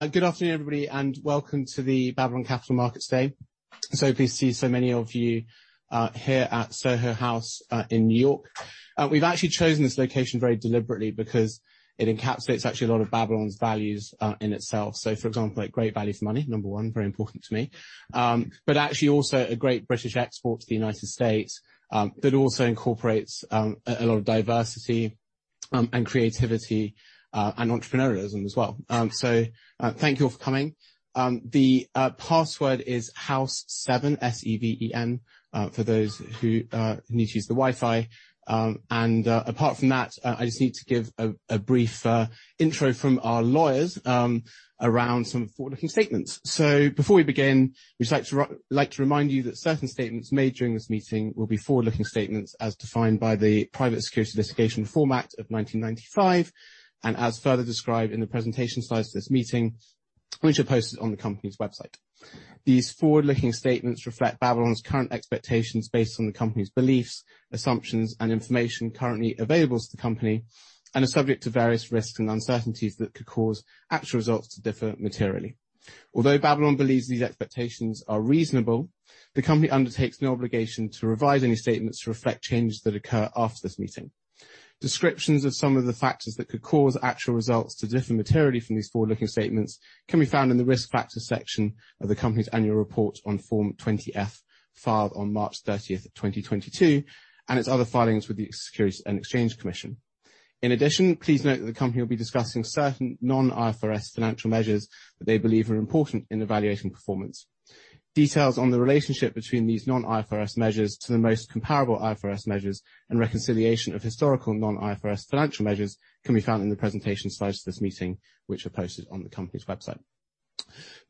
Good afternoon, everybody, and welcome to the Babylon Capital Markets Day. So pleased to see so many of you here at Soho House in New York. We've actually chosen this location very deliberately because it encapsulates actually a lot of Babylon's values in itself. So, for example, great value for money, number one, very important to me. But actually also a great British export to the United States, but also incorporates a lot of diversity and creativity and entrepreneurialism as well. So thank you all for coming. The password is House7, S-E-V-E-N, for those who need to use the Wi-Fi. And apart from that, I just need to give a brief intro from our lawyers around some forward-looking statements. So before we begin, we'd like to remind you that certain statements made during this meeting will be forward-looking statements as defined by the Private Securities Litigation Reform Act of 1995 and as further described in the presentation slides for this meeting, which are posted on the company's website. These forward-looking statements reflect Babylon's current expectations based on the company's beliefs, assumptions, and information currently available to the company, and are subject to various risks and uncertainties that could cause actual results to differ materially. Although Babylon believes these expectations are reasonable, the company undertakes no obligation to revise any statements to reflect changes that occur after this meeting. Descriptions of some of the factors that could cause actual results to differ materially from these forward-looking statements can be found in the risk factors section of the company's annual report on Form 20-F, filed on March 30th, 2022, and its other filings with the Securities and Exchange Commission. In addition, please note that the company will be discussing certain non-IFRS financial measures that they believe are important in evaluating performance. Details on the relationship between these non-IFRS measures to the most comparable IFRS measures and reconciliation of historical non-IFRS financial measures can be found in the presentation slides for this meeting, which are posted on the company's website.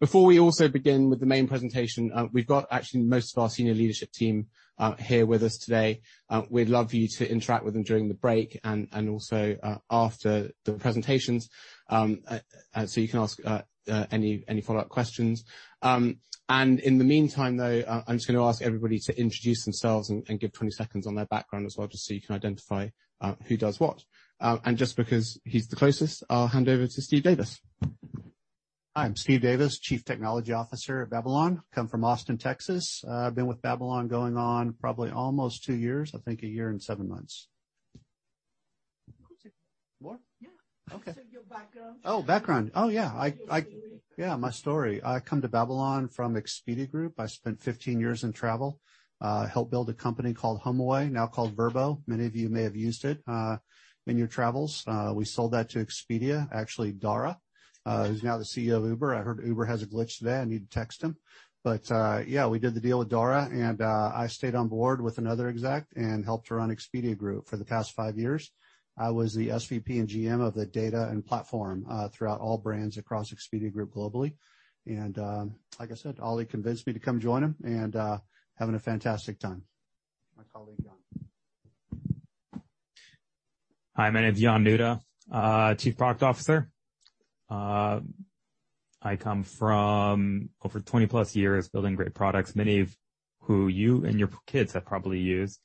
Before we also begin with the main presentation, we've got actually most of our senior leadership team here with us today. We'd love for you to interact with them during the break and also after the presentations, so you can ask any follow-up questions. And in the meantime, though, I'm just going to ask everybody to introduce themselves and give 20 seconds on their background as well, just so you can identify who does what. And just because he's the closest, I'll hand over to Steve Davis. Hi, I'm Steve Davis, Chief Technology Officer at Babylon. I come from Austin, Texas. I've been with Babylon going on probably almost two years, I think a year and seven months. More? Yeah. Okay. Your background? Oh, background. Oh, yeah. Your story? Yeah, my story. I come to Babylon from Expedia Group. I spent 15 years in travel, helped build a company called HomeAway, now called Vrbo. Many of you may have used it in your travels. We sold that to Expedia, actually Dara, who's now the CEO of Uber. I heard Uber has a glitch today. I need to text him. But yeah, we did the deal with Dara, and I stayed on board with another exec and helped to run Expedia Group for the past five years. I was the SVP and GM of the data and platform throughout all brands across Expedia Group globally. And like I said, Ali convinced me to come join them and having a fantastic time. My colleague Yon. Hi, my name is Yon Nuta, Chief Product Officer. I come from over 20-plus years building great products, many of whom you and your kids have probably used.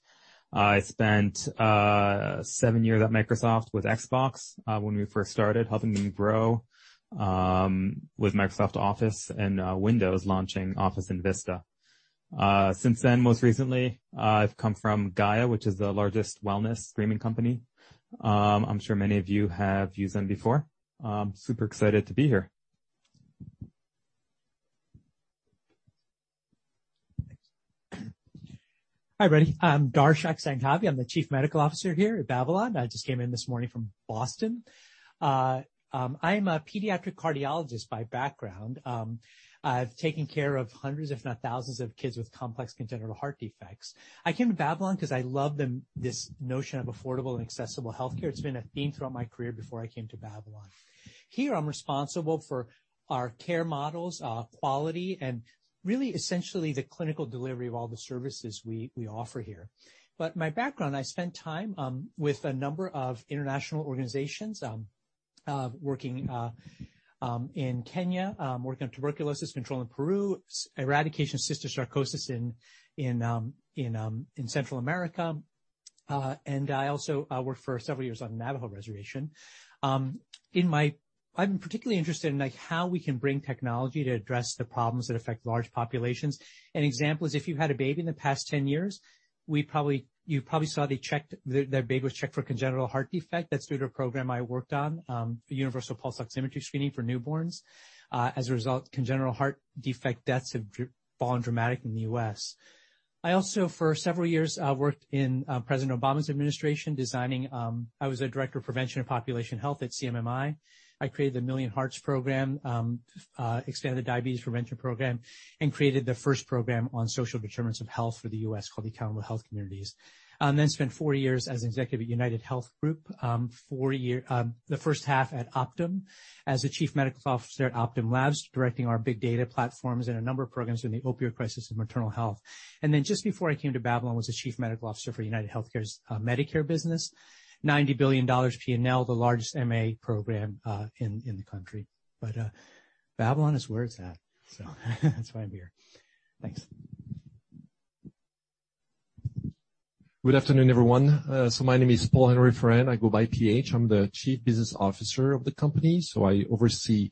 I spent seven years at Microsoft with Xbox when we first started, helping them grow with Microsoft Office and Windows launching Office and Vista. Since then, most recently, I've come from Gaia, which is the largest wellness streaming company. I'm sure many of you have used them before. Super excited to be here. Hi, everybody. I'm Darshak Sanghavi. I'm the Chief Medical Officer here at Babylon. I just came in this morning from Boston. I'm a pediatric cardiologist by background. I've taken care of hundreds, if not thousands, of kids with complex congenital heart defects. I came to Babylon because I love this notion of affordable and accessible healthcare. It's been a theme throughout my career before I came to Babylon. Here, I'm responsible for our care models, quality, and really, essentially, the clinical delivery of all the services we offer here, but my background, I spent time with a number of international organizations working in Kenya, working on tuberculosis control in Peru, eradication of cysticercosis in Central America, and I also worked for several years on the Navajo reservation. I've been particularly interested in how we can bring technology to address the problems that affect large populations. An example is if you had a baby in the past 10 years, you probably saw their baby was checked for a congenital heart defect. That's through the program I worked on, Universal Pulse Oximetry Screening for newborns. As a result, congenital heart defect deaths have fallen dramatically in the U.S. I also, for several years, worked in President Obama's administration designing. I was a Director of Prevention and Population Health at CMMI. I created the Million Hearts program, expanded the Diabetes Prevention program, and created the first program on social determinants of health for the U.S. called the Accountable Health Communities. I then spent four years as an executive at UnitedHealth Group, the first half at Optum as the Chief Medical Officer at Optum Labs, directing our big data platforms and a number of programs in the opioid crisis and maternal health. And then just before I came to Babylon, I was the Chief Medical Officer for UnitedHealthcare's Medicare business, $90 billion P&L, the largest MA program in the country. But Babylon is where it's at. So that's why I'm here. Thanks. Good afternoon, everyone. My name is Paul-Henri Ferrand. I go by PH. I'm the Chief Business Officer of the company. I oversee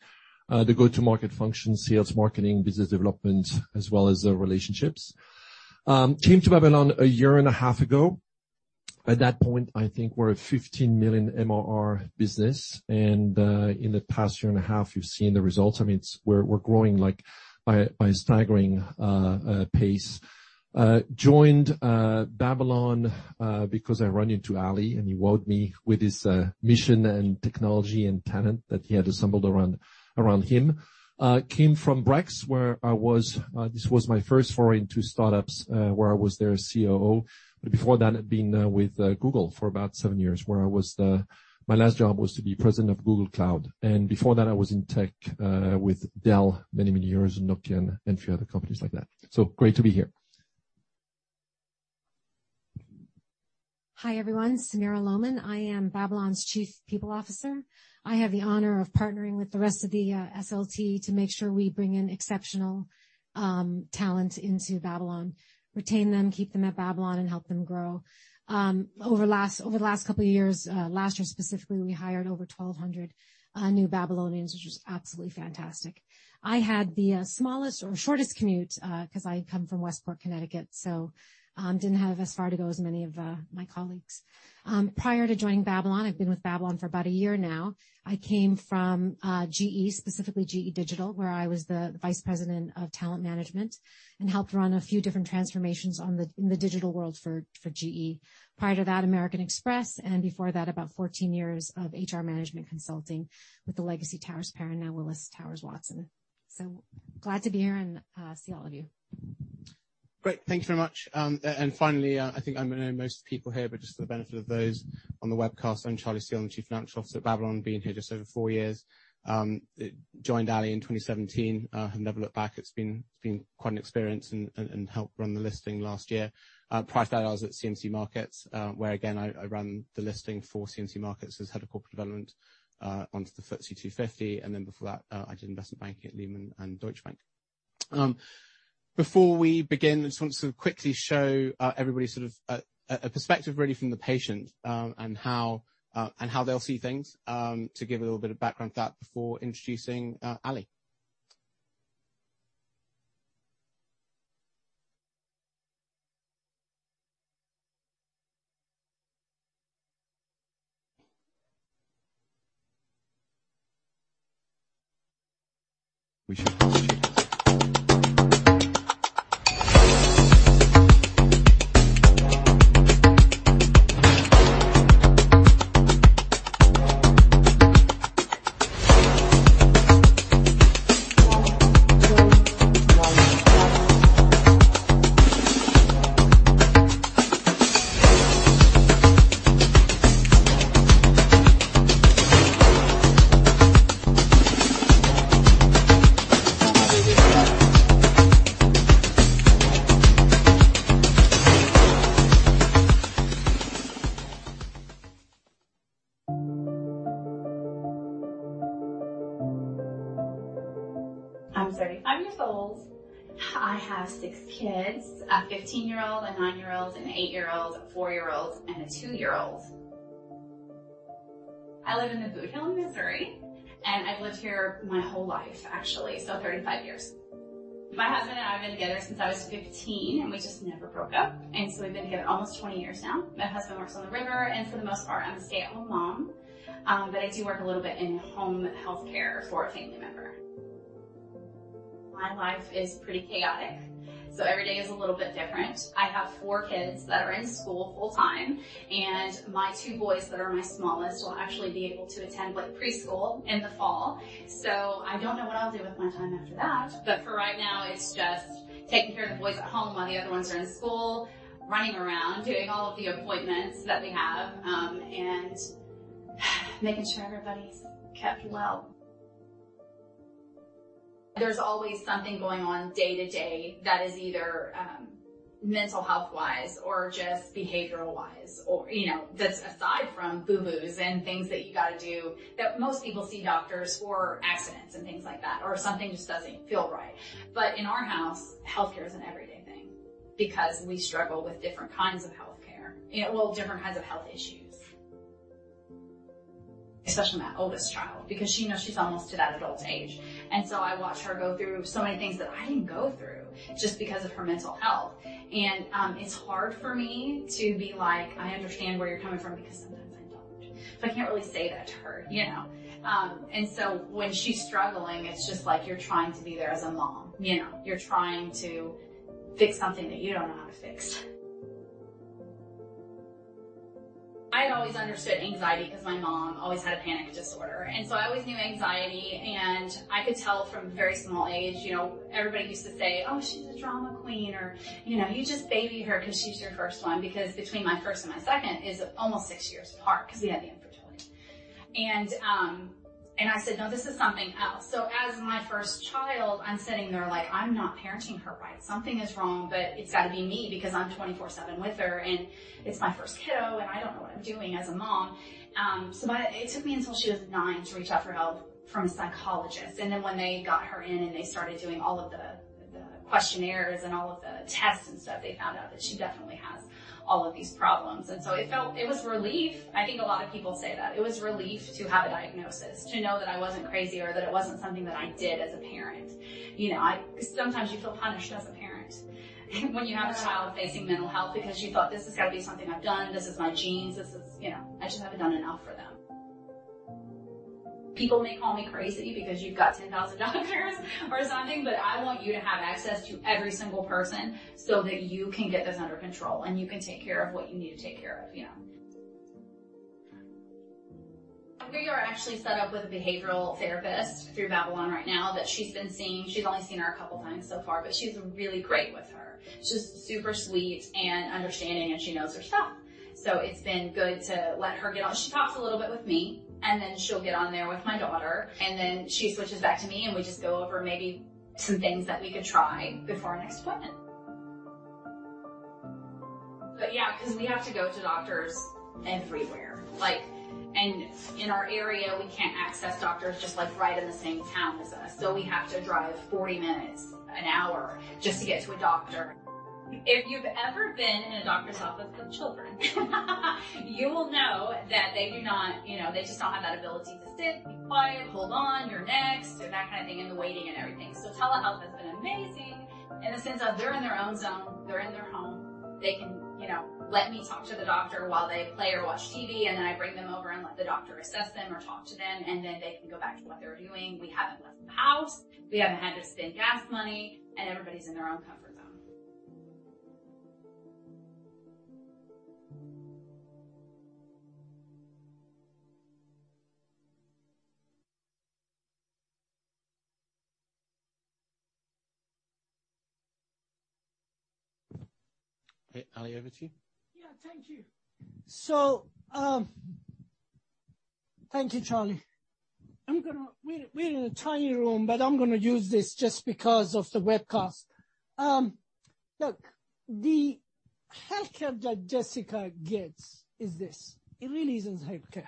the go-to-market function, sales, marketing, business development, as well as the relationships. I came to Babylon a year and a half ago. At that point, I think we're a $15 million MRR business. In the past year and a half, you've seen the results. I mean, we're growing by a staggering pace. I joined Babylon because I ran into Ali, and he wowed me with his mission and technology and talent that he had assembled around him. I came from Brex, where I was. This was my first foreign startups where I was their COO. Before that, I'd been with Google for about seven years, where my last job was to be President of Google Cloud. Before that, I was in tech with Dell, many, many years, and Nokia and a few other companies like that. Great to be here. Hi, everyone. Samira Lowman. I am Babylon's Chief People Officer. I have the honor of partnering with the rest of the SLT to make sure we bring in exceptional talent into Babylon, retain them, keep them at Babylon, and help them grow. Over the last couple of years, last year specifically, we hired over 1,200 new Babylonians, which was absolutely fantastic. I had the smallest or shortest commute because I come from Westport, Connecticut, so didn't have as far to go as many of my colleagues. Prior to joining Babylon, I've been with Babylon for about a year now. I came from GE, specifically GE Digital, where I was the Vice President of Talent Management and helped run a few different transformations in the digital world for GE. Prior to that, American Express, and before that, about 14 years of HR management consulting with the legacy Towers Perrin, now Willis Towers Watson. So glad to be here and see all of you. Great. Thank you very much. And finally, I think I know most people here, but just for the benefit of those on the webcast, I'm Charlie Steel. I'm the Chief Financial Officer at Babylon, been here just over four years. Joined Ali in 2017. I have never looked back. It's been quite an experience and helped run the listing last year. Prior to that, I was at CMC Markets, where, again, I ran the listing for CMC Markets as Head of Corporate Development onto the FTSE 250. And then before that, I did investment banking at Lehman and Deutsche Bank. Before we begin, I just want to quickly show everybody sort of a perspective really from the patient and how they'll see things to give a little bit of background to that before introducing Ali. I'm 35 years old. I have six kids: a 15-year-old, a 9-year-old, an 8-year-old, a 4-year-old, and a 2-year-old. I live in the Bootheel in Missouri, and I've lived here my whole life, actually, so 35 years. My husband and I have been together since I was 15, and we just never broke up. And so we've been together almost 20 years now. My husband works on the river, and for the most part, I'm a stay-at-home mom, but I do work a little bit in home healthcare for a family member. My life is pretty chaotic, so every day is a little bit different. I have four kids that are in school full-time, and my two boys that are my smallest will actually be able to attend preschool in the fall. So I don't know what I'll do with my time after that, but for right now, it's just taking care of the boys at home while the other ones are in school, running around, doing all of the appointments that we have, and making sure everybody's kept well. There's always something going on DayToDay that is either mental health-wise or just behavioral-wise, or that's aside from boo-boos and things that you got to do that most people see doctors for accidents and things like that, or something just doesn't feel right. But in our house, healthcare is an everyday thing because we struggle with different kinds of healthcare, well, different kinds of health issues, especially my oldest child, because she's almost to that adult age. And so I watch her go through so many things that I didn't go through just because of her mental health. It's hard for me to be like, "I understand where you're coming from," because sometimes I don't. So I can't really say that to her. And so when she's struggling, it's just like you're trying to be there as a mom. You're trying to fix something that you don't know how to fix. I had always understood anxiety because my mom always had a panic disorder. And so I always knew anxiety, and I could tell from a very small age. Everybody used to say, "Oh, she's a drama queen," or, "You just baby her because she's your first one," because between my first and my second is almost six years apart because we had the infertility. And I said, "No, this is something else." So as my first child, I'm sitting there like, "I'm not parenting her right. Something is wrong, but it's got to be me because I'm 24/7 with her, and it's my first kiddo, and I don't know what I'm doing as a mom." So it took me until she was nine to reach out for help from a psychologist. And then when they got her in and they started doing all of the questionnaires and all of the tests and stuff, they found out that she definitely has all of these problems. And so it was relief. I think a lot of people say that. It was relief to have a diagnosis, to know that I wasn't crazy or that it wasn't something that I did as a parent. Sometimes you feel punished as a parent when you have a child facing mental health because you thought, "This has got to be something I've done. This is my genes. I just haven't done enough for them." People may call me crazy because you've got 10,000 doctors or something, but I want you to have access to every single person so that you can get this under control and you can take care of what you need to take care of. We are actually set up with a behavioral therapist through Babylon right now that she's been seeing. She's only seen her a couple of times so far, but she's really great with her. She's super sweet and understanding, and she knows her stuff. So it's been good to let her get on. She talks a little bit with me, and then she'll get on there with my daughter, and then she switches back to me, and we just go over maybe some things that we could try before our next appointment. But yeah, because we have to go to doctors everywhere. And in our area, we can't access doctors just right in the same town as us. So we have to drive 40 minutes, an hour, just to get to a doctor. If you've ever been in a doctor's office with children, you will know that they do not, they just don't have that ability to sit, be quiet, hold on, you're next, and that kind of thing in the waiting and everything. So telehealth has been amazing in the sense of they're in their own zone. They're in their home. They can let me talk to the doctor while they play or watch TV, and then I bring them over and let the doctor assess them or talk to them, and then they can go back to what they're doing. We haven't left the house. We haven't had to spend gas money, and everybody's in their own comfort zone. Hey, Ali, over to you. Yeah, thank you. So thank you, Charlie. I'm going to, we're in a tiny room, but I'm going to use this just because of the webcast. Look, the healthcare that Jessica gets is this. It really isn't healthcare.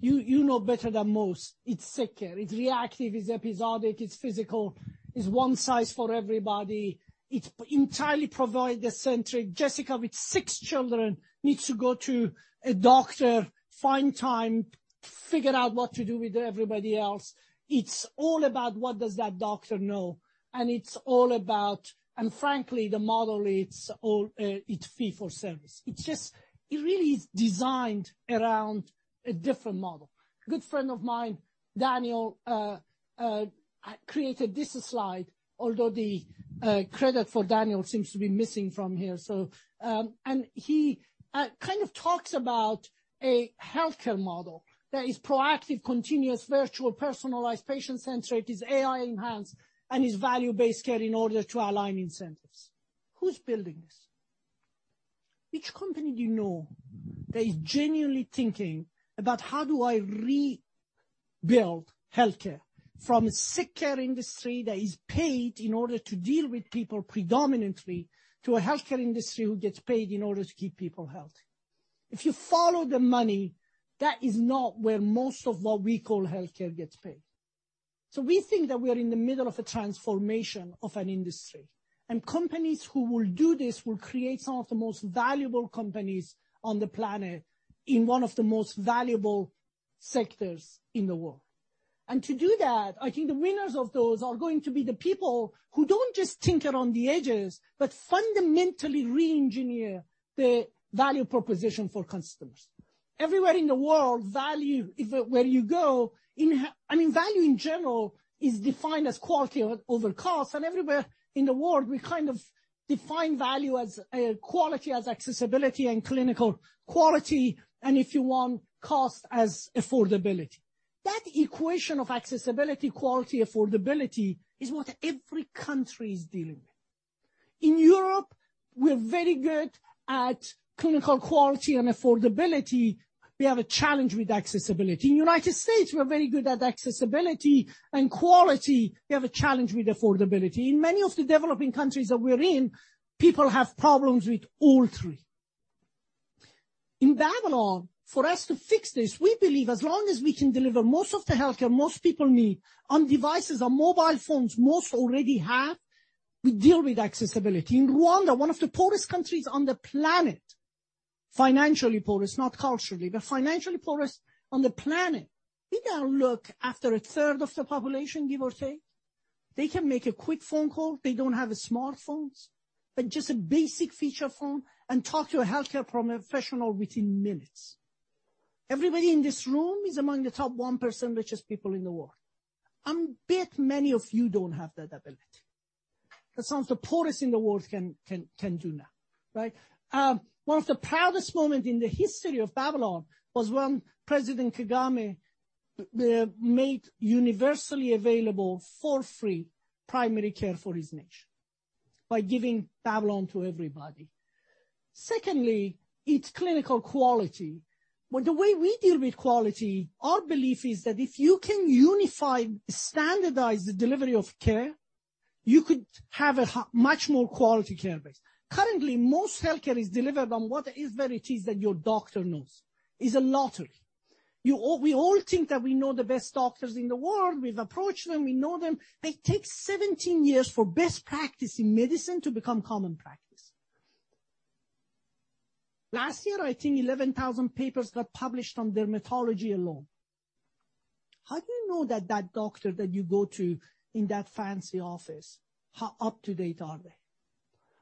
You know better than most. It's sick care. It's reactive. It's episodic. It's physical. It's one size for everybody. It's entirely provider-centric. Jessica, with six children, needs to go to a doctor, find time, figure out what to do with everybody else. It's all about what does that doctor know. And it's all about, and frankly, the model, it's fee-for-service. It really is designed around a different model. A good friend of mine, Daniel, created this slide, although the credit for Daniel seems to be missing from here. He kind of talks about a healthcare model that is proactive, continuous, virtual, personalized, patient-centric, is AI-enhanced, and is value-based care in order to align incentives. Who's building this? Which company do you know that is genuinely thinking about how do I rebuild healthcare from a sick care industry that is paid in order to deal with people predominantly to a healthcare industry who gets paid in order to keep people healthy? If you follow the money, that is not where most of what we call healthcare gets paid. We think that we are in the middle of a transformation of an industry. Companies who will do this will create some of the most valuable companies on the planet in one of the most valuable sectors in the world. And to do that, I think the winners of those are going to be the people who don't just tinker on the edges, but fundamentally re-engineer the value proposition for customers. Everywhere in the world, value, where you go, I mean, value in general is defined as quality over cost. And everywhere in the world, we kind of define value as quality as accessibility and clinical quality, and if you want, cost as affordability. That equation of accessibility, quality, affordability is what every country is dealing with. In Europe, we're very good at clinical quality and affordability. We have a challenge with accessibility. In the United States, we're very good at accessibility and quality. We have a challenge with affordability. In many of the developing countries that we're in, people have problems with all three. In Babylon, for us to fix this, we believe as long as we can deliver most of the healthcare most people need on devices, on mobile phones, most already have, we deal with accessibility. In Rwanda, one of the poorest countries on the planet, financially poorest, not culturally, but financially poorest on the planet, we now look after a third of the population, give or take. They can make a quick phone call. They don't have smartphones, but just a basic feature phone and talk to a healthcare professional within minutes. Everybody in this room is among the top 1% richest people in the world. I bet many of you don't have that ability. That's some of the poorest in the world can do now, right? One of the proudest moments in the history of Babylon was when President Kagame made universally available for free primary care for his nation by giving Babylon to everybody. Secondly, it's clinical quality. The way we deal with quality, our belief is that if you can unify, standardize the delivery of care, you could have a much more quality care base. Currently, most healthcare is delivered on whatever it is that your doctor knows. It's a lottery. We all think that we know the best doctors in the world. We've approached them. We know them. It takes 17 years for best practice in medicine to become common practice. Last year, I think 11,000 papers got published on dermatology alone. How do you know that that doctor that you go to in that fancy office, how up to date are they?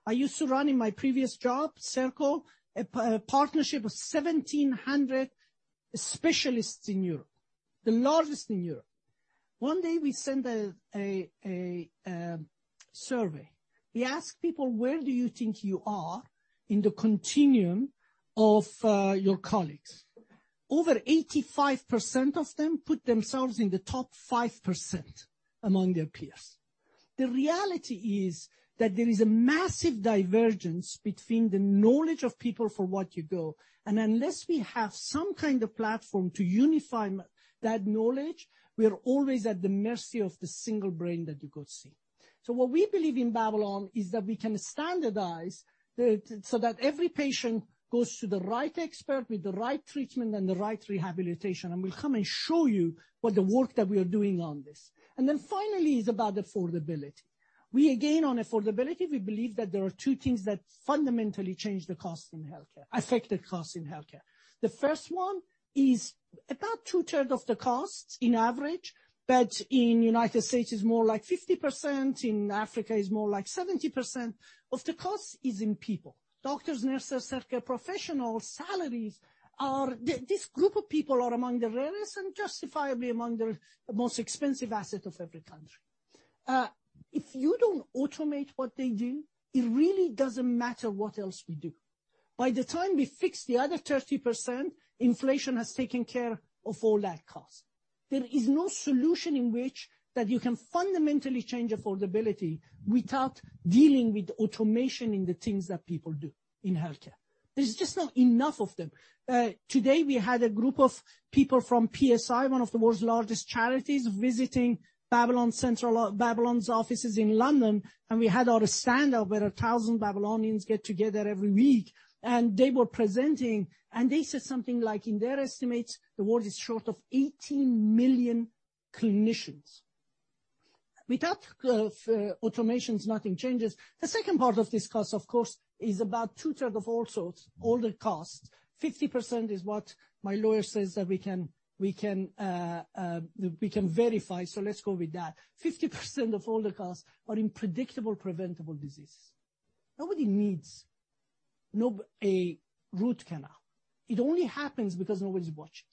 I used to run in my previous job, Circle, a partnership of 1,700 specialists in Europe, the largest in Europe. One day, we sent a survey. We asked people, "Where do you think you are in the continuum of your colleagues?" Over 85% of them put themselves in the top 5% among their peers. The reality is that there is a massive divergence between the knowledge of people for what you do. And unless we have some kind of platform to unify that knowledge, we are always at the mercy of the single brain that you could see. So what we believe in Babylon is that we can standardize so that every patient goes to the right expert with the right treatment and the right rehabilitation, and we'll come and show you what the work that we are doing on this. And then finally, it's about affordability. Again, on affordability, we believe that there are two things that fundamentally change the cost in healthcare and affect the cost in healthcare. The first one is about two-thirds of the cost on average, but in the United States, it's more like 50%. In Africa, it's more like 70% of the cost is in people. Doctors, nurses, healthcare professionals, salaries, this group of people are among the rarest and justifiably among the most expensive assets of every country. If you don't automate what they do, it really doesn't matter what else we do. By the time we fix the other 30%, inflation has taken care of all that cost. There is no solution in which you can fundamentally change affordability without dealing with automation in the things that people do in healthcare. There's just not enough of them. Today, we had a group of people from PSI, one of the world's largest charities, visiting Babylon's offices in London, and we had our standup where 1,000 Babylonians get together every week, and they were presenting, and they said something like, "In their estimates, the world is short of 18 million clinicians." Without automation, nothing changes. The second part of this cost, of course, is about two-thirds of all the cost. 50% is what my lawyer says that we can verify, so let's go with that. 50% of all the costs are in predictable, preventable diseases. Nobody needs a root canal. It only happens because nobody's watching.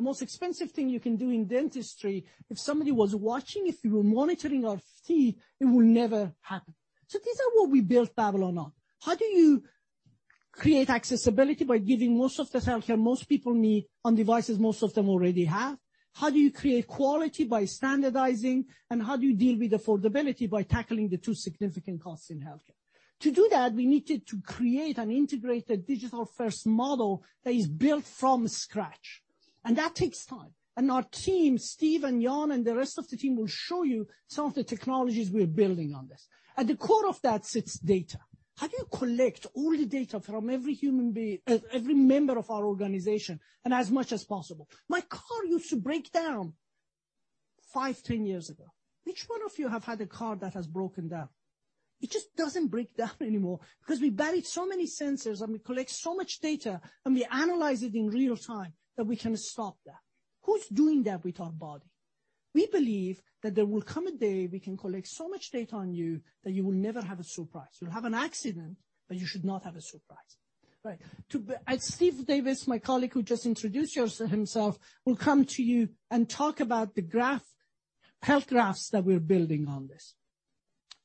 The most expensive thing you can do in dentistry, if somebody was watching, if you were monitoring our teeth, it will never happen, so these are what we built Babylon on. How do you create accessibility by giving most of the healthcare most people need on devices most of them already have? How do you create quality by standardizing? And how do you deal with affordability by tackling the two significant costs in healthcare? To do that, we needed to create an integrated digital-first model that is built from scratch. That takes time. Our team, Steve and Yon and the rest of the team will show you some of the technologies we're building on this. At the core of that sits data. How do you collect all the data from every member of our organization and as much as possible? My car used to break down five, 10 years ago. Which one of you has had a car that has broken down? It just doesn't break down anymore because we buried so many sensors, and we collect so much data, and we analyze it in real time that we can stop that. Who's doing that with our body? We believe that there will come a day we can collect so much data on you that you will never have a surprise. You'll have an accident, but you should not have a surprise. Steve Davis, my colleague who just introduced himself, will come to you and talk about the health graphs that we're building on this.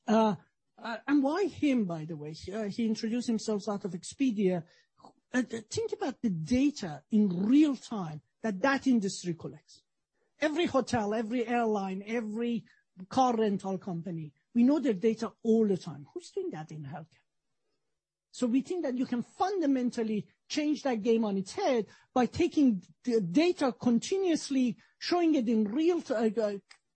And why him, by the way? He introduced himself out of Expedia. Think about the data in real time that that industry collects. Every hotel, every airline, every car rental company. We know their data all the time. Who's doing that in healthcare? We think that you can fundamentally change that game on its head by taking the data, continuously showing it in real,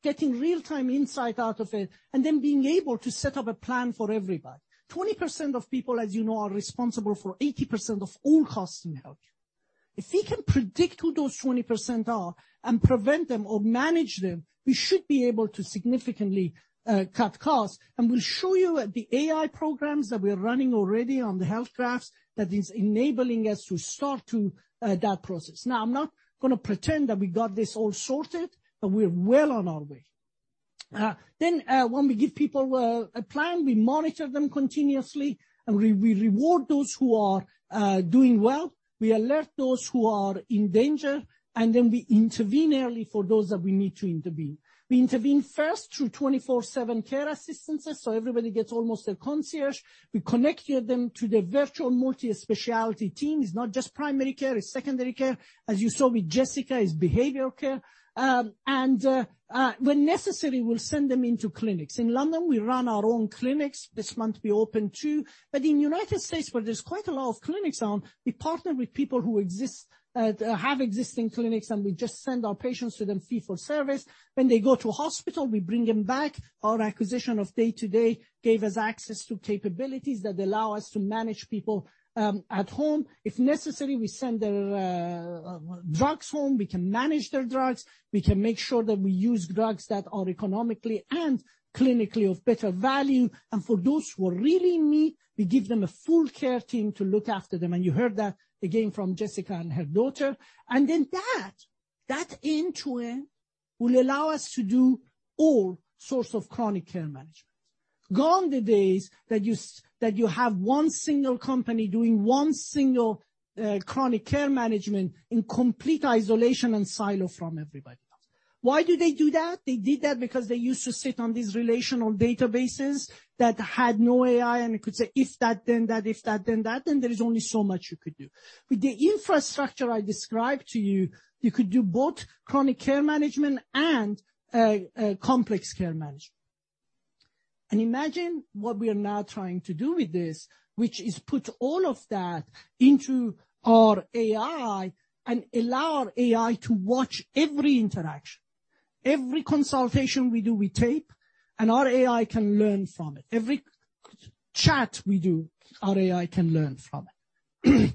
getting real-time insight out of it, and then being able to set up a plan for everybody. 20% of people, as you know, are responsible for 80% of all costs in healthcare. If we can predict who those 20% are and prevent them or manage them, we should be able to significantly cut costs. We'll show you the AI programs that we're running already on the health graphs that is enabling us to start that process. Now, I'm not going to pretend that we got this all sorted, but we're well on our way. When we give people a plan, we monitor them continuously, and we reward those who are doing well. We alert those who are in danger, and then we intervene early for those that we need to intervene. We intervene first through 24/7 care assistants, so everybody gets almost their concierge. We connect them to the virtual multi-specialty team. It's not just primary care. It's secondary care. As you saw with Jessica, it's behavioral care. And when necessary, we'll send them into clinics. In London, we run our own clinics. This month, we opened two. But in the United States, where there's quite a lot of clinics now, we partner with people who have existing clinics, and we just send our patients to them fee-for-service. When they go to a hospital, we bring them back. Our acquisition of Day to Day gave us access to capabilities that allow us to manage people at home. If necessary, we send their drugs home. We can manage their drugs. We can make sure that we use drugs that are economically and clinically of better value. And for those who are really in need, we give them a full care team to look after them. And you heard that again from Jessica and her daughter. And then that end-to-end will allow us to do all sorts of chronic care management. Gone the days that you have one single company doing one single chronic care management in complete isolation and silo from everybody else. Why do they do that? They did that because they used to sit on these relational databases that had no AI, and it could say, "If that, then that. If that, then that." Then there is only so much you could do. With the infrastructure I described to you, you could do both chronic care management and complex care management. Imagine what we are now trying to do with this, which is put all of that into our AI and allow our AI to watch every interaction. Every consultation we do, we tape, and our AI can learn from it. Every chat we do, our AI can learn from it.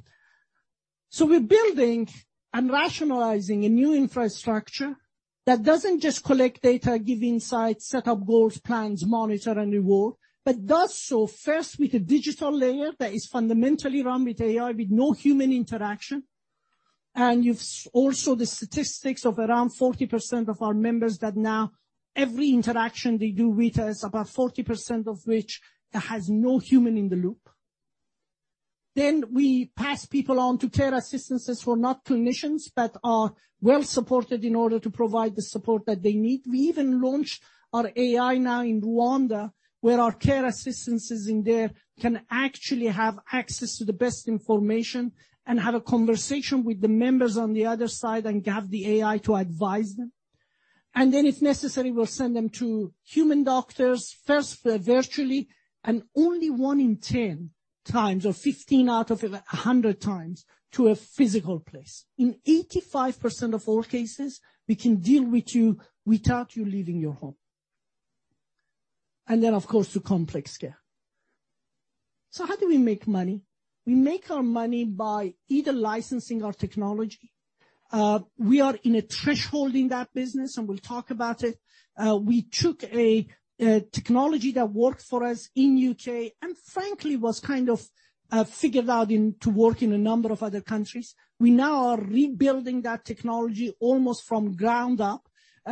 We're building and rationalizing a new infrastructure that doesn't just collect data, give insights, set up goals, plans, monitor, and reward, but does so first with a digital layer that is fundamentally run with AI, with no human interaction. You've also the statistics of around 40% of our members that now every interaction they do with us, about 40% of which has no human in the loop. We pass people on to care assistants who are not clinicians but are well-supported in order to provide the support that they need. We even launched our AI now in Rwanda, where our care assistants in there can actually have access to the best information and have a conversation with the members on the other side and have the AI to advise them. And then, if necessary, we'll send them to human doctors, first virtually, and only one in 10 times or 15 out of 100 times to a physical place. In 85% of all cases, we can deal with you without you leaving your home, and then, of course, to complex care. So how do we make money? We make our money by either licensing our technology. We are in a threshold in that business, and we'll talk about it. We took a technology that worked for us in the U.K. and, frankly, was kind of figured out to work in a number of other countries. We now are rebuilding that technology almost from ground up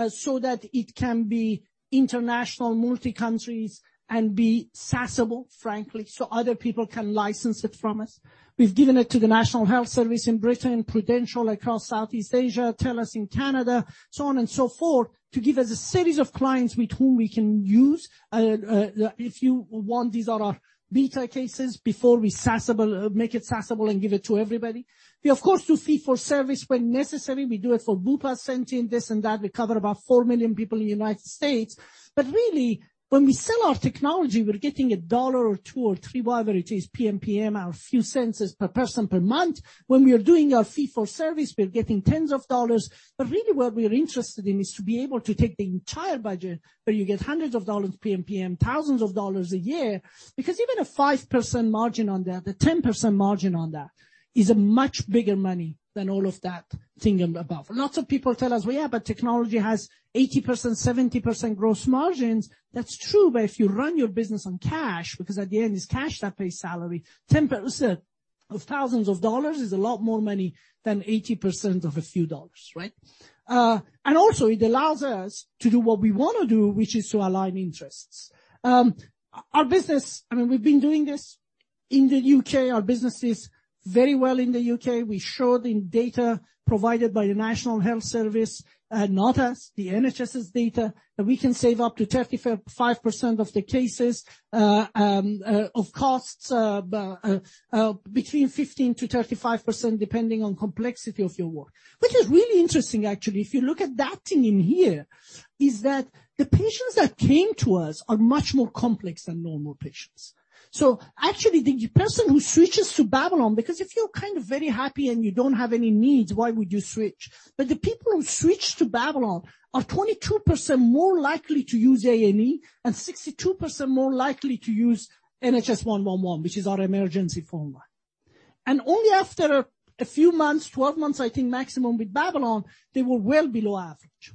so that it can be international, multi-country, and be SaaSable, frankly, so other people can license it from us. We've given it to the National Health Service in Britain, Prudential across Southeast Asia, TELUS in Canada, so on and so forth, to give us a series of clients with whom we can use. If you want, these are our beta cases before we make it SaaSable and give it to everybody. We, of course, do fee-for-service when necessary. We do it for Bupa, Centene, this and that. We cover about 4 million people in the United States. But really, when we sell our technology, we're getting $1 or $2 or $3, whatever it is, PMPM, a few cents per person per month. When we are doing our fee-for-service, we're getting tens of dollars. But really, what we're interested in is to be able to take the entire budget where you get hundreds of dollars PMPM, thousands of dollars a year, because even a 5% margin on that, a 10% margin on that, is a much bigger money than all of that thing above. Lots of people tell us, "Well, yeah, but technology has 80%, 70% gross margins." That's true, but if you run your business on cash, because at the end, it's cash that pays salary, 10% of thousands of dollars is a lot more money than 80% of a few dollars, right? And also, it allows us to do what we want to do, which is to align interests. Our business, I mean, we've been doing this in the U.K. Our business is very well in the U.K. We showed in data provided by the National Health Service, not us, the NHS's data, that we can save up to 35% of the cases of costs between 15%-35% depending on the complexity of your work, which is really interesting, actually. If you look at that thing in here, that the patients that came to us are much more complex than normal patients. So actually, the person who switches to Babylon, because if you're kind of very happy and you don't have any needs, why would you switch? But the people who switch to Babylon are 22% more likely to use A&E and 62% more likely to use NHS 111, which is our emergency phone line, and only after a few months, 12 months, I think, maximum with Babylon, they were well below average.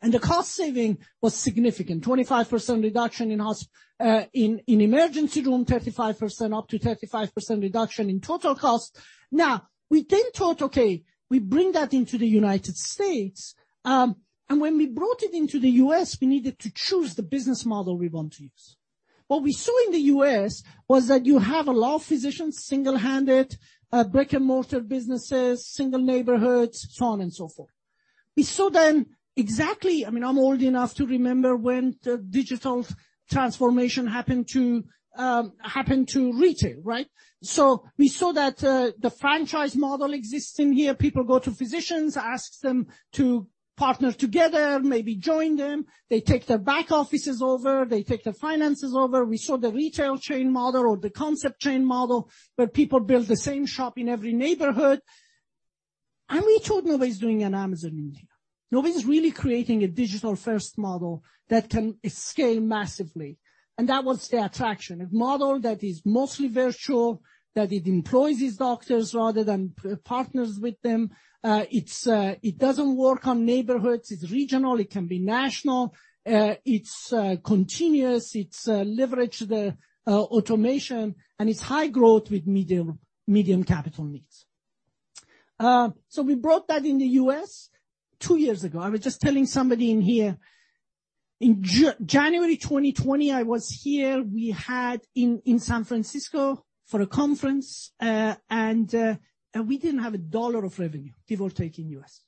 The cost saving was significant, 25% reduction in emergency room, up to 35% reduction in total cost. Now, we then thought, "Okay, we bring that into the United States." When we brought it into the US, we needed to choose the business model we want to use. What we saw in the U.S. was that you have a lot of physicians single-handed, brick-and-mortar businesses, single neighborhoods, so on and so forth. We saw then exactly, I mean, I'm old enough to remember when the digital transformation happened to retail, right? We saw that the franchise model exists in here. People go to physicians, ask them to partner together, maybe join them. They take their back offices over. They take their finances over. We saw the retail chain model or the concept chain model where people build the same shop in every neighborhood. We thought nobody's doing an Amazon in here. Nobody's really creating a digital-first model that can scale massively. That was the attraction. A model that is mostly virtual, that it employs these doctors rather than partners with them. It doesn't work on neighborhoods. It's regional. It can be national. It's continuous. It's leveraged automation, and it's high growth with medium capital needs. We brought that in the U.S. two years ago. I was just telling somebody in here. In January 2020, I was here. We had in San Francisco for a conference, and we didn't have a dollar of revenue, give or take in the U.S.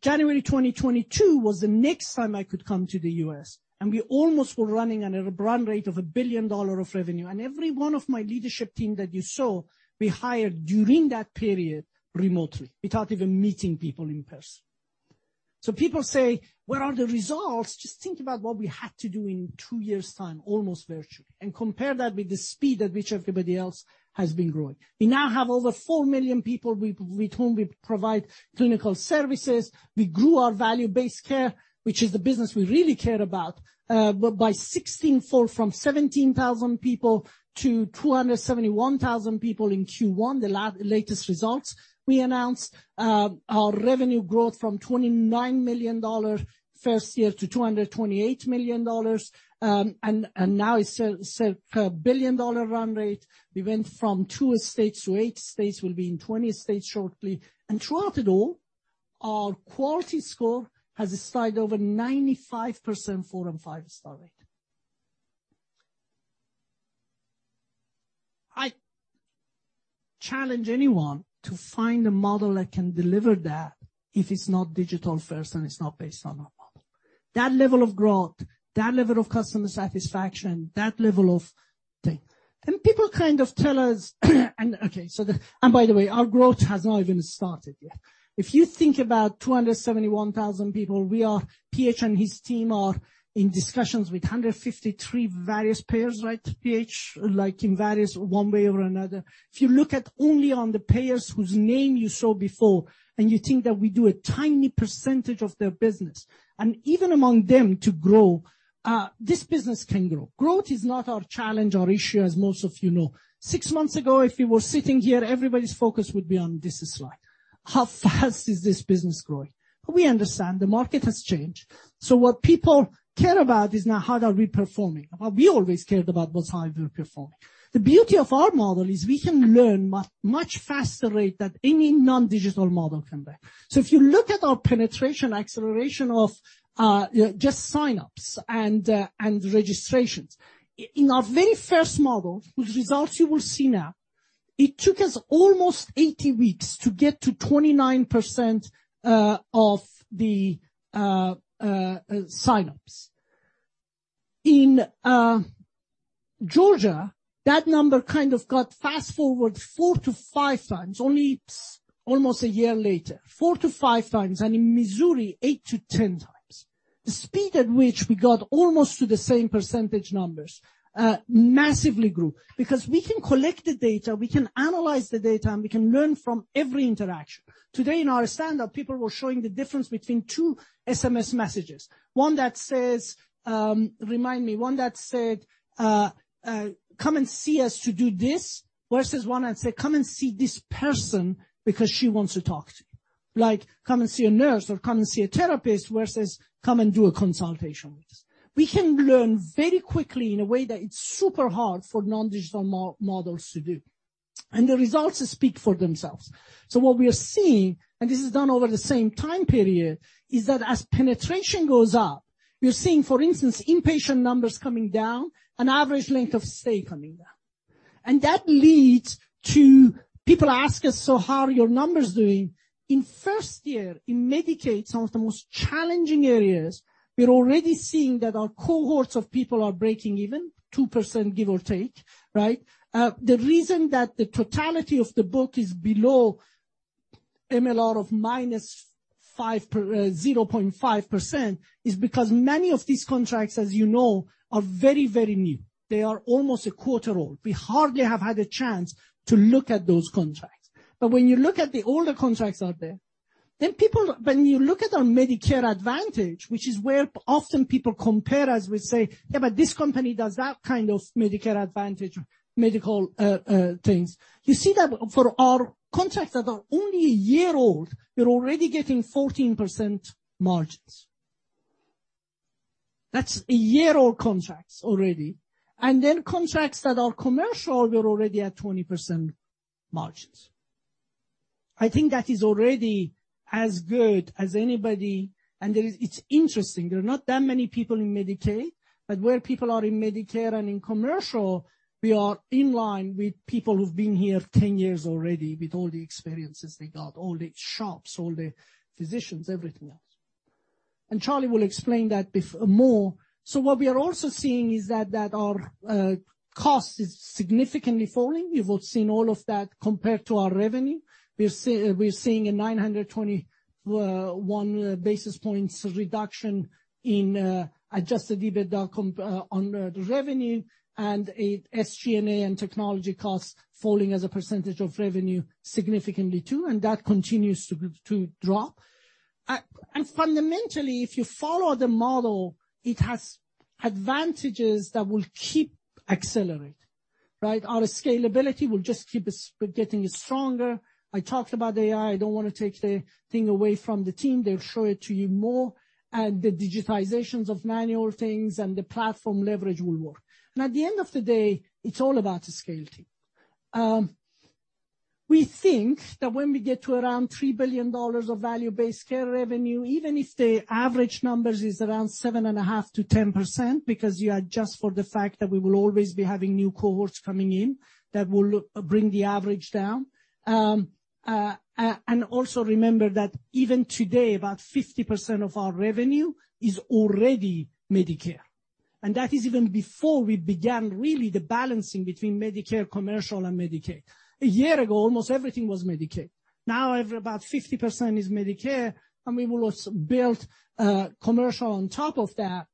January 2022 was the next time I could come to the U.S., and we almost were running at a run rate of $1 billion of revenue. And every one of my leadership team that you saw, we hired during that period remotely without even meeting people in person. So people say, "What are the results?" Just think about what we had to do in two years' time, almost virtually, and compare that with the speed at which everybody else has been growing. We now have over 4 million people with whom we provide clinical services. We grew our value-based care, which is the business we really care about, 16x from 17,000 people to 271,000 people in Q1, the latest results we announced. Our revenue growth from $29 million first year to $228 million, and now it's a billion-dollar run rate. We went from two states to eight states. We'll be in 20 states shortly. And throughout it all, our quality score has stayed over 95% for an five-star rating. I challenge anyone to find a model that can deliver that if it's not digital-first and it's not based on our model. That level of growth, that level of customer satisfaction, that level of thing. And people kind of tell us, "And okay." And by the way, our growth has not even started yet. If you think about 271,000 people, we are PH and his team are in discussions with 153 various payers, right, PH, like in various one way or another. If you look at only on the payers whose name you saw before, and you think that we do a tiny percentage of their business, and even among them to grow, this business can grow. Growth is not our challenge, our issue, as most of you know. Six months ago, if we were sitting here, everybody's focus would be on this slide. How fast is this business growing? But we understand the market has changed. So what people care about is now how are we performing. We always cared about what's how we're performing. The beauty of our model is we can learn at a much faster rate than any non-digital model can learn. So if you look at our penetration acceleration of just sign-ups and registrations, in our very first model, whose results you will see now, it took us almost 80 weeks to get to 29% of the sign-ups. In Georgia, that number kind of got fast-forwarded four to five times, only almost a year later, four to five times, and in Missouri, 8-10 times. The speed at which we got almost to the same percentage numbers massively grew because we can collect the data, we can analyze the data, and we can learn from every interaction. Today, in our standup, people were showing the difference between two SMS messages. One that says, "Remind me," one that said, "Come and see us to do this," versus one that said, "Come and see this person because she wants to talk to you," like come and see a nurse or come and see a therapist versus come and do a consultation with us. We can learn very quickly in a way that it's super hard for non-digital models to do. And the results speak for themselves. So what we are seeing, and this is done over the same time period, is that as penetration goes up, you're seeing, for instance, inpatient numbers coming down, an average length of stay coming down. And that leads to people ask us, "So how are your numbers doing?" In first year, in Medicaid, some of the most challenging areas, we're already seeing that our cohorts of people are breaking even, 2% give or take, right? The reason that the totality of the book is below MLR of -0.5% is because many of these contracts, as you know, are very, very new. They are almost a quarter old. We hardly have had a chance to look at those contracts. But when you look at the older contracts out there, then people, when you look at our Medicare Advantage, which is where often people compare us, we say, "Yeah, but this company does that kind of Medicare Advantage, medical things." You see that for our contracts that are only a year old, we're already getting 14% margins. That's a year-old contracts already. And then contracts that are commercial; we're already at 20% margins. I think that is already as good as anybody. And it's interesting. There are not that many people in Medicaid, but where people are in Medicare and in commercial, we are in line with people who've been here 10 years already with all the experiences they got, all the shops, all the physicians, everything else. And Charlie will explain that more. So what we are also seeing is that our cost is significantly falling. You've seen all of that compared to our revenue. We're seeing a 921 basis points reduction in adjusted EBITDA on the revenue, and SG&A and technology costs falling as a percentage of revenue significantly too, and that continues to drop. And fundamentally, if you follow the model, it has advantages that will keep accelerating, right? Our scalability will just keep getting stronger. I talked about AI. I don't want to take the thing away from the team. They'll show it to you more. And the digitizations of manual things and the platform leverage will work. And at the end of the day, it's all about the scale team. We think that when we get to around $3 billion of value-based care revenue, even if the average numbers is around 7.5%-10%, because you adjust for the fact that we will always be having new cohorts coming in that will bring the average down. And also remember that even today, about 50% of our revenue is already Medicare. And that is even before we began really the balancing between Medicare, commercial, and Medicaid. A year ago, almost everything was Medicaid. Now, about 50% is Medicare, and we will also build commercial on top of that.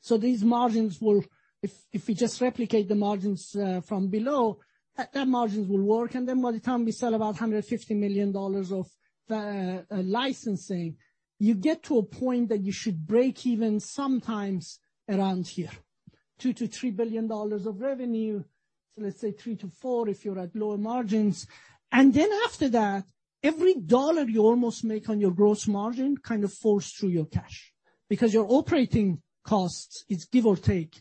So these margins will, if we just replicate the margins from below, those margins will work. And then by the time we sell about $150 million of licensing, you get to a point that you should break even sometimes around here, $2-$3 billion of revenue, let's say $3-$4 billion if you're at lower margins. And then after that, every dollar you almost make on your gross margin kind of falls through your cash because your operating costs is give or take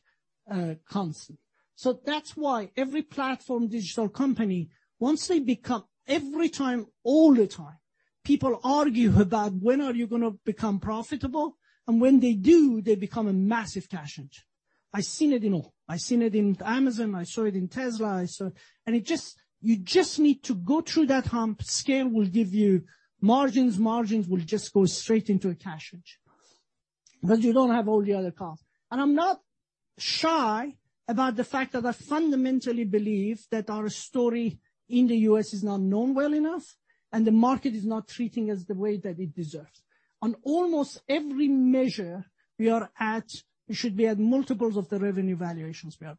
constant. So that's why every platform digital company, once they become, every time, all the time, people argue about when are you going to become profitable. And when they do, they become a massive cash engine. I've seen it in all. I've seen it in Amazon. I saw it in Tesla. And you just need to go through that hump. Scale will give you margins. Margins will just go straight into a cash engine. But you don't have all the other costs. And I'm not shy about the fact that I fundamentally believe that our story in the US is not known well enough, and the market is not treating us the way that it deserves. On almost every measure, we should be at multiples of the revenue valuations we are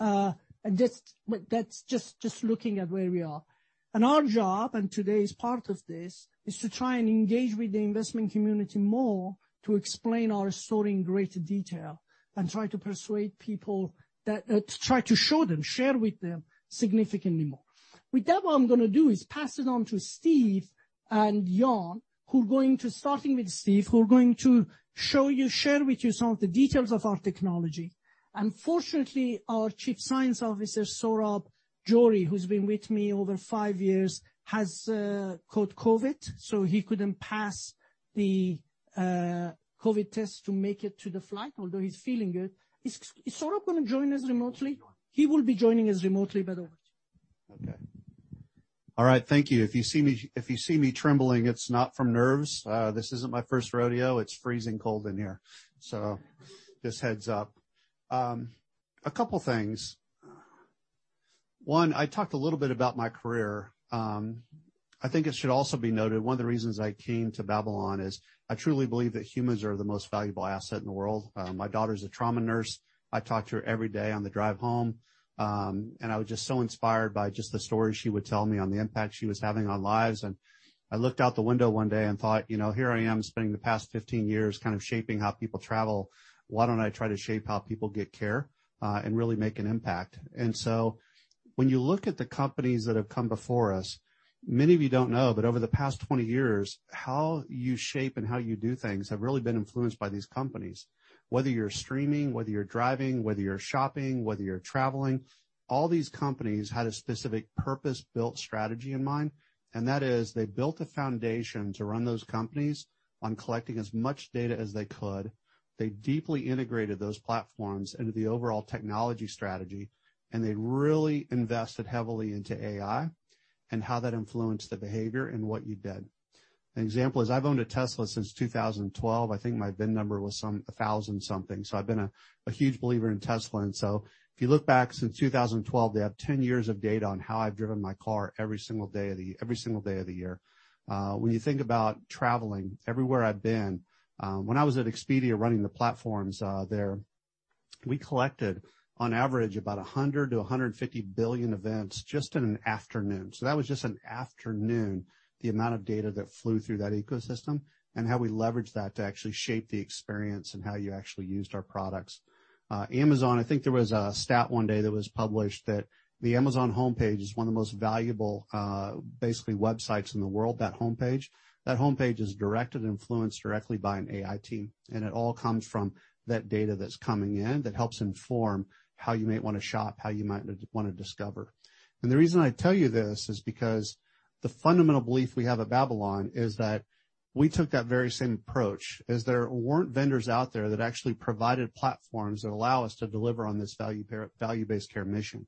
at. And that's just looking at where we are. And our job, and today's part of this, is to try and engage with the investment community more to explain our story in greater detail and try to persuade people, to try to show them, share with them significantly more. With that, what I'm going to do is pass it on to Steve and Yon, who are going to, starting with Steve, who are going to show you, share with you some of the details of our technology. Unfortunately, our Chief Science Officer, Saurabh Johri, who's been with me over five years, has caught COVID, so he couldn't pass the COVID test to make it to the flight, although he's feeling good. Is Saurabh going to join us remotely? He will be joining us remotely, by the way. Okay. All right. Thank you. If you see me trembling, it's not from nerves. This isn't my first rodeo. It's freezing cold in here. So just heads up. A couple of things. One, I talked a little bit about my career. I think it should also be noted, one of the reasons I came to Babylon is I truly believe that humans are the most valuable asset in the world. My daughter's a trauma nurse. I talk to her every day on the drive home, and I was just so inspired by just the stories she would tell me on the impact she was having on lives, and I looked out the window one day and thought, "Here I am spending the past 15 years kind of shaping how people travel. Why don't I try to shape how people get care and really make an impact?", and so when you look at the companies that have come before us, many of you don't know, but over the past 20 years, how you shape and how you do things have really been influenced by these companies. Whether you're streaming, whether you're driving, whether you're shopping, whether you're traveling, all these companies had a specific purpose-built strategy in mind, and that is they built a foundation to run those companies on collecting as much data as they could. They deeply integrated those platforms into the overall technology strategy, and they really invested heavily into AI and how that influenced the behavior and what you did. An example is I've owned a Tesla since 2012. I think my VIN number was some 1,000-something. So I've been a huge believer in Tesla, and so if you look back since 2012, they have 10 years of data on how I've driven my car every single day of the year. When you think about traveling, everywhere I've been, when I was at Expedia running the platforms there, we collected on average about 100-150 billion events just in an afternoon, so that was just an afternoon, the amount of data that flew through that ecosystem and how we leveraged that to actually shape the experience and how you actually used our products. Amazon. I think there was a stat one day that was published that the Amazon homepage is one of the most valuable, basically, websites in the world, that homepage. That homepage is directed and influenced directly by an AI team, and it all comes from that data that's coming in that helps inform how you might want to shop, how you might want to discover. The reason I tell you this is because the fundamental belief we have at Babylon is that we took that very same approach as there weren't vendors out there that actually provided platforms that allow us to deliver on this value-based care mission.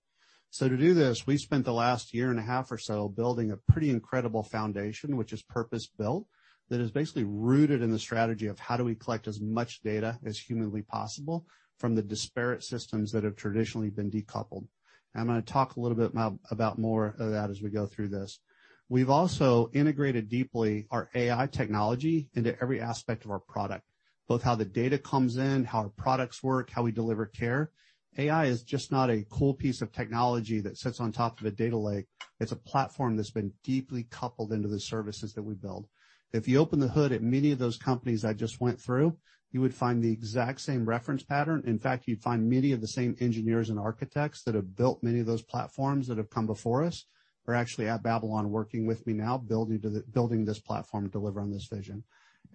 To do this, we spent the last year and a half or so building a pretty incredible foundation, which is purpose-built, that is basically rooted in the strategy of how do we collect as much data as humanly possible from the disparate systems that have traditionally been decoupled. I am going to talk a little bit more about more of that as we go through this. We have also integrated deeply our AI technology into every aspect of our product, both how the data comes in, how our products work, how we deliver care. AI is just not a cool piece of technology that sits on top of a data lake. It's a platform that's been deeply coupled into the services that we build. If you open the hood at many of those companies I just went through, you would find the exact same reference pattern. In fact, you'd find many of the same engineers and architects that have built many of those platforms that have come before us are actually at Babylon working with me now, building this platform to deliver on this vision.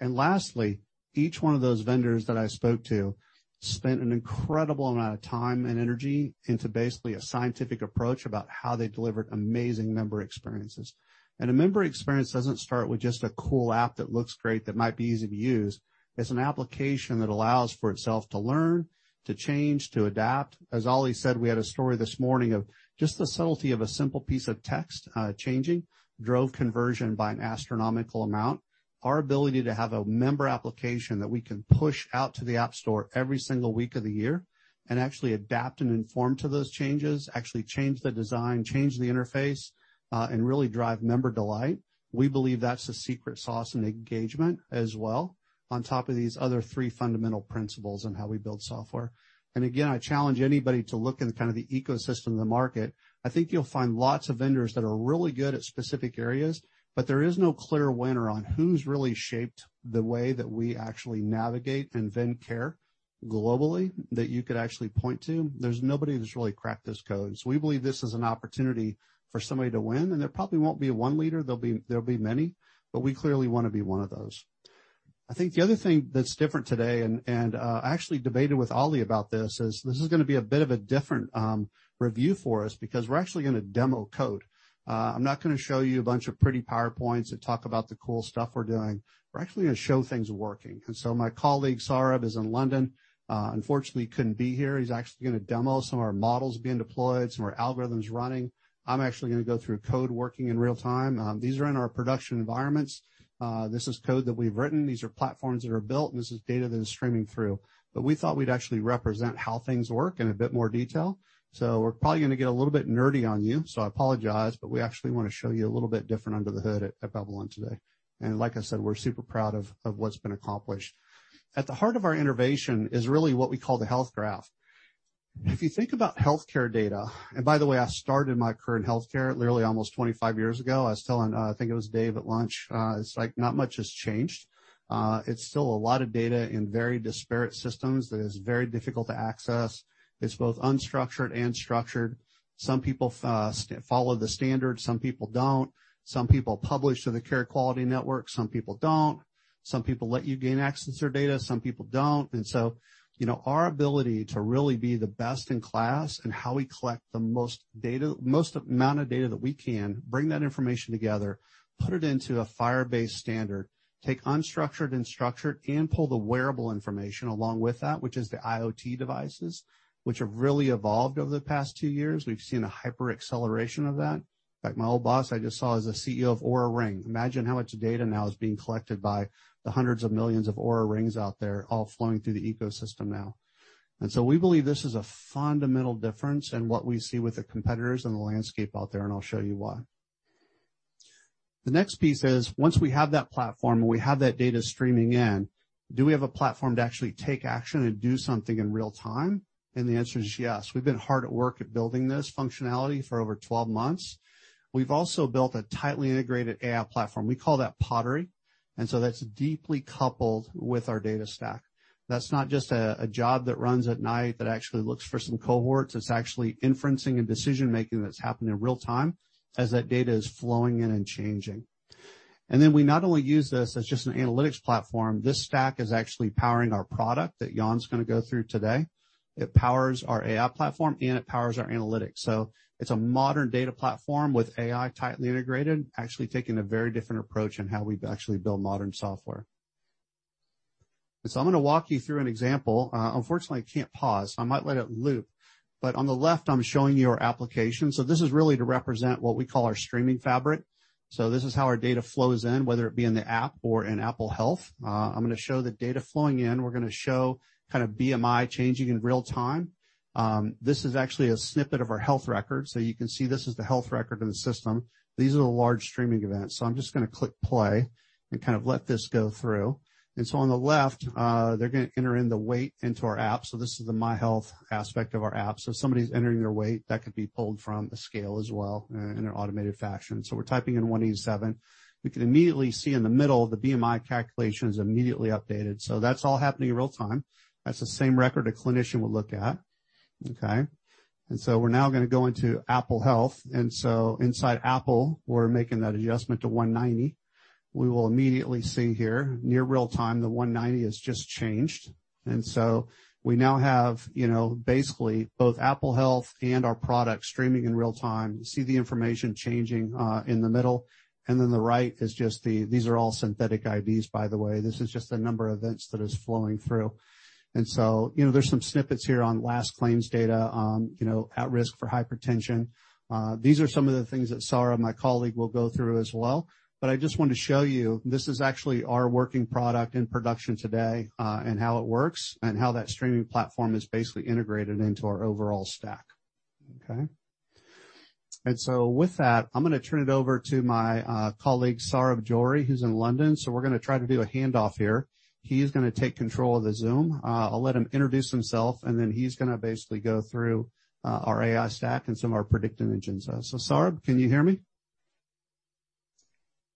And lastly, each one of those vendors that I spoke to spent an incredible amount of time and energy into basically a scientific approach about how they delivered amazing member experiences. And a member experience doesn't start with just a cool app that looks great, that might be easy to use. It's an application that allows for itself to learn, to change, to adapt. As Ali said, we had a story this morning of just the subtlety of a simple piece of text changing drove conversion by an astronomical amount. Our ability to have a member application that we can push out to the app store every single week of the year and actually adapt and inform to those changes, actually change the design, change the interface, and really drive member delight. We believe that's the secret sauce and engagement as well on top of these other three fundamental principles on how we build software, and again, I challenge anybody to look in kind of the ecosystem of the market. I think you'll find lots of vendors that are really good at specific areas, but there is no clear winner on who's really shaped the way that we actually navigate and then care globally that you could actually point to. There's nobody that's really cracked those codes. We believe this is an opportunity for somebody to win, and there probably won't be one leader. There'll be many, but we clearly want to be one of those. I think the other thing that's different today, and I actually debated with Ali about this, is this is going to be a bit of a different review for us because we're actually going to demo code. I'm not going to show you a bunch of pretty PowerPoints and talk about the cool stuff we're doing. We're actually going to show things working. And so my colleague, Saurabh, is in London. Unfortunately, he couldn't be here. He's actually going to demo some of our models being deployed, some of our algorithms running. I'm actually going to go through code working in real time. These are in our production environments. This is code that we've written. These are platforms that are built, and this is data that is streaming through, but we thought we'd actually represent how things work in a bit more detail, so we're probably going to get a little bit nerdy on you, so I apologize, but we actually want to show you a little bit different under the hood at Babylon today, and like I said, we're super proud of what's been accomplished. At the heart of our innovation is really what we call the Health Graph. If you think about healthcare data, and by the way, I started my career in healthcare literally almost 25 years ago. I was telling, I think it was Dave at lunch, it's like not much has changed. It's still a lot of data in very disparate systems that is very difficult to access. It's both unstructured and structured. Some people follow the standard. Some people don't. Some people publish to the Care Quality Network. Some people don't. Some people let you gain access to their data. Some people don't. And so our ability to really be the best in class and how we collect the most amount of data that we can, bring that information together, put it into a Firebase standard, take unstructured and structured, and pull the wearable information along with that, which is the IoT devices, which have really evolved over the past two years. We've seen a hyper-acceleration of that. In fact, my old boss I just saw is the CEO of Oura Ring. Imagine how much data now is being collected by the hundreds of millions of Oura Rings out there all flowing through the ecosystem now, and so we believe this is a fundamental difference in what we see with the competitors in the landscape out there, and I'll show you why. The next piece is, once we have that platform and we have that data streaming in, do we have a platform to actually take action and do something in real time, and the answer is yes. We've been hard at work at building this functionality for over 12 months. We've also built a tightly integrated AI platform. We call that Pottery, and so that's deeply coupled with our data stack. That's not just a job that runs at night that actually looks for some cohorts. It's actually inferencing and decision-making that's happening in real time as that data is flowing in and changing. And then we not only use this as just an analytics platform. This stack is actually powering our product that Yon's going to go through today. It powers our AI platform, and it powers our analytics. So it's a modern data platform with AI tightly integrated, actually taking a very different approach in how we actually build modern software. And so I'm going to walk you through an example. Unfortunately, I can't pause. I might let it loop. But on the left, I'm showing you our application. So this is really to represent what we call our streaming fabric. So this is how our data flows in, whether it be in the app or in Apple Health. I'm going to show the data flowing in. We're going to show kind of BMI changing in real time. This is actually a snippet of our health record. So you can see this is the health record in the system. These are the large streaming events. So I'm just going to click play and kind of let this go through. And so on the left, they're going to enter in the weight into our app. So this is the My Health aspect of our app. So if somebody's entering their weight, that could be pulled from a scale as well in an automated fashion. So we're typing in 187. We can immediately see in the middle the BMI calculation is immediately updated. So that's all happening in real time. That's the same record a clinician would look at. Okay. And so we're now going to go into Apple Health. Inside Apple, we're making that adjustment to 190. We will immediately see here near real time, the 190 has just changed. We now have basically both Apple Health and our product streaming in real time. You see the information changing in the middle. The right is just the, these are all synthetic IDs, by the way. This is just the number of events that is flowing through. There's some snippets here on last claims data at risk for hypertension. These are some of the things that Saurabh, my colleague, will go through as well. I just want to show you, this is actually our working product in production today and how it works and how that streaming platform is basically integrated into our overall stack. Okay. And so with that, I'm going to turn it over to my colleague, Saurabh Johri, who's in London. So we're going to try to do a handoff here. He's going to take control of the Zoom. I'll let him introduce himself, and then he's going to basically go through our AI stack and some of our predictive engines. So Saurabh, can you hear me?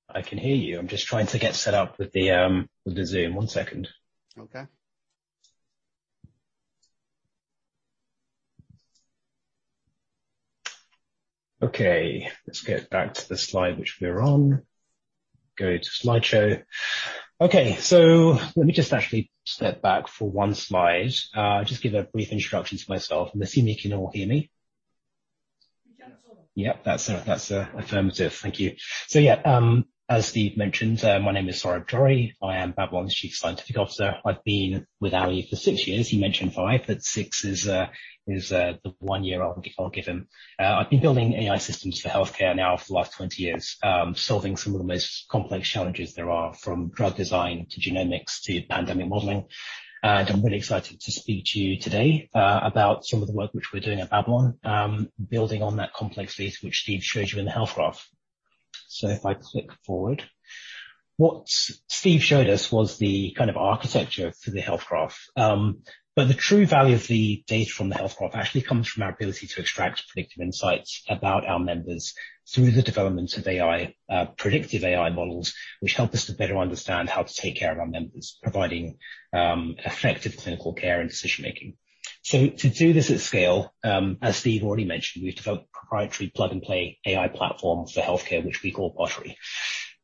I can hear you. I'm just trying to get set up with the Zoom. One second. Okay. Okay. Let's get back to the slide which we're on. Go to slideshow. Okay. So let me just actually step back for one slide. Just give a brief introduction to myself. Let's see if you can all hear me. Yep. That's affirmative. Thank you. So yeah, as Steve mentioned, my name is Saurabh Johri. I am Babylon's Chief Scientific Officer. I've been with Ali for six years. He mentioned five, but six is the one year I'll give him. I've been building AI systems for healthcare now for the last 20 years, solving some of the most complex challenges there are from drug design to genomics to pandemic modeling, and I'm really excited to speak to you today about some of the work which we're doing at Babylon, building on that complex data which Steve showed you in the Health Graph. So if I click forward, what Steve showed us was the kind of architecture for the Health Graph. But the true value of the data from the Health Grap actually comes from our ability to extract predictive insights about our members through the development of predictive AI models, which help us to better understand how to take care of our members, providing effective clinical care and decision-making. So to do this at scale, as Steve already mentioned, we've developed a proprietary plug-and-play AI platform for healthcare, which we call Pottery.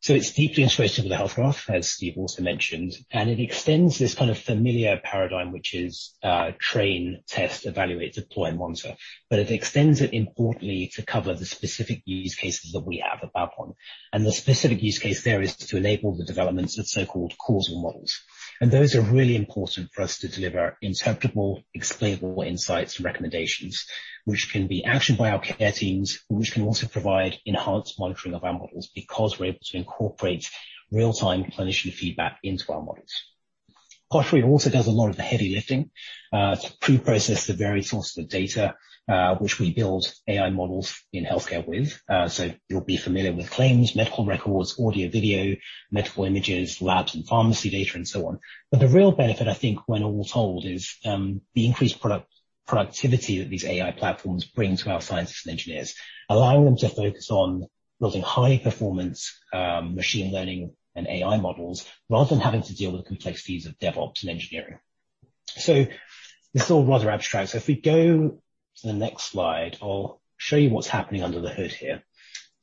So it's deeply integrated with the Health Graph, as Steve also mentioned, and it extends this kind of familiar paradigm, which is train, test, evaluate, deploy, and monitor. But it extends it importantly to cover the specific use cases that we have at Babylon. And the specific use case there is to enable the development of so-called causal models. And those are really important for us to deliver interpretable, explainable insights and recommendations, which can be actioned by our care teams, which can also provide enhanced monitoring of our models because we're able to incorporate real-time clinician feedback into our models. Pottery also does a lot of the heavy lifting to pre-process the various sources of data which we build AI models in healthcare with. So you'll be familiar with claims, medical records, audio-video, medical images, labs and pharmacy data, and so on. But the real benefit, I think, when all told, is the increased productivity that these AI platforms bring to our scientists and engineers, allowing them to focus on building high-performance machine learning and AI models rather than having to deal with complexities of DevOps and engineering. So this is all rather abstract. So if we go to the next slide, I'll show you what's happening under the hood here.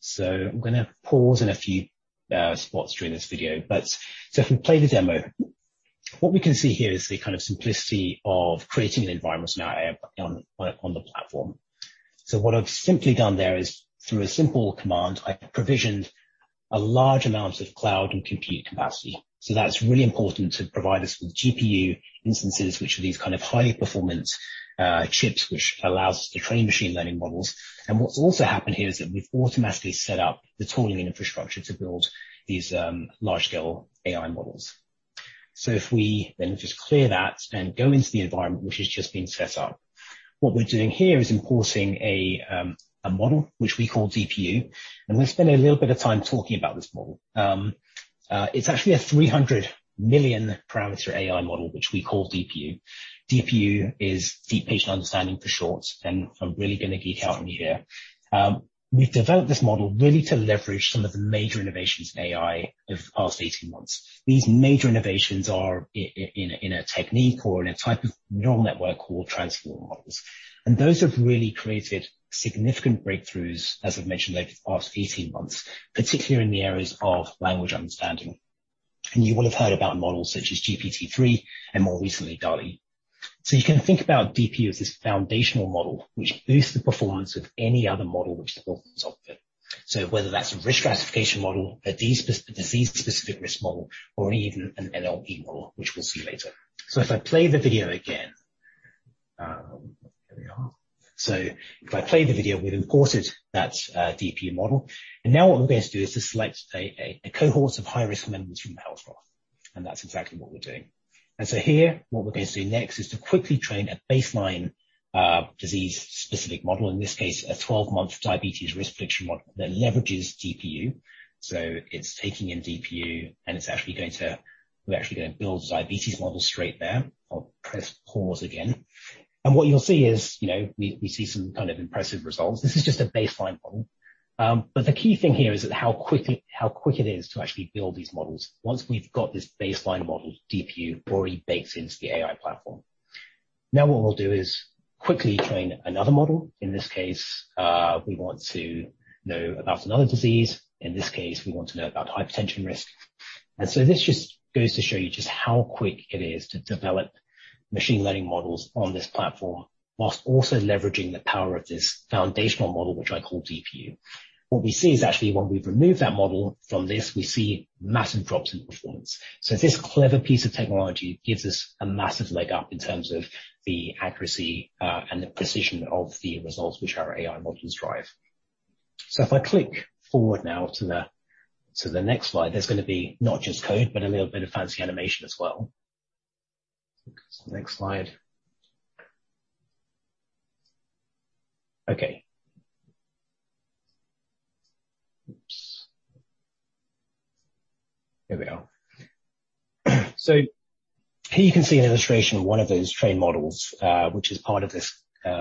So I'm going to pause in a few spots during this video. So if we play the demo, what we can see here is the kind of simplicity of creating an environment on the platform. So what I've simply done there is, through a simple command, I've provisioned a large amount of cloud and compute capacity. That's really important to provide us with GPU instances, which are these kind of high-performance chips, which allows us to train machine learning models. What's also happened here is that we've automatically set up the tooling and infrastructure to build these large-scale AI models. If we then just clear that and go into the environment, which has just been set up, what we're doing here is importing a model, which we call DPU. We're going to spend a little bit of time talking about this model. It's actually a 300-million-parameter AI model, which we call DPU. DPU is Deep Patient Understanding for short. I'm really going to geek out on you here. We've developed this model really to leverage some of the major innovations in AI of past 18 months. These major innovations are in a technique or in a type of neural network called transformer models. And those have really created significant breakthroughs, as I've mentioned, over the past 18 months, particularly in the areas of language understanding. And you will have heard about models such as GPT-3 and more recently, DALL-E. So you can think about DPU as this foundational model, which boosts the performance of any other model which the authors offer it. So whether that's a risk stratification model, a disease-specific risk model, or even an NLP model, which we'll see later. So if I play the video again, here we are. So if I play the video, we've imported that DPU model. And now what we're going to do is to select a cohort of high-risk members from the health graph. And that's exactly what we're doing. And so here, what we're going to do next is to quickly train a baseline disease-specific model, in this case, a 12-month diabetes risk prediction model that leverages DPU. So it's taking in DPU, and it's actually going to, we're actually going to build a diabetes model straight there. I'll press pause again. And what you'll see is we see some kind of impressive results. This is just a baseline model. But the key thing here is how quick it is to actually build these models. Once we've got this baseline model, DPU already bakes into the AI platform. Now what we'll do is quickly train another model. In this case, we want to know about another disease. In this case, we want to know about hypertension risk. And so this just goes to show you just how quick it is to develop machine learning models on this platform, while also leveraging the power of this foundational model, which I call DPU. What we see is actually when we've removed that model from this, we see massive drops in performance. So this clever piece of technology gives us a massive leg up in terms of the accuracy and the precision of the results which our AI models drive. So if I click forward now to the next slide, there's going to be not just code, but a little bit of fancy animation as well. Next slide. Okay. Oops. Here we are. So here you can see an illustration of one of those trained models, which is part of this,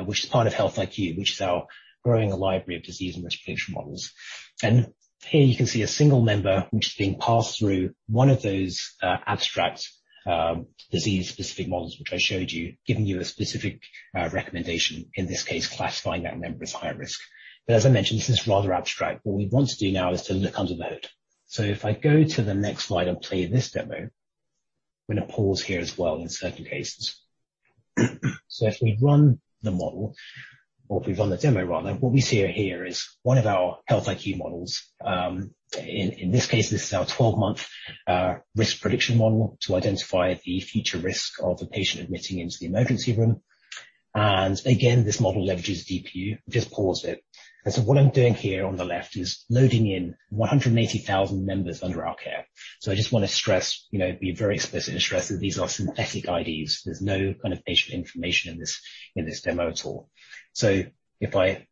which is part of Health IQ, which is our growing library of disease and risk prediction models. And here you can see a single member, which is being passed through one of those abstract disease-specific models, which I showed you, giving you a specific recommendation, in this case, classifying that member as high risk. But as I mentioned, this is rather abstract. What we want to do now is to look under the hood. So if I go to the next slide and play this demo, I'm going to pause here as well in certain cases. So if we run the model, or if we run the demo, rather, what we see here is one of our Health IQ models. In this case, this is our 12-month risk prediction model to identify the future risk of a patient admitting into the emergency room. And again, this model leverages DPU. Just pause it. And so what I'm doing here on the left is loading in 180,000 members under our care. So I just want to stress, be very explicit and stress that these are synthetic IDs. There's no kind of patient information in this demo at all. So if I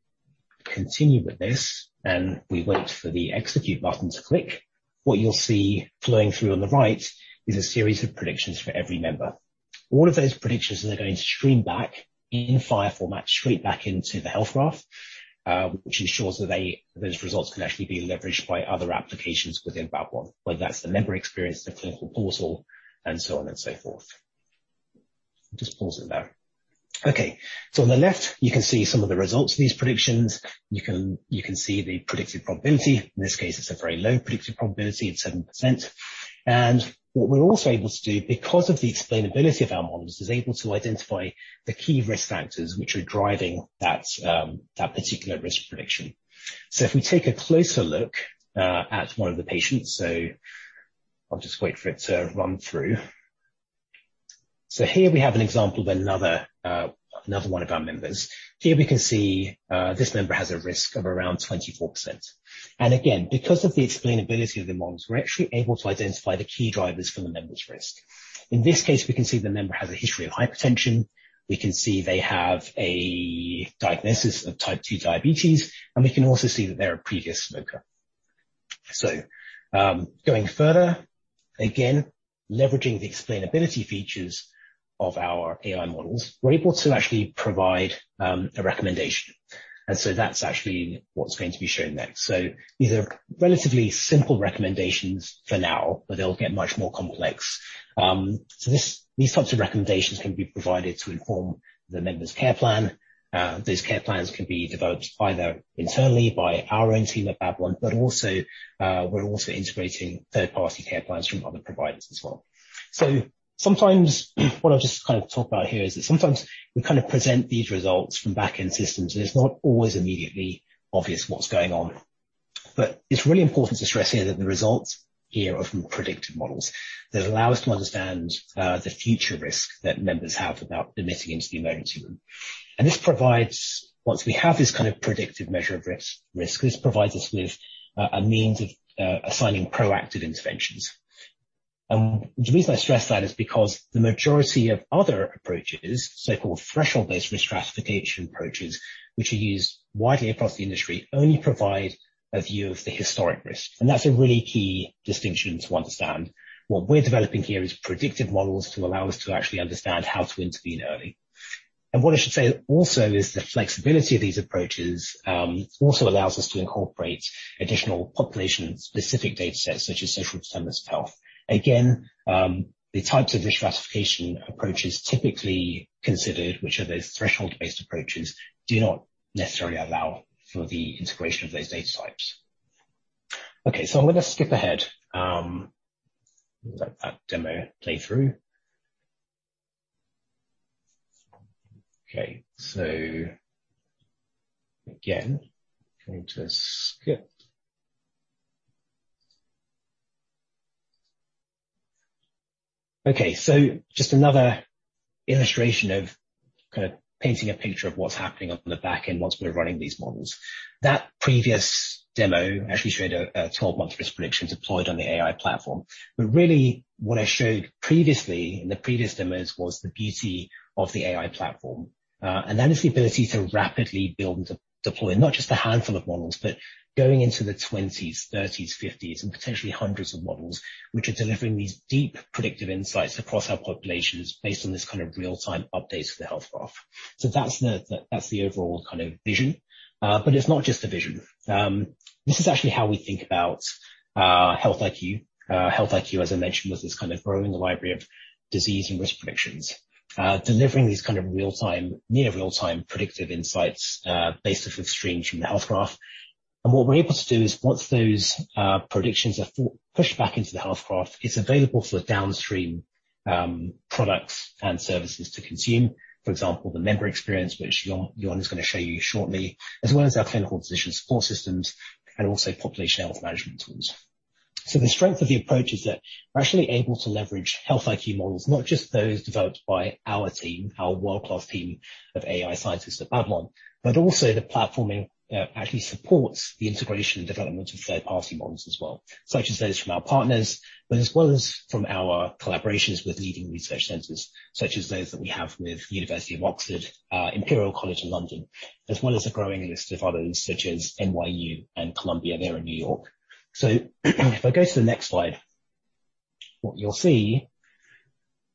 continue with this and we wait for the execute button to click, what you'll see flowing through on the right is a series of predictions for every member. All of those predictions are going to stream back in FHIR format straight back into the health graph, which ensures that those results can actually be leveraged by other applications within Babylon, whether that's the member experience, the clinical portal, and so on and so forth. Just pause it there. Okay. So on the left, you can see some of the results of these predictions. You can see the predicted probability. In this case, it's a very low predicted probability at 7%. And what we're also able to do, because of the explainability of our models, is able to identify the key risk factors which are driving that particular risk prediction. So if we take a closer look at one of the patients, so I'll just wait for it to run through. So here we have an example of another one of our members. Here we can see this member has a risk of around 24%. And again, because of the explainability of the models, we're actually able to identify the key drivers for the member's risk. In this case, we can see the member has a history of hypertension. We can see they have a diagnosis of type 2 diabetes, and we can also see that they're a previous smoker. Going further, again, leveraging the explainability features of our AI models, we're able to actually provide a recommendation. That's actually what's going to be shown next. These are relatively simple recommendations for now, but they'll get much more complex. These types of recommendations can be provided to inform the member's care plan. Those care plans can be developed either internally by our own team at Babylon, but we're also integrating third-party care plans from other providers as well. Sometimes what I've just kind of talked about here is that sometimes we kind of present these results from back-end systems, and it's not always immediately obvious what's going on. It's really important to stress here that the results here are from predictive models that allow us to understand the future risk that members have about admitting into the emergency room. And once we have this kind of predictive measure of risk, this provides us with a means of assigning proactive interventions. And the reason I stress that is because the majority of other approaches, so-called threshold-based risk stratification approaches, which are used widely across the industry, only provide a view of the historic risk. And that's a really key distinction to understand. What we're developing here is predictive models to allow us to actually understand how to intervene early. And what I should say also is the flexibility of these approaches also allows us to incorporate additional population-specific data sets, such as social determinants of health. Again, the types of risk stratification approaches typically considered, which are those threshold-based approaches, do not necessarily allow for the integration of those data types. Okay. So I'm going to skip ahead. Let me let that demo play through. Okay. So again, going to skip. Okay. So just another illustration of kind of painting a picture of what's happening on the back end once we're running these models. That previous demo actually showed a 12-month risk prediction deployed on the AI platform. But really, what I showed previously in the previous demos was the beauty of the AI platform. And that is the ability to rapidly build and deploy not just a handful of models, but going into the 20s, 30s, 50s, and potentially hundreds of models, which are delivering these deep predictive insights across our populations based on this kind of real-time updates to the health graph. So that's the overall kind of vision. But it's not just a vision. This is actually how we think about Health IQ. Health IQ, as I mentioned, was this kind of growing library of disease and risk predictions, delivering these kind of near real-time predictive insights based off of streams from the health graph, and what we're able to do is once those predictions are pushed back into the health graph, it's available for downstream products and services to consume, for example, the member experience, which Yuan is going to show you shortly, as well as our clinical decision support systems and also population health management tools. So the strength of the approach is that we're actually able to leverage Health IQ models, not just those developed by our team, our world-class team of AI scientists at Babylon, but also the platform actually supports the integration and development of third-party models as well, such as those from our partners, but as well as from our collaborations with leading research centers, such as those that we have with the University of Oxford, Imperial College London, as well as a growing list of others, such as NYU and Columbia there in New York. So if I go to the next slide, what you'll see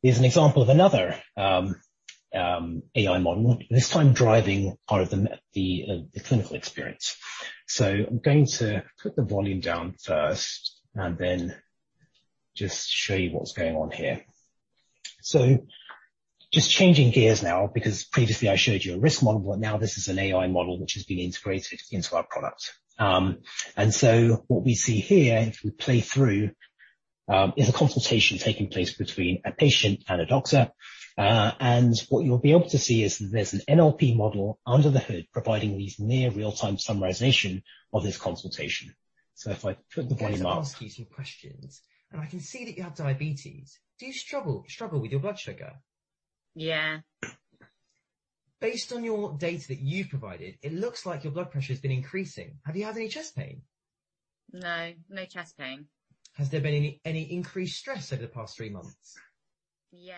is an example of another AI model, this time driving part of the clinical experience. So I'm going to put the volume down first and then just show you what's going on here. So just changing gears now, because previously I showed you a risk model, but now this is an AI model which has been integrated into our product. And so what we see here, if we play through, is a consultation taking place between a patient and a doctor. And what you'll be able to see is that there's an NLP model under the hood providing these near real-time summarizations of this consultation. So if I put the volume up. I'm asking some questions. I can see that you have diabetes. Do you struggle with your blood sugar? Yeah. Based on your data that you've provided, it looks like your blood pressure has been increasing. Have you had any chest pain? No. No chest pain. Has there been any increased stress over the past three months? Yeah.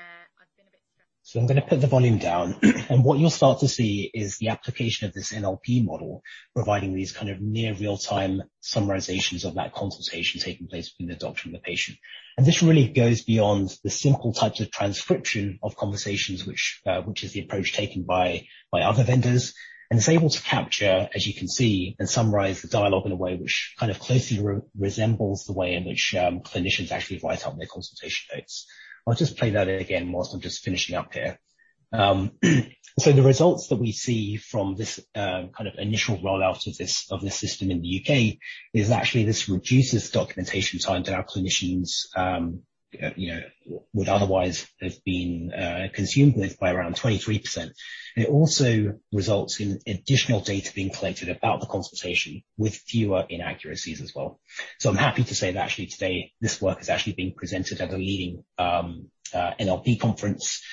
I've been a bit stressed. I'm going to put the volume down. What you'll start to see is the application of this NLP model providing these kind of near real-time summarizations of that consultation taking place between the doctor and the patient. This really goes beyond the simple types of transcription of conversations, which is the approach taken by other vendors. It's able to capture, as you can see, and summarize the dialogue in a way which kind of closely resembles the way in which clinicians actually write out their consultation notes. I'll just play that again while I'm just finishing up here. The results that we see from this kind of initial rollout of this system in the U.K. is actually this reduces documentation time that our clinicians would otherwise have been consumed with by around 23%. It also results in additional data being collected about the consultation with fewer inaccuracies as well. I'm happy to say that actually today, this work is actually being presented at a leading NLP conference,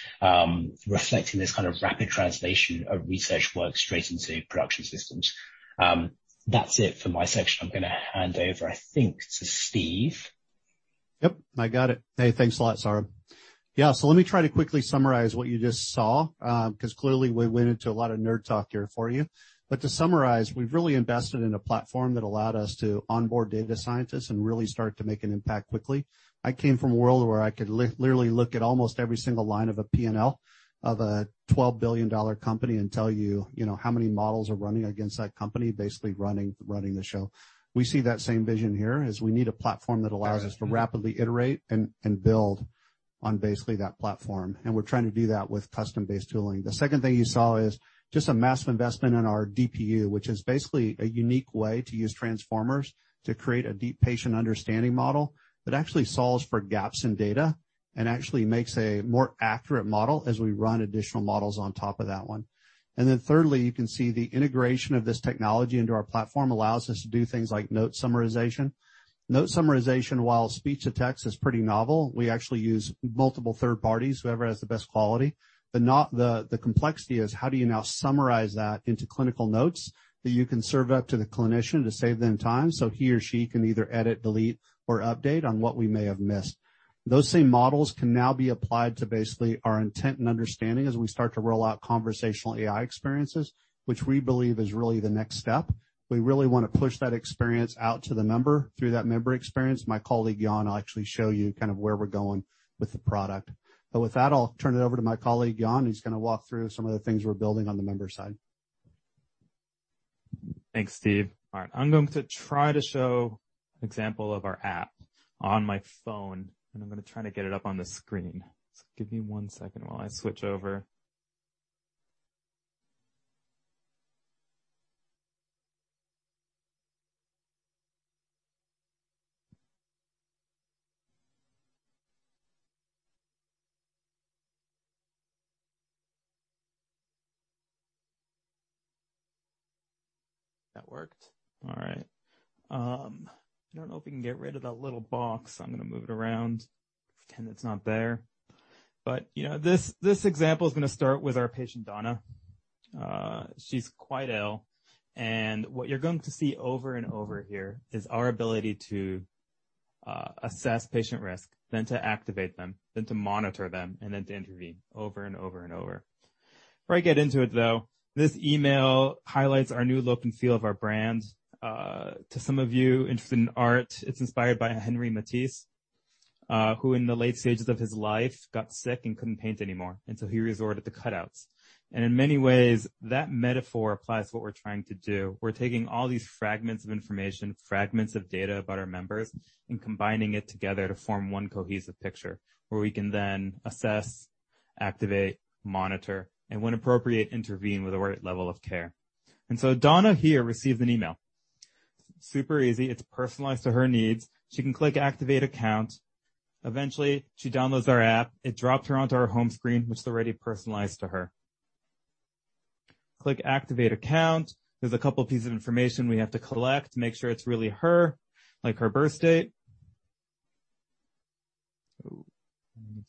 reflecting this kind of rapid translation of research work straight into production systems. That's it for my section. I'm going to hand over, I think, to Steve. Yep. I got it. Hey, thanks a lot, Sara. Yeah. So let me try to quickly summarize what you just saw, because clearly we went into a lot of nerd talk here for you. But to summarize, we've really invested in a platform that allowed us to onboard data scientists and really start to make an impact quickly. I came from a world where I could literally look at almost every single line of a P&L of a $12 billion company and tell you how many models are running against that company, basically running the show. We see that same vision here, as we need a platform that allows us to rapidly iterate and build on basically that platform. And we're trying to do that with custom-based tooling. The second thing you saw is just a massive investment in our DPU, which is basically a unique way to use transformers to create a deep patient understanding model that actually solves for gaps in data and actually makes a more accurate model as we run additional models on top of that one. And then thirdly, you can see the integration of this technology into our platform allows us to do things like note summarization. Note summarization, while speech-to-text, is pretty novel. We actually use multiple third parties, whoever has the best quality. But the complexity is, how do you now summarize that into clinical notes that you can serve up to the clinician to save them time so he or she can either edit, delete, or update on what we may have missed? Those same models can now be applied to basically our intent and understanding as we start to roll out conversational AI experiences, which we believe is really the next step. We really want to push that experience out to the member through that member experience. My colleague Yon will actually show you kind of where we're going with the product. But with that, I'll turn it over to my colleague Yon, who's going to walk through some of the things we're building on the member side. Thanks, Steve. All right. I'm going to try to show an example of our app on my phone, and I'm going to try to get it up on the screen. So give me one second while I switch over. That worked. All right. I don't know if we can get rid of that little box. I'm going to move it around. Pretend it's not there, but this example is going to start with our patient, Donna. She's quite ill, and what you're going to see over and over here is our ability to assess patient risk, then to activate them, then to monitor them, and then to intervene over and over and over. Before I get into it, though, this email highlights our new look and feel of our brand. To some of you interested in art, it's inspired by Henri Matisse, who in the late stages of his life got sick and couldn't paint anymore. And so he resorted to cutouts. And in many ways, that metaphor applies to what we're trying to do. We're taking all these fragments of information, fragments of data about our members, and combining it together to form one cohesive picture where we can then assess, activate, monitor, and when appropriate, intervene with the right level of care. And so Donna here received an email. It's super easy. It's personalized to her needs. She can click Activate Account. Eventually, she downloads our app. It dropped her onto our home screen, which is already personalized to her. Click Activate Account. There's a couple of pieces of information we have to collect, make sure it's really her, like her birth date.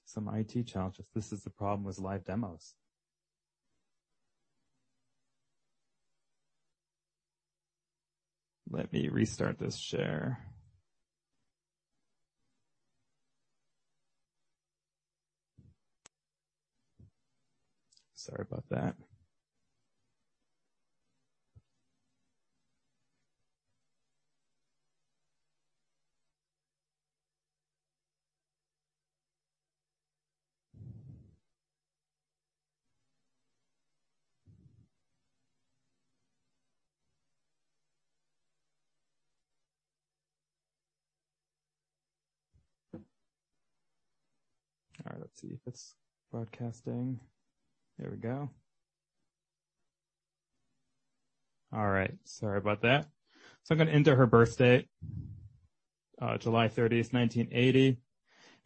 Some IT challenges. This is the problem with live demos. Let me restart this share. Sorry about that. All right. Let's see if it's broadcasting. There we go. All right. Sorry about that. So I'm going to enter her birth date, July 30th, 1980.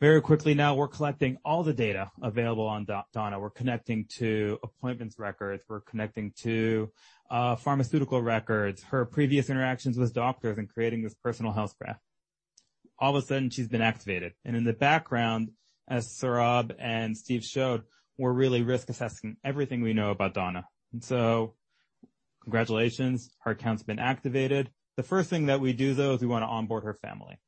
Very quickly now, we're collecting all the data available on Donna. We're connecting to appointments records. We're connecting to pharmaceutical records, her previous interactions with doctors, and creating this personal health graph. All of a sudden, she's been activated, and in the background, as Saurabh and Steve showed, we're really risk assessing everything we know about Donna, and so congratulations. Her account's been activated. The first thing that we do, though, is we want to onboard her family.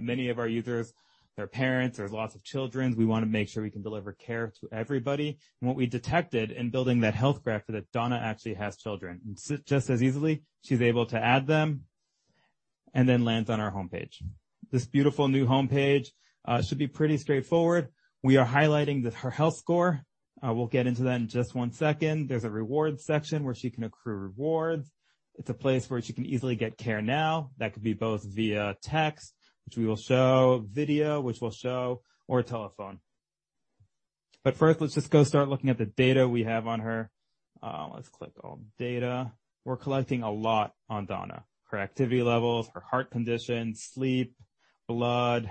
Many of our users, their parents, there's lots of children. We want to make sure we can deliver care to everybody. What we detected in building that health graph is that Donna actually has children. Just as easily, she's able to add them and then lands on our homepage. This beautiful new homepage should be pretty straightforward. We are highlighting her health score. We'll get into that in just one second. There's a rewards section where she can accrue rewards. It's a place where she can easily get care now. That could be both via text, which we will show, video, which we'll show, or telephone. First, let's just go start looking at the data we have on her. Let's click All Data. We're collecting a lot on Donna. Her activity levels, her heart condition, sleep, blood,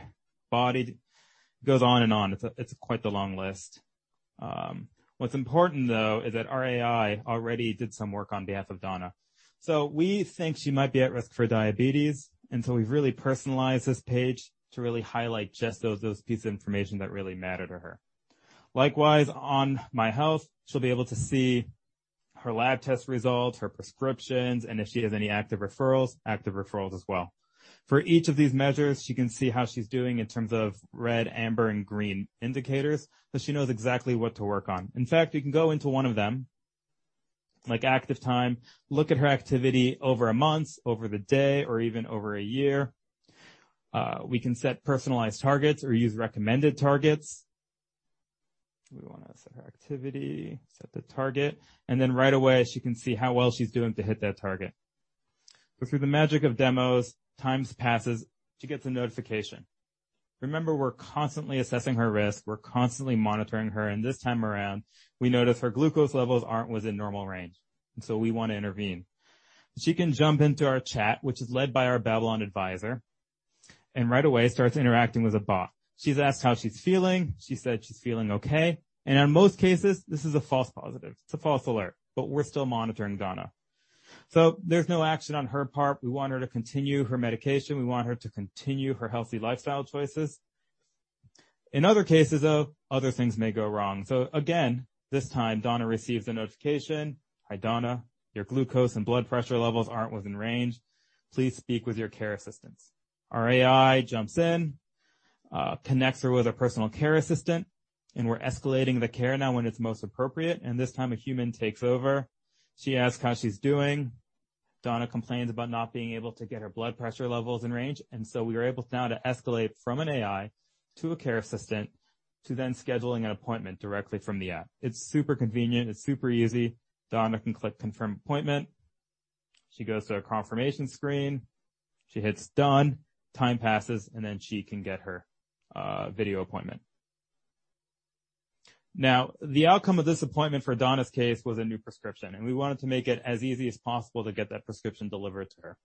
body. It goes on and on. It's quite the long list. What's important, though, is that our AI already did some work on behalf of Donna. So we think she might be at risk for diabetes, and so we've really personalized this page to really highlight just those pieces of information that really matter to her. Likewise, on My Health, she'll be able to see her lab test results, her prescriptions, and if she has any active referrals, active referrals as well. For each of these measures, she can see how she's doing in terms of red, amber, and green indicators, so she knows exactly what to work on. In fact, we can go into one of them, like active time, look at her activity over a month, over the day, or even over a year. We can set personalized targets or use recommended targets. We want to set her activity, set the target, and then right away, she can see how well she's doing to hit that target. But through the magic of demos, time passes. She gets a notification. Remember, we're constantly assessing her risk. We're constantly monitoring her. And this time around, we notice her glucose levels aren't within normal range. And so we want to intervene. She can jump into our chat, which is led by our Babylon advisor, and right away starts interacting with a bot. She's asked how she's feeling. She said she's feeling okay. And in most cases, this is a false positive. It's a false alert, but we're still monitoring Donna. So there's no action on her part. We want her to continue her medication. We want her to continue her healthy lifestyle choices. In other cases, though, other things may go wrong. So again, this time, Donna receives a notification. "Hi, Donna. Your glucose and blood pressure levels aren't within range. Please speak with your Care Assistants." Our AI jumps in, connects her with a personal Care Assistant, and we're escalating the care now when it's most appropriate, and this time a human takes over. She asks how she's doing. Donna complains about not being able to get her blood pressure levels in range, and so we are able now to escalate from an AI to a Care Assistant to then scheduling an appointment directly from the app. It's super convenient. It's super easy. Donna can click Confirm Appointment. She goes to a confirmation screen. She hits Done. Time passes, and then she can get her video appointment. Now, the outcome of this appointment for Donna's case was a new prescription, and we wanted to make it as easy as possible to get that prescription delivered to her.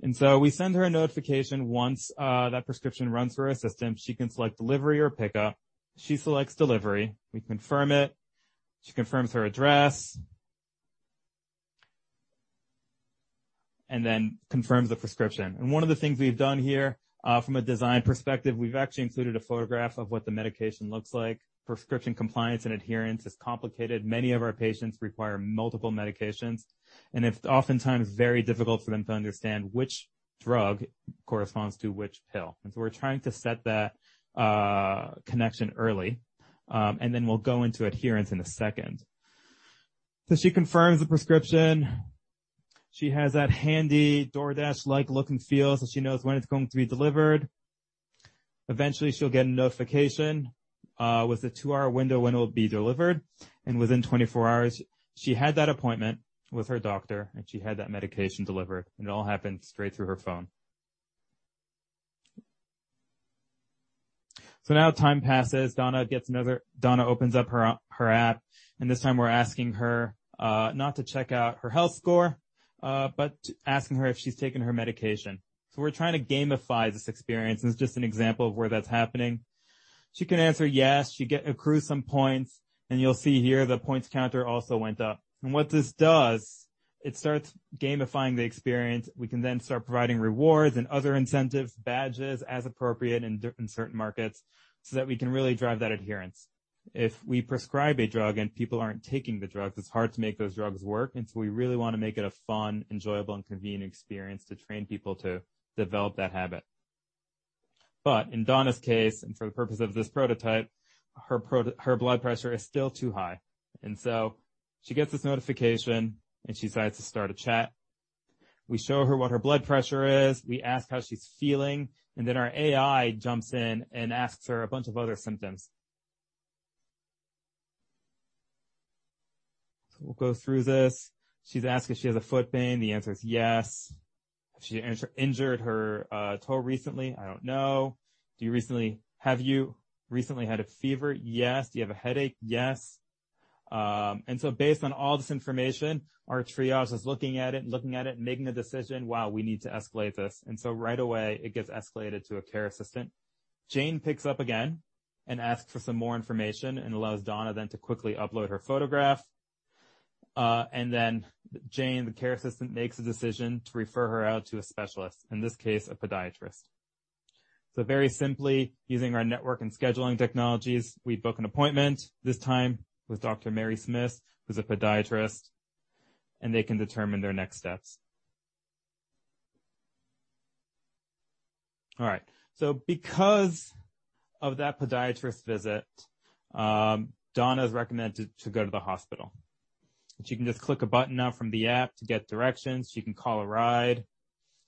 And so we send her a notification once that prescription runs through our system. She can select Delivery or Pickup. She selects Delivery. We confirm it. She confirms her address and then confirms the prescription. And one of the things we've done here, from a design perspective, we've actually included a photograph of what the medication looks like. Prescription compliance and adherence is complicated. Many of our patients require multiple medications, and it's oftentimes very difficult for them to understand which drug corresponds to which pill. And so we're trying to set that connection early. And then we'll go into adherence in a second. So she confirms the prescription. She has that handy DoorDash-like look and feel, so she knows when it's going to be delivered. Eventually, she'll get a notification with a two-hour window when it will be delivered. And within 24 hours, she had that appointment with her doctor, and she had that medication delivered, and it all happened straight through her phone, so now time passes. Donna opens up her app, and this time, we're asking her not to check out her health score, but asking her if she's taken her medication, so we're trying to gamify this experience, and it's just an example of where that's happening. She can answer yes. She accrues some points, and you'll see here the points counter also went up, and what this does, it starts gamifying the experience. We can then start providing rewards and other incentives, badges as appropriate in certain markets, so that we can really drive that adherence. If we prescribe a drug and people aren't taking the drugs, it's hard to make those drugs work. And so we really want to make it a fun, enjoyable, and convenient experience to train people to develop that habit. But in Donna's case, and for the purpose of this prototype, her blood pressure is still too high. And so she gets this notification, and she decides to start a chat. We show her what her blood pressure is. We ask how she's feeling. And then our AI jumps in and asks her a bunch of other symptoms. So we'll go through this. She's asked if she has a foot pain. The answer is yes. Has she injured her toe recently? I don't know. Have you recently had a fever? Yes. Do you have a headache? Yes. And so, based on all this information, our triage is looking at it and looking at it and making a decision, "Wow, we need to escalate this." And so, right away, it gets escalated to a care assistant. Jane picks up again and asks for some more information and allows Donna then to quickly upload her photograph. And then, Jane, the care assistant, makes a decision to refer her out to a specialist, in this case, a podiatrist. So, very simply, using our network and scheduling technologies, we book an appointment this time with Dr. Mary Smith, who's a podiatrist, and they can determine their next steps. All right. So, because of that podiatrist visit, Donna is recommended to go to the hospital. She can just click a button now from the app to get directions. She can call a ride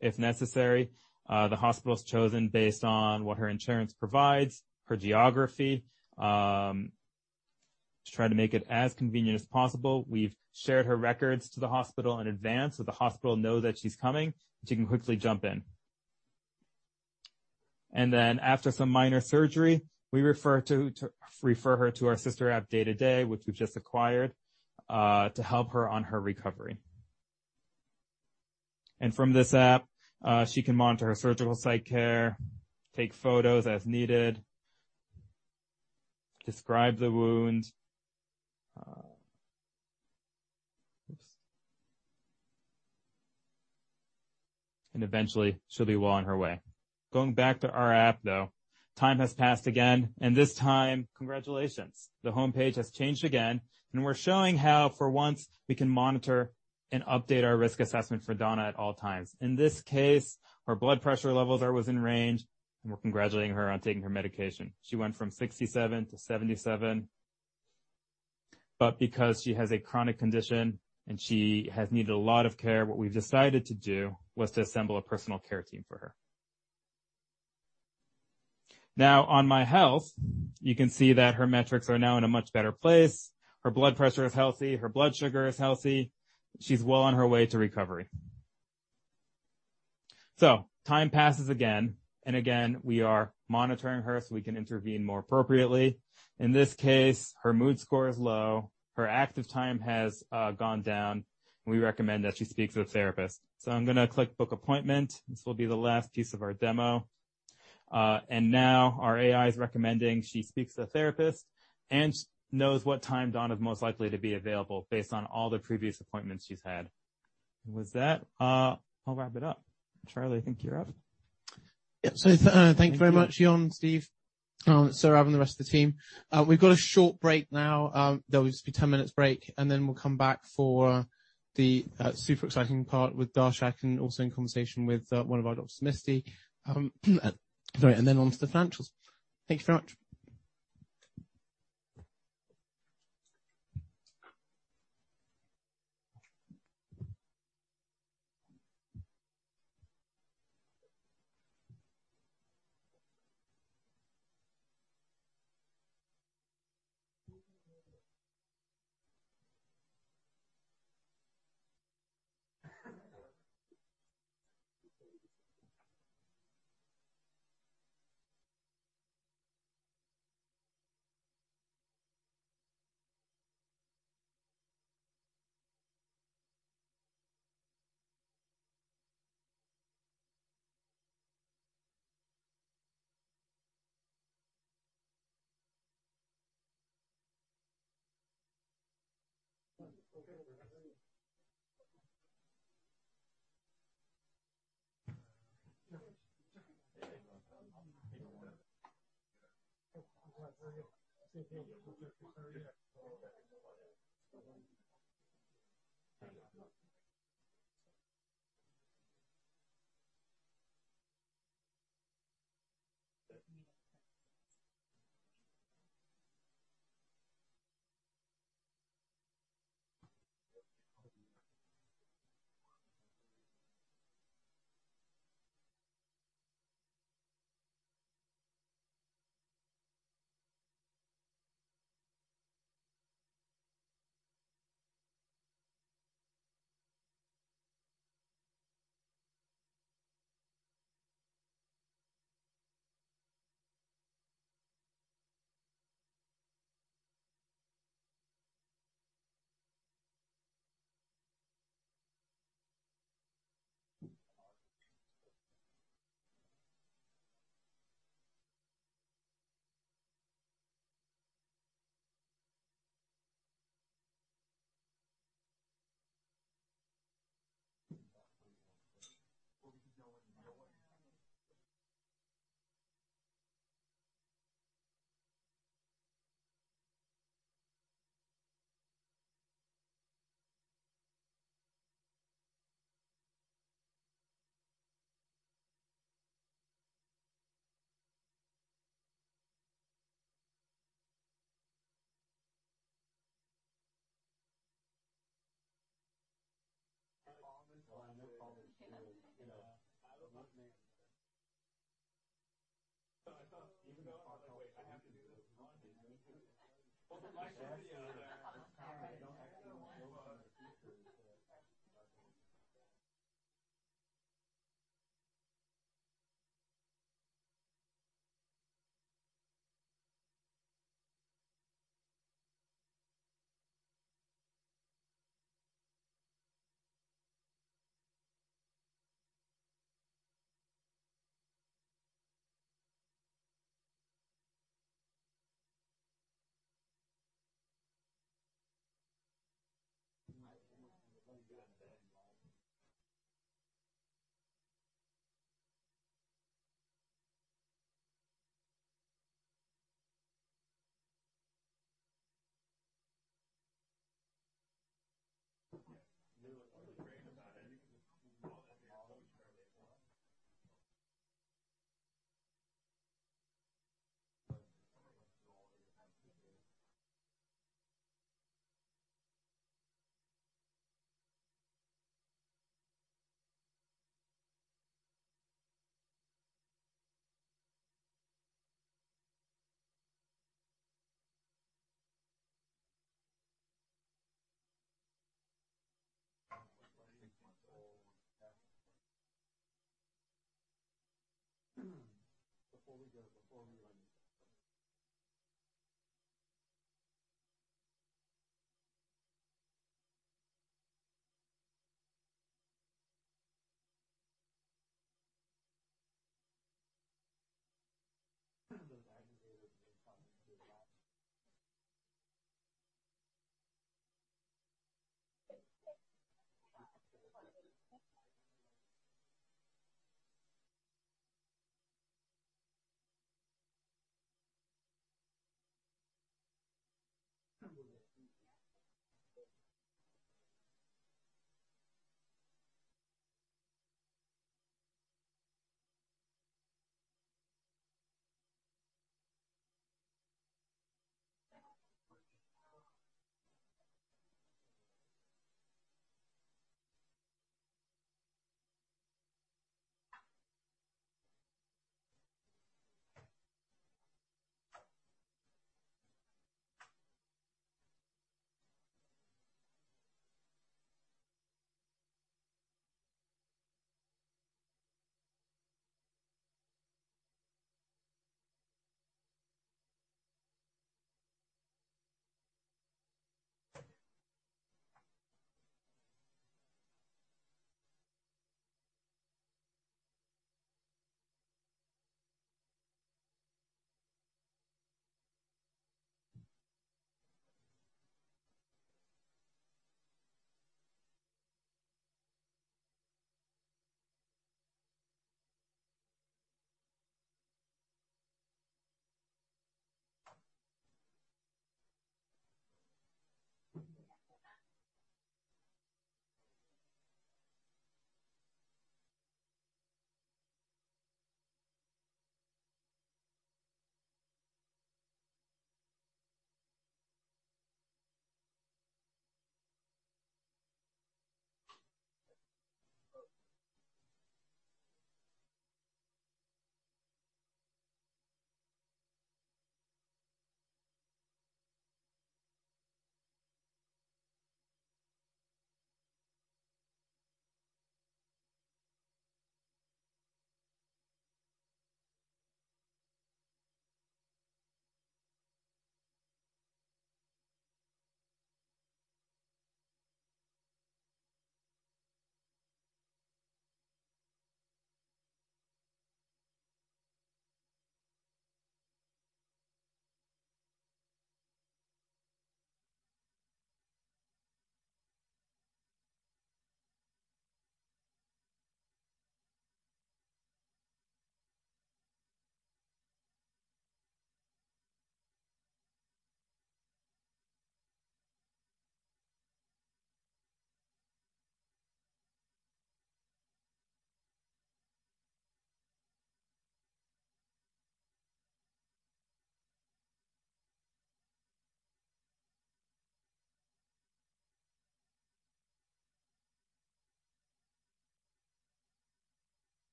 if necessary. The hospital's chosen based on what her insurance provides, her geography. To try to make it as convenient as possible, we've shared her records to the hospital in advance so the hospital knows that she's coming, and she can quickly jump in, and then after some minor surgery, we refer her to our sister app, Day to Day, which we've just acquired, to help her on her recovery, and from this app, she can monitor her surgical site care, take photos as needed, describe the wound, and eventually, she'll be well on her way. Going back to our app, though, time has passed again, and this time, congratulations, the homepage has changed again, and we're showing how, for once, we can monitor and update our risk assessment for Donna at all times. In this case, her blood pressure levels are within range, and we're congratulating her on taking her medication. She went from 67 to 77, but because she has a chronic condition and she has needed a lot of care, what we've decided to do was to assemble a personal care team for her. Now, on My Health, you can see that her metrics are now in a much better place. Her blood pressure is healthy. Her blood sugar is healthy. She's well on her way to recovery, so time passes again, and again, we are monitoring her so we can intervene more appropriately. In this case, her mood score is low. Her active time has gone down. We recommend that she speaks with a therapist. So I'm going to click Book Appointment. This will be the last piece of our demo. And now, our AI is recommending she speaks to a therapist and knows what time Donna is most likely to be available based on all the previous appointments she's had. And with that, I'll wrap it up. Charlie, I think you're up. Yep. So thanks very much, Yon, Steve, Saurabh, and the rest of the team. We've got a short break now. There'll just be a 10-minute break, and then we'll come back for the super exciting part with Darshak and also in conversation with one of our doctors, Misty. Sorry. And then on to the financials. Thank you very much.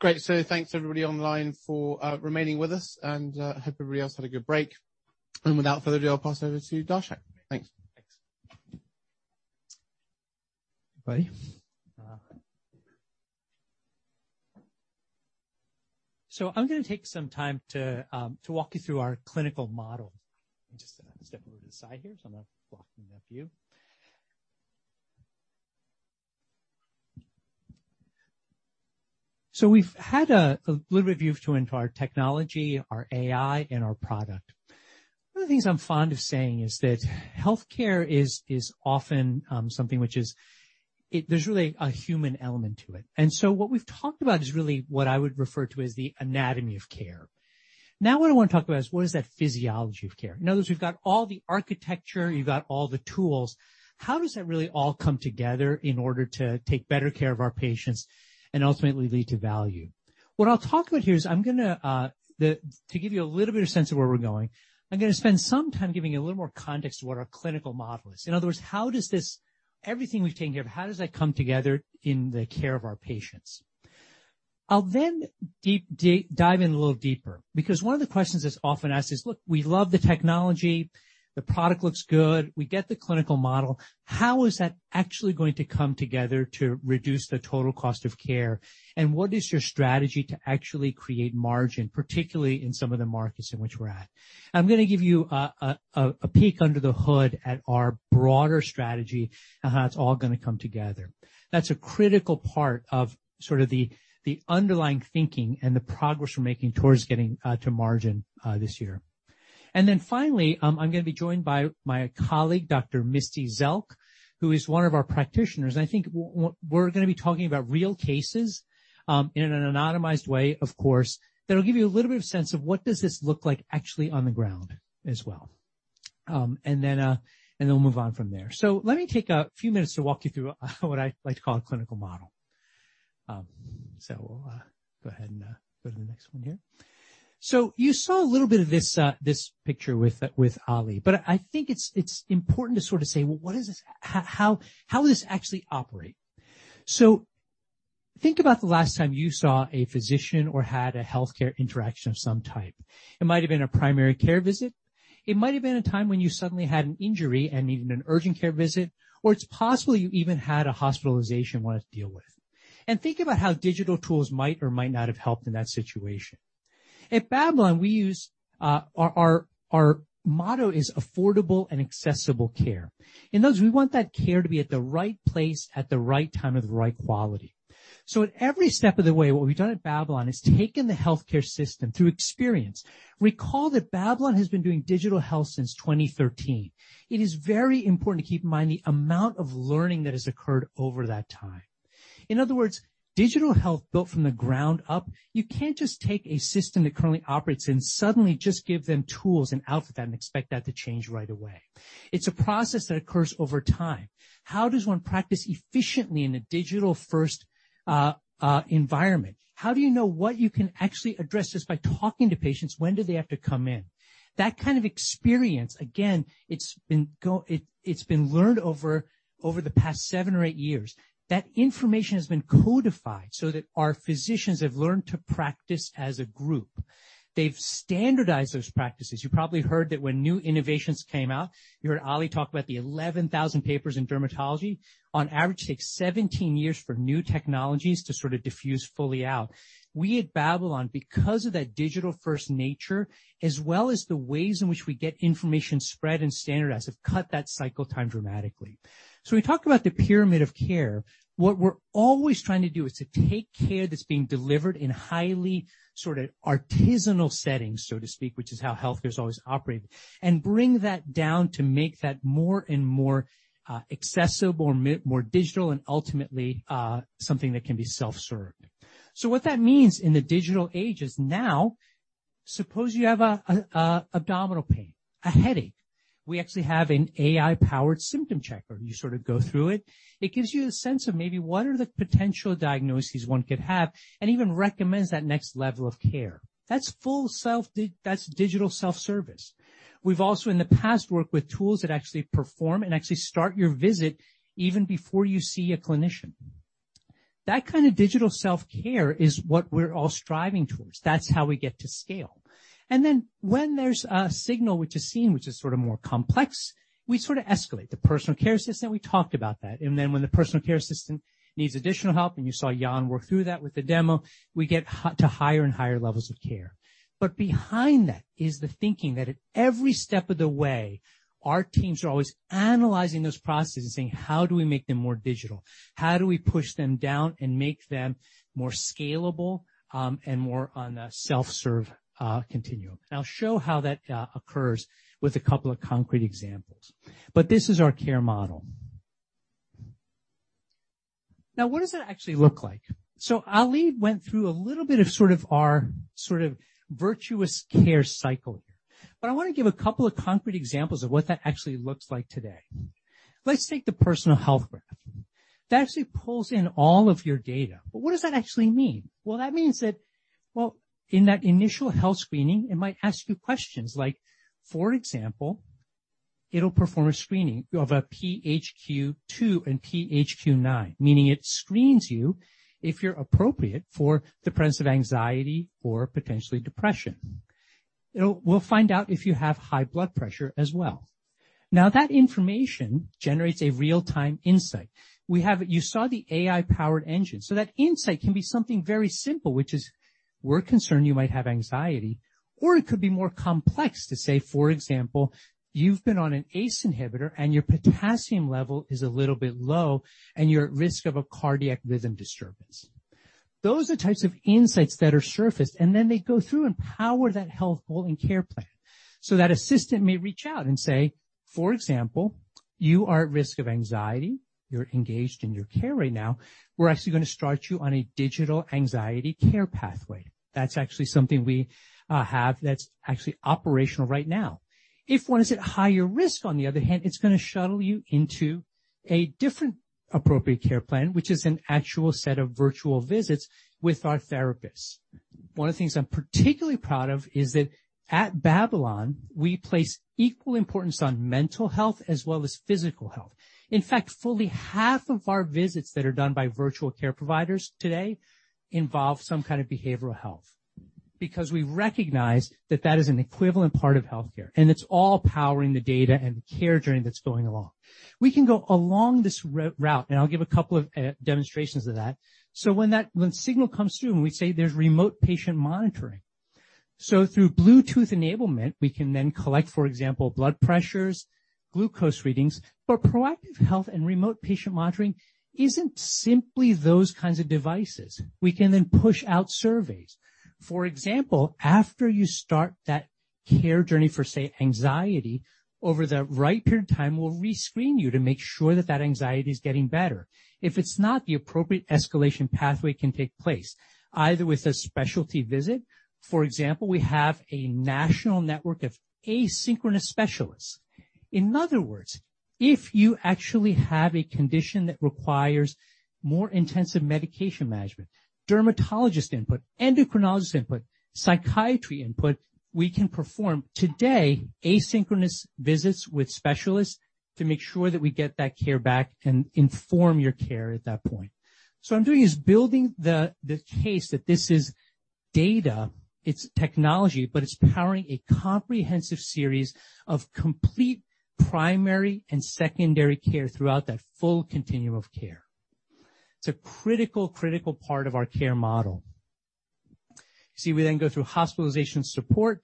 Great. So thanks, everybody online, for remaining with us. And I hope everybody else had a good break. And without further ado, I'll pass over to Darshak. Thanks Everybody, so I'm going to take some time to walk you through our clinical model. Just step over to the side here, so I'm going to block the view of you. So we've had a little bit of a view too into our technology, our AI, and our product. One of the things I'm fond of saying is that healthcare is often something which is, there's really a human element to it. And so what we've talked about is really what I would refer to as the anatomy of care. Now, what I want to talk about is what is that physiology of care? In other words, we've got all the architecture, you've got all the tools. How does that really all come together in order to take better care of our patients and ultimately lead to value? What I'll talk about here is I'm going to give you a little bit of a sense of where we're going. I'm going to spend some time giving you a little more context to what our clinical model is. In other words, how does this, everything we've taken care of, how does that come together in the care of our patients? I'll then dive in a little deeper because one of the questions that's often asked is, "Look, we love the technology, the product looks good, we get the clinical model. How is that actually going to come together to reduce the total cost of care? And what is your strategy to actually create margin, particularly in some of the markets in which we're at?" I'm going to give you a peek under the hood at our broader strategy and how it's all going to come together. That's a critical part of sort of the underlying thinking and the progress we're making towards getting to margin this year, and then finally, I'm going to be joined by my colleague, Dr. Misty Zelk, who is one of our practitioners, and I think we're going to be talking about real cases in an anonymized way, of course, that'll give you a little bit of a sense of what does this look like actually on the ground as well, and then we'll move on from there, so let me take a few minutes to walk you through what I like to call a clinical model, so we'll go ahead and go to the next one here. So you saw a little bit of this picture with Ali, but I think it's important to sort of say, "Well, how will this actually operate?" So think about the last time you saw a physician or had a healthcare interaction of some type. It might have been a primary care visit. It might have been a time when you suddenly had an injury and needed an urgent care visit, or it's possible you even had a hospitalization you wanted to deal with. And think about how digital tools might or might not have helped in that situation. At Babylon, our motto is affordable and accessible care. In other words, we want that care to be at the right place, at the right time, and the right quality. So at every step of the way, what we've done at Babylon is taken the healthcare system through experience. Recall that Babylon has been doing digital health since 2013. It is very important to keep in mind the amount of learning that has occurred over that time. In other words, digital health built from the ground up, you can't just take a system that currently operates and suddenly just give them tools and output that and expect that to change right away. It's a process that occurs over time. How does one practice efficiently in a digital-first environment? How do you know what you can actually address just by talking to patients, when do they have to come in? That kind of experience, again, it's been learned over the past seven or eight years. That information has been codified so that our physicians have learned to practice as a group. They've standardized those practices. You probably heard that when new innovations came out, you heard Ali talk about the 11,000 papers in dermatology. On average, it takes 17 years for new technologies to sort of diffuse fully out. We at Babylon, because of that digital-first nature, as well as the ways in which we get information spread and standardized, have cut that cycle time dramatically. So when we talk about the pyramid of care, what we're always trying to do is to take care that's being delivered in highly sort of artisanal settings, so to speak, which is how healthcare has always operated, and bring that down to make that more and more accessible or more digital and ultimately something that can be self-served. So what that means in the digital age is now, suppose you have abdominal pain, a headache, we actually have an AI-powered symptom checker. You sort of go through it. It gives you a sense of maybe what are the potential diagnoses one could have and even recommends that next level of care. That's digital self-service. We've also, in the past, worked with tools that actually perform and actually start your visit even before you see a clinician. That kind of digital self-care is what we're all striving towards. That's how we get to scale. And then when there's a signal which is seen, which is sort of more complex, we sort of escalate. The personal care assistant, we talked about that. And then when the personal care assistant needs additional help, and you saw Yon work through that with the demo, we get to higher and higher levels of care. But behind that is the thinking that at every step of the way, our teams are always analyzing those processes and saying, "How do we make them more digital? How do we push them down and make them more scalable and more on the self-serve continuum?" And I'll show how that occurs with a couple of concrete examples. But this is our care model. Now, what does that actually look like? So Ali went through a little bit of sort of our virtuous care cycle here. But I want to give a couple of concrete examples of what that actually looks like today. Let's take the personal health graph. That actually pulls in all of your data. But what does that actually mean? Well, that means that in that initial health screening, it might ask you questions like, for example, it'll perform a screening of a PHQ-2 and PHQ-9, meaning it screens you if you're appropriate for the presence of anxiety or potentially depression. We'll find out if you have high blood pressure as well. Now, that information generates a real-time insight. You saw the AI-powered engine. So that insight can be something very simple, which is, "We're concerned you might have anxiety." Or it could be more complex to say, for example, "You've been on an ACE inhibitor, and your potassium level is a little bit low, and you're at risk of a cardiac rhythm disturbance." Those are the types of insights that are surfaced, and then they go through and power that health goal and care plan. So that assistant may reach out and say, "For example, you are at risk of anxiety. You're engaged in your care right now. We're actually going to start you on a digital anxiety care pathway." That's actually something we have that's actually operational right now. If one is at higher risk, on the other hand, it's going to shuttle you into a different appropriate care plan, which is an actual set of virtual visits with our therapists. One of the things I'm particularly proud of is that at Babylon, we place equal importance on mental health as well as physical health. In fact, fully half of our visits that are done by virtual care providers today involve some kind of behavioral health because we recognize that that is an equivalent part of healthcare, and it's all powering the data and the care journey that's going along. We can go along this route, and I'll give a couple of demonstrations of that. So when that signal comes through, we say there's remote patient monitoring. So through Bluetooth enablement, we can then collect, for example, blood pressures, glucose readings. But proactive health and remote patient monitoring isn't simply those kinds of devices. We can then push out surveys. For example, after you start that care journey for, say, anxiety, over the right period of time, we'll rescreen you to make sure that that anxiety is getting better. If it's not, the appropriate escalation pathway can take place, either with a specialty visit. For example, we have a national network of asynchronous specialists. In other words, if you actually have a condition that requires more intensive medication management, dermatologist input, endocrinologist input, psychiatry input, we can perform today asynchronous visits with specialists to make sure that we get that care back and inform your care at that point. So what I'm doing is building the case that this is data, it's technology, but it's powering a comprehensive series of complete primary and secondary care throughout that full continuum of care. It's a critical, critical part of our care model. You see, we then go through hospitalization support.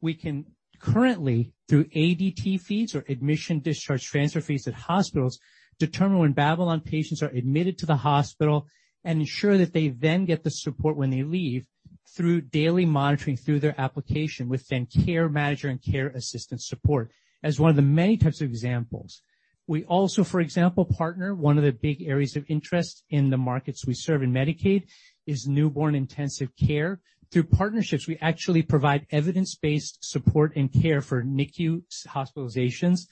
We can currently, through ADT fees or admission/discharge transfer fees at hospitals, determine when Babylon patients are admitted to the hospital and ensure that they then get the support when they leave through daily monitoring through their application within Care Manager and care assistant support as one of the many types of examples. We also, for example, partner. One of the big areas of interest in the markets we serve in Medicaid is newborn intensive care. Through partnerships, we actually provide evidence-based support and care for NICU hospitalizations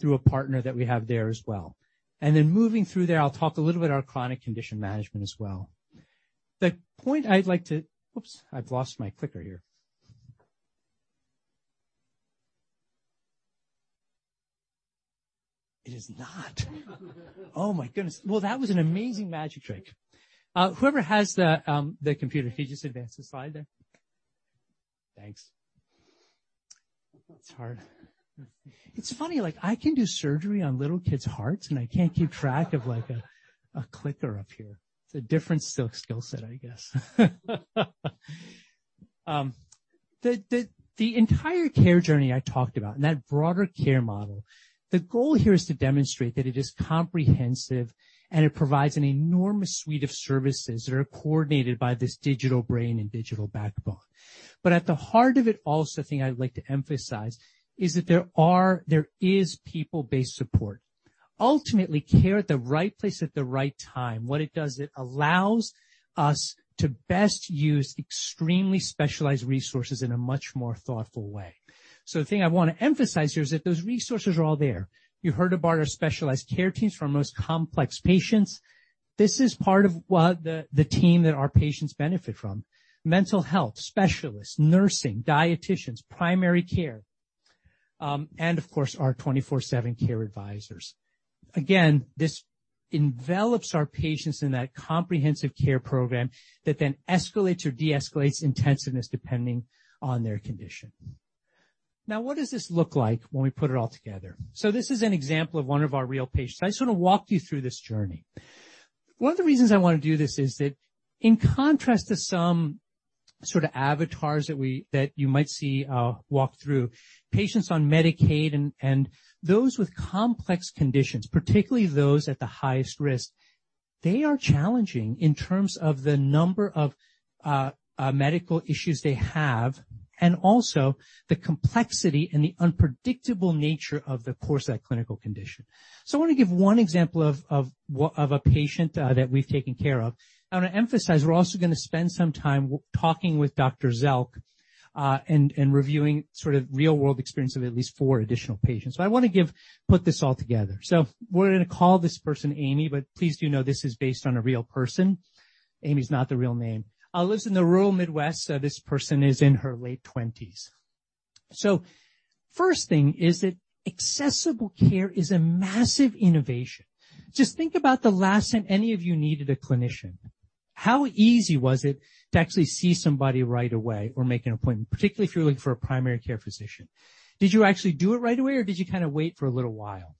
through a partner that we have there as well. And then moving through there, I'll talk a little bit about our chronic condition management as well. The point I'd like to. Oops, I've lost my clicker here. It is not. Oh my goodness. That was an amazing magic trick. Whoever has the computer, could you just advance the slide there? Thanks. It's hard. It's funny. I can do surgery on little kids' hearts, and I can't keep track of a clicker up here. It's a different skill set, I guess. The entire care journey I talked about and that broader care model, the goal here is to demonstrate that it is comprehensive and it provides an enormous suite of services that are coordinated by this digital brain and digital backbone. But at the heart of it also, I think I'd like to emphasize is that there is people-based support. Ultimately, care at the right place at the right time, what it does, it allows us to best use extremely specialized resources in a much more thoughtful way. So the thing I want to emphasize here is that those resources are all there. You heard about our specialized care teams for our most complex patients. This is part of the team that our patients benefit from: mental health specialists, nursing, dieticians, primary care, and of course, our 24/7 care advisors. Again, this envelops our patients in that comprehensive care program that then escalates or de-escalates intensiveness depending on their condition. Now, what does this look like when we put it all together? So this is an example of one of our real patients. I sort of walked you through this journey. One of the reasons I want to do this is that in contrast to some sort of avatars that you might see walk through, patients on Medicaid and those with complex conditions, particularly those at the highest risk, they are challenging in terms of the number of medical issues they have and also the complexity and the unpredictable nature of the course of that clinical condition. So I want to give one example of a patient that we've taken care of. I want to emphasize we're also going to spend some time talking with Dr. Zelk and reviewing sort of real-world experience of at least four additional patients. But I want to put this all together. So we're going to call this person Amy, but please do know this is based on a real person. Amy's not the real name. Lives in the rural Midwest. This person is in her late 20s. So first thing is that accessible care is a massive innovation. Just think about the last time any of you needed a clinician. How easy was it to actually see somebody right away or make an appointment, particularly if you're looking for a primary care physician? Did you actually do it right away, or did you kind of wait for a little while?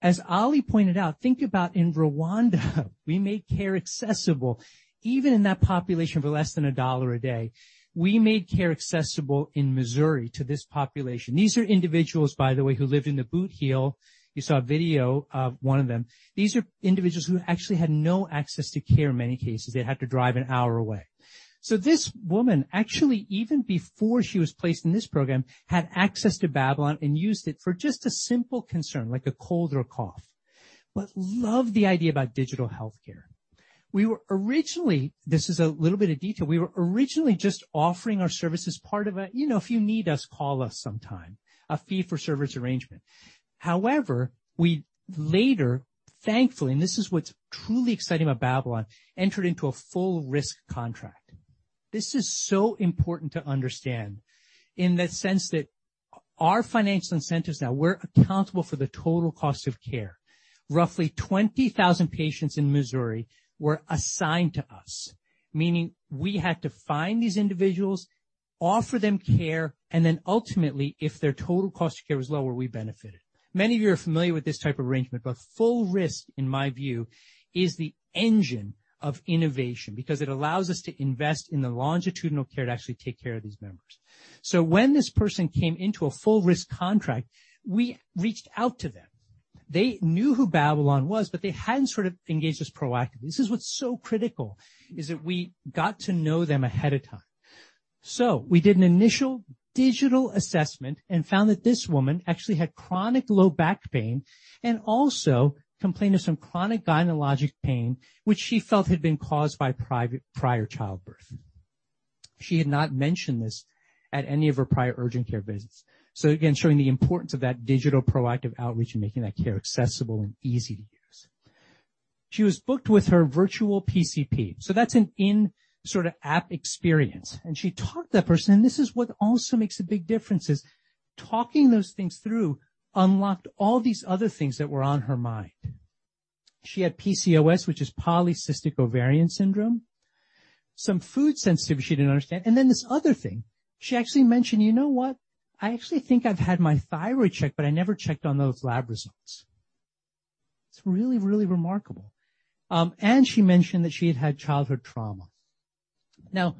As Ali pointed out, think about in Rwanda. We made care accessible even in that population for less than $1 a day. We made care accessible in Missouri to this population. These are individuals, by the way, who lived in the Bootheel. You saw a video of one of them. These are individuals who actually had no access to care in many cases. They'd have to drive an hour away. This woman, actually, even before she was placed in this program, had access to Babylon and used it for just a simple concern like a cold or a cough. But love the idea about digital healthcare. This is a little bit of detail. We were originally just offering our services part of a, "If you need us, call us sometime," a fee-for-service arrangement. However, we later, thankfully, and this is what's truly exciting about Babylon, entered into a full-risk contract. This is so important to understand in the sense that our financial incentives now, we're accountable for the total cost of care. Roughly 20,000 patients in Missouri were assigned to us, meaning we had to find these individuals, offer them care, and then ultimately, if their total cost of care was lower, we benefited. Many of you are familiar with this type of arrangement, but full risk, in my view, is the engine of innovation because it allows us to invest in the longitudinal care to actually take care of these members. So when this person came into a full-risk contract, we reached out to them. They knew who Babylon was, but they hadn't sort of engaged us proactively. This is what's so critical, is that we got to know them ahead of time. So we did an initial digital assessment and found that this woman actually had chronic low back pain and also complained of some chronic gynecologic pain, which she felt had been caused by prior childbirth. She had not mentioned this at any of her prior urgent care visits. So again, showing the importance of that digital proactive outreach and making that care accessible and easy to use. She was booked with her virtual PCP. So that's an in-app sort of app experience. And she talked to that person, and this is what also makes a big difference, is talking those things through unlocked all these other things that were on her mind. She had PCOS, which is polycystic ovary syndrome, some food sensitivity she didn't understand, and then this other thing. She actually mentioned, "You know what? I actually think I've had my thyroid checked, but I never checked on those lab results." It's really, really remarkable. And she mentioned that she had had childhood trauma. Now,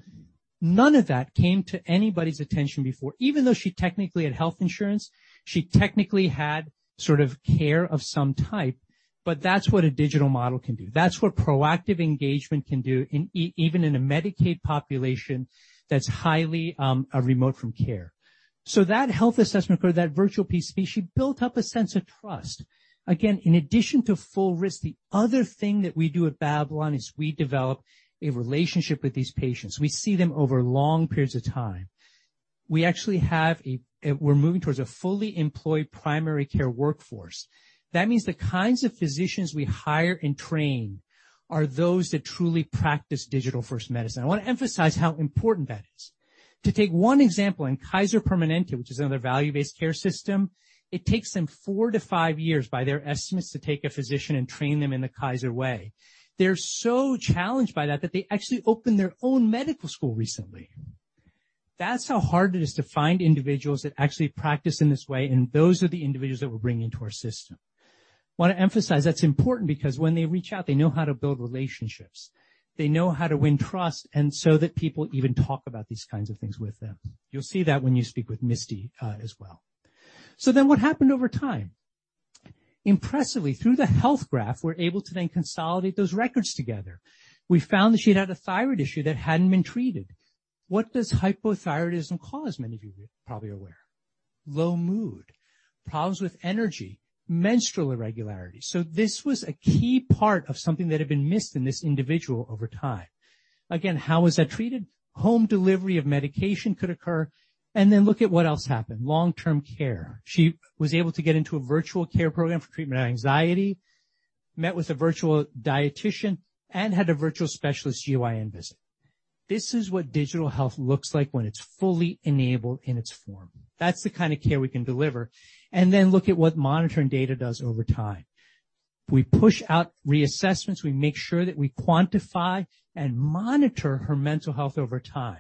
none of that came to anybody's attention before. Even though she technically had health insurance, she technically had sort of care of some type, but that's what a digital model can do. That's what proactive engagement can do, even in a Medicaid population that's highly remote from care. That health assessment, that virtual PCP, she built up a sense of trust. Again, in addition to full risk, the other thing that we do at Babylon is we develop a relationship with these patients. We see them over long periods of time. We're actually moving towards a fully employed primary care workforce. That means the kinds of physicians we hire and train are those that truly practice digital-first medicine. I want to emphasize how important that is. To take one example, in Kaiser Permanente, which is another value-based care system, it takes them four to five years, by their estimates, to take a physician and train them in the Kaiser way. They're so challenged by that that they actually opened their own medical school recently. That's how hard it is to find individuals that actually practice in this way, and those are the individuals that we're bringing into our system. I want to emphasize that's important because when they reach out, they know how to build relationships. They know how to win trust and so that people even talk about these kinds of things with them. You'll see that when you speak with Misty as well. So then what happened over time? Impressively, through the health graph, we're able to then consolidate those records together. We found that she had had a thyroid issue that hadn't been treated. What does hypothyroidism cause? Many of you probably aware. Low mood, problems with energy, menstrual irregularity. So this was a key part of something that had been missed in this individual over time. Again, how was that treated? Home delivery of medication could occur. Then look at what else happened. Long-term care. She was able to get into a virtual care program for treatment of anxiety, met with a virtual dietician, and had a virtual specialist GYN visit. This is what digital health looks like when it's fully enabled in its form. That's the kind of care we can deliver. Then look at what monitoring data does over time. We push out reassessments. We make sure that we quantify and monitor her mental health over time.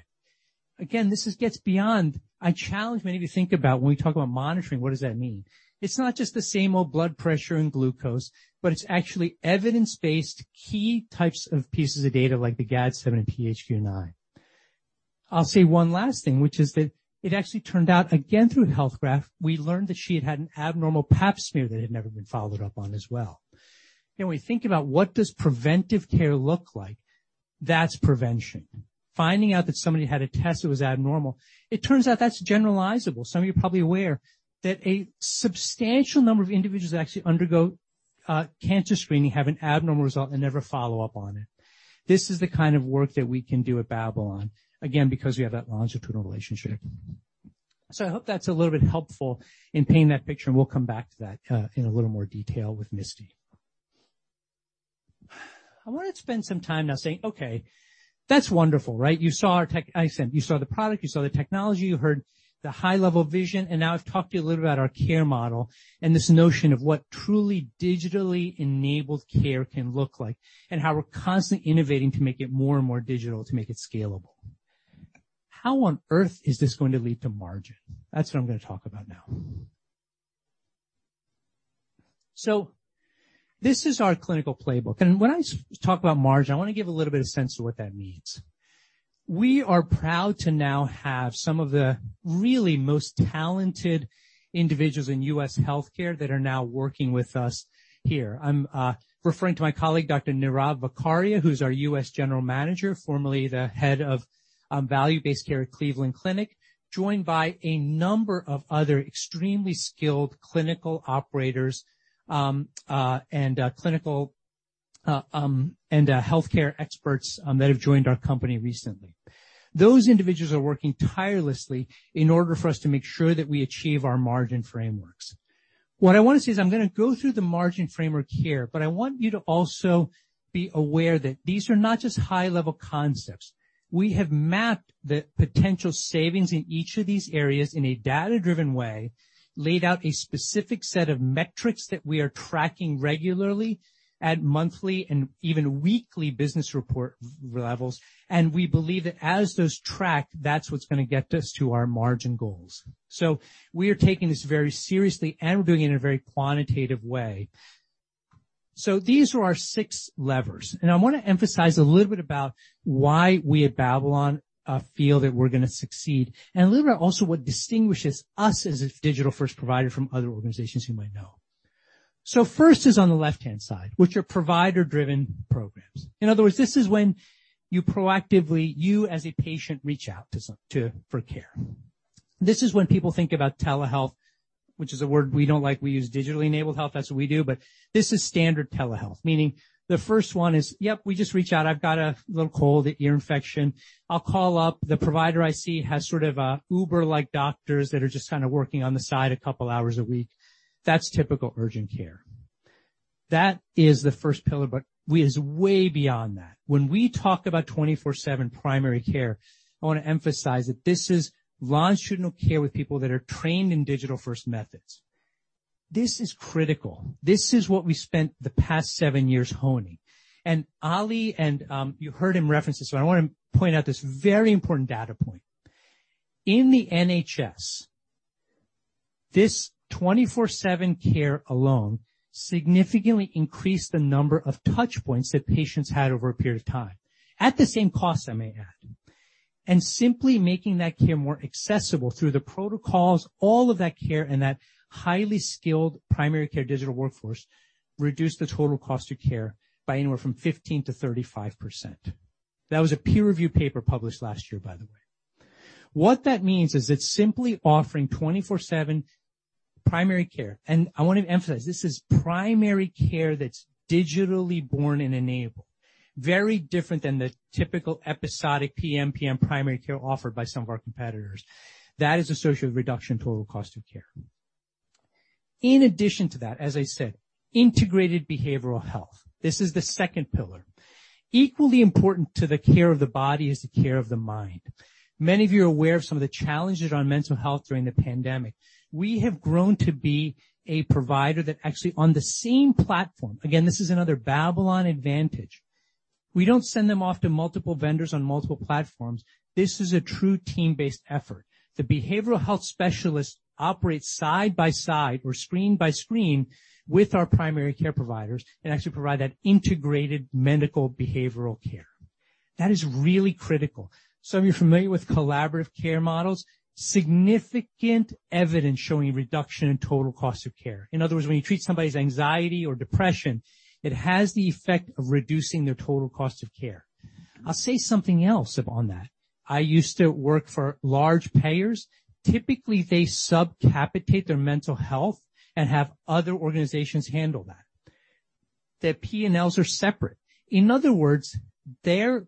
Again, this gets beyond, I challenge many of you to think about when we talk about monitoring, what does that mean? It's not just the same old blood pressure and glucose, but it's actually evidence-based key types of pieces of data like the GAD-7 and PHQ-9. I'll say one last thing, which is that it actually turned out, again, through a health graph, we learned that she had had an abnormal Pap smear that had never been followed up on as well. When we think about what does preventive care look like, that's prevention. Finding out that somebody had a test that was abnormal, it turns out that's generalizable. Some of you are probably aware that a substantial number of individuals that actually undergo cancer screening have an abnormal result and never follow up on it. This is the kind of work that we can do at Babylon, again, because we have that longitudinal relationship. So I hope that's a little bit helpful in painting that picture, and we'll come back to that in a little more detail with Misty. I want to spend some time now saying, "Okay, that's wonderful, right? You saw our, like I said, you saw the product, you saw the technology, you heard the high-level vision, and now I've talked to you a little bit about our care model and this notion of what truly digitally enabled care can look like and how we're constantly innovating to make it more and more digital to make it scalable. "How on earth is this going to lead to margin?" That's what I'm going to talk about now. So this is our clinical playbook. And when I talk about margin, I want to give a little bit of sense of what that means. We are proud to now have some of the really most talented individuals in U.S. healthcare that are now working with us here. I'm referring to my colleague, Dr. Nirav Vakharia, who's our U.S. General manager, formerly the head of value-based care at Cleveland Clinic, joined by a number of other extremely skilled clinical operators and clinical and healthcare experts that have joined our company recently. Those individuals are working tirelessly in order for us to make sure that we achieve our margin frameworks. What I want to say is I'm going to go through the margin framework here, but I want you to also be aware that these are not just high-level concepts. We have mapped the potential savings in each of these areas in a data-driven way, laid out a specific set of metrics that we are tracking regularly at monthly and even weekly business report levels, and we believe that as those track, that's what's going to get us to our margin goals. So we are taking this very seriously and we're doing it in a very quantitative way. So these are our six levers. And I want to emphasize a little bit about why we at Babylon feel that we're going to succeed and a little bit also what distinguishes us as a digital-first provider from other organizations you might know. So first is on the left-hand side, which are provider-driven programs. In other words, this is when you proactively, you as a patient, reach out for care. This is when people think about telehealth, which is a word we don't like. We use digitally enabled health. That's what we do. But this is standard telehealth, meaning the first one is, "Yep, we just reach out. I've got a little cold, ear infection. I'll call up. The provider I see has sort of Uber-like doctors that are just kind of working on the side a couple of hours a week." That's typical urgent care. That is the first pillar, but we is way beyond that. When we talk about 24/7 primary care, I want to emphasize that this is longitudinal care with people that are trained in digital-first methods. This is critical. This is what we spent the past seven years honing. Ali, and you heard him reference this, so I want to point out this very important data point. In the NHS, this 24/7 care alone significantly increased the number of touchpoints that patients had over a period of time. At the same cost, I may add. Simply making that care more accessible through the protocols, all of that care and that highly skilled primary care digital workforce reduced the total cost of care by anywhere from 15%-35%. That was a peer-reviewed paper published last year, by the way. What that means is it's simply offering 24/7 primary care. I want to emphasize, this is primary care that's digitally born and enabled, very different than the typical episodic TM primary care offered by some of our competitors. That is associated with reduction in total cost of care. In addition to that, as I said, integrated behavioral health. This is the second pillar. Equally important to the care of the body is the care of the mind. Many of you are aware of some of the challenges around mental health during the pandemic. We have grown to be a provider that actually, on the same platform, again, this is another Babylon advantage. We don't send them off to multiple vendors on multiple platforms. This is a true team-based effort. The behavioral health specialists operate side by side or screen by screen with our primary care providers and actually provide that integrated medical behavioral care. That is really critical. Some of you are familiar with collaborative care models. Significant evidence showing reduction in total cost of care. In other words, when you treat somebody's anxiety or depression, it has the effect of reducing their total cost of care. I'll say something else on that. I used to work for large payers. Typically, they subcapitate their mental health and have other organizations handle that. The P&Ls are separate. In other words, the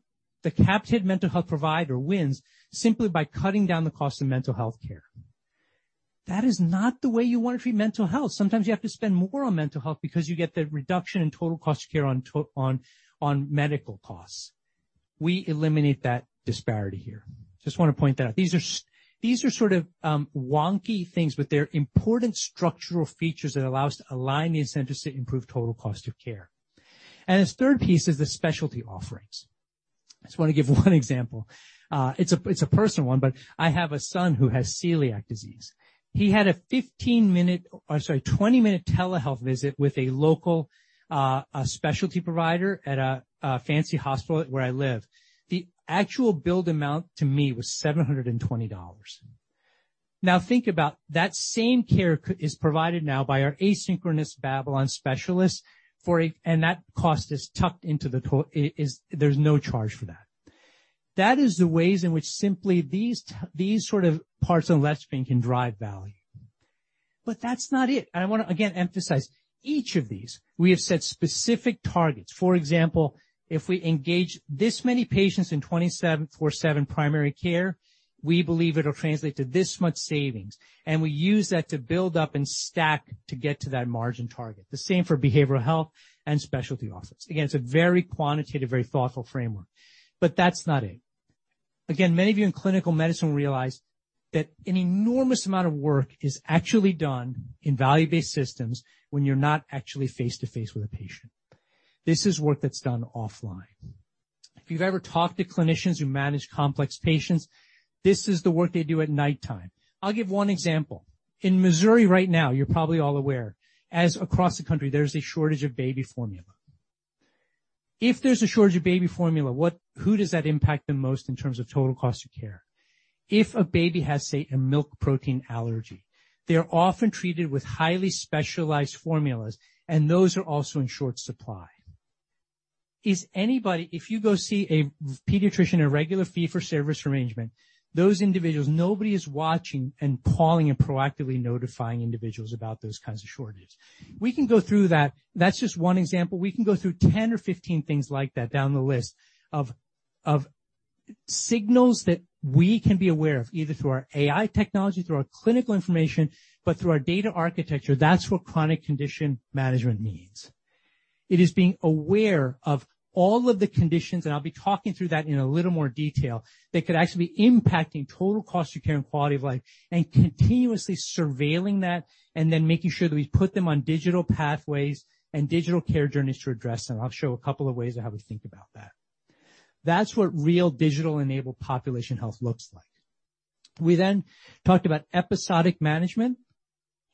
capitated mental health provider wins simply by cutting down the cost of mental healthcare. That is not the way you want to treat mental health. Sometimes you have to spend more on mental health because you get the reduction in total cost of care on medical costs. We eliminate that disparity here. Just want to point that out. These are sort of wonky things, but they're important structural features that allow us to align the incentives to improve total cost of care. And the third piece is the specialty offerings. I just want to give one example. It's a personal one, but I have a son who has celiac disease. He had a 15-minute, I'm sorry, 20-minute telehealth visit with a local specialty provider at a fancy hospital where I live. The actual billed amount to me was $720. Now think about that same care is provided now by our asynchronous Babylon specialists, and that cost is tucked into the, there's no charge for that. That is the ways in which simply these sort of parts on the left spine can drive value. But that's not it. I want to again emphasize each of these. We have set specific targets. For example, if we engage this many patients in 24/7 primary care, we believe it will translate to this much savings. And we use that to build up and stack to get to that margin target. The same for behavioral health and specialty offerings. Again, it's a very quantitative, very thoughtful framework. But that's not it. Again, many of you in clinical medicine realize that an enormous amount of work is actually done in value-based systems when you're not actually face-to-face with a patient. This is work that's done offline. If you've ever talked to clinicians who manage complex patients, this is the work they do at nighttime. I'll give one example. In Missouri right now, you're probably all aware, as across the country, there's a shortage of baby formula. If there's a shortage of baby formula, who does that impact the most in terms of total cost of care? If a baby has, say, a milk protein allergy, they're often treated with highly specialized formulas, and those are also in short supply. If you go see a pediatrician at a regular fee-for-service arrangement, those individuals, nobody is watching and calling and proactively notifying individuals about those kinds of shortages. We can go through that. That's just one example. We can go through 10 or 15 things like that down the list of signals that we can be aware of, either through our AI technology, through our clinical information, but through our data architecture. That's what chronic condition management means. It is being aware of all of the conditions, and I'll be talking through that in a little more detail, that could actually be impacting total cost of care and quality of life and continuously surveilling that and then making sure that we put them on digital pathways and digital care journeys to address them. I'll show a couple of ways of how we think about that. That's what real digital-enabled population health looks like. We then talked about episodic management.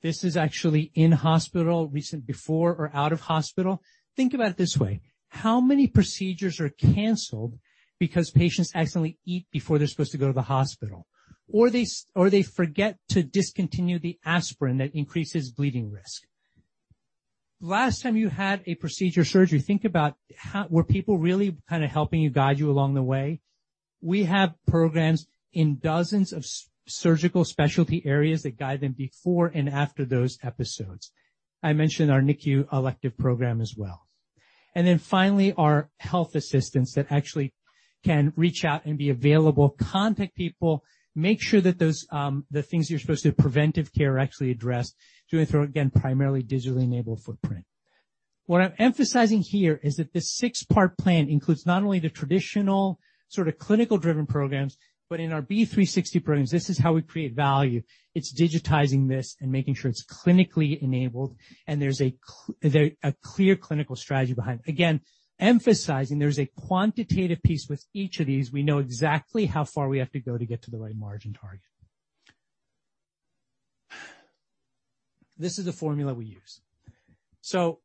This is actually in hospital, recent before or out of hospital. Think about it this way. How many procedures are canceled because patients accidentally eat before they're supposed to go to the hospital? Or they forget to discontinue the aspirin that increases bleeding risk. Last time you had a procedure surgery, think about were people really kind of helping you, guide you along the way? We have programs in dozens of surgical specialty areas that guide them before and after those episodes. I mentioned our NICU elective program as well, and then finally, our health assistants that actually can reach out and be available, contact people, make sure that the things you're supposed to do, preventive care, are actually addressed through, again, primarily digitally-enabled footprint. What I'm emphasizing here is that this six-part plan includes not only the traditional sort of clinical-driven programs, but in our B360 programs, this is how we create value. It's digitizing this and making sure it's clinically enabled, and there's a clear clinical strategy behind it. Again, emphasizing, there's a quantitative piece with each of these. We know exactly how far we have to go to get to the right margin target. This is the formula we use. So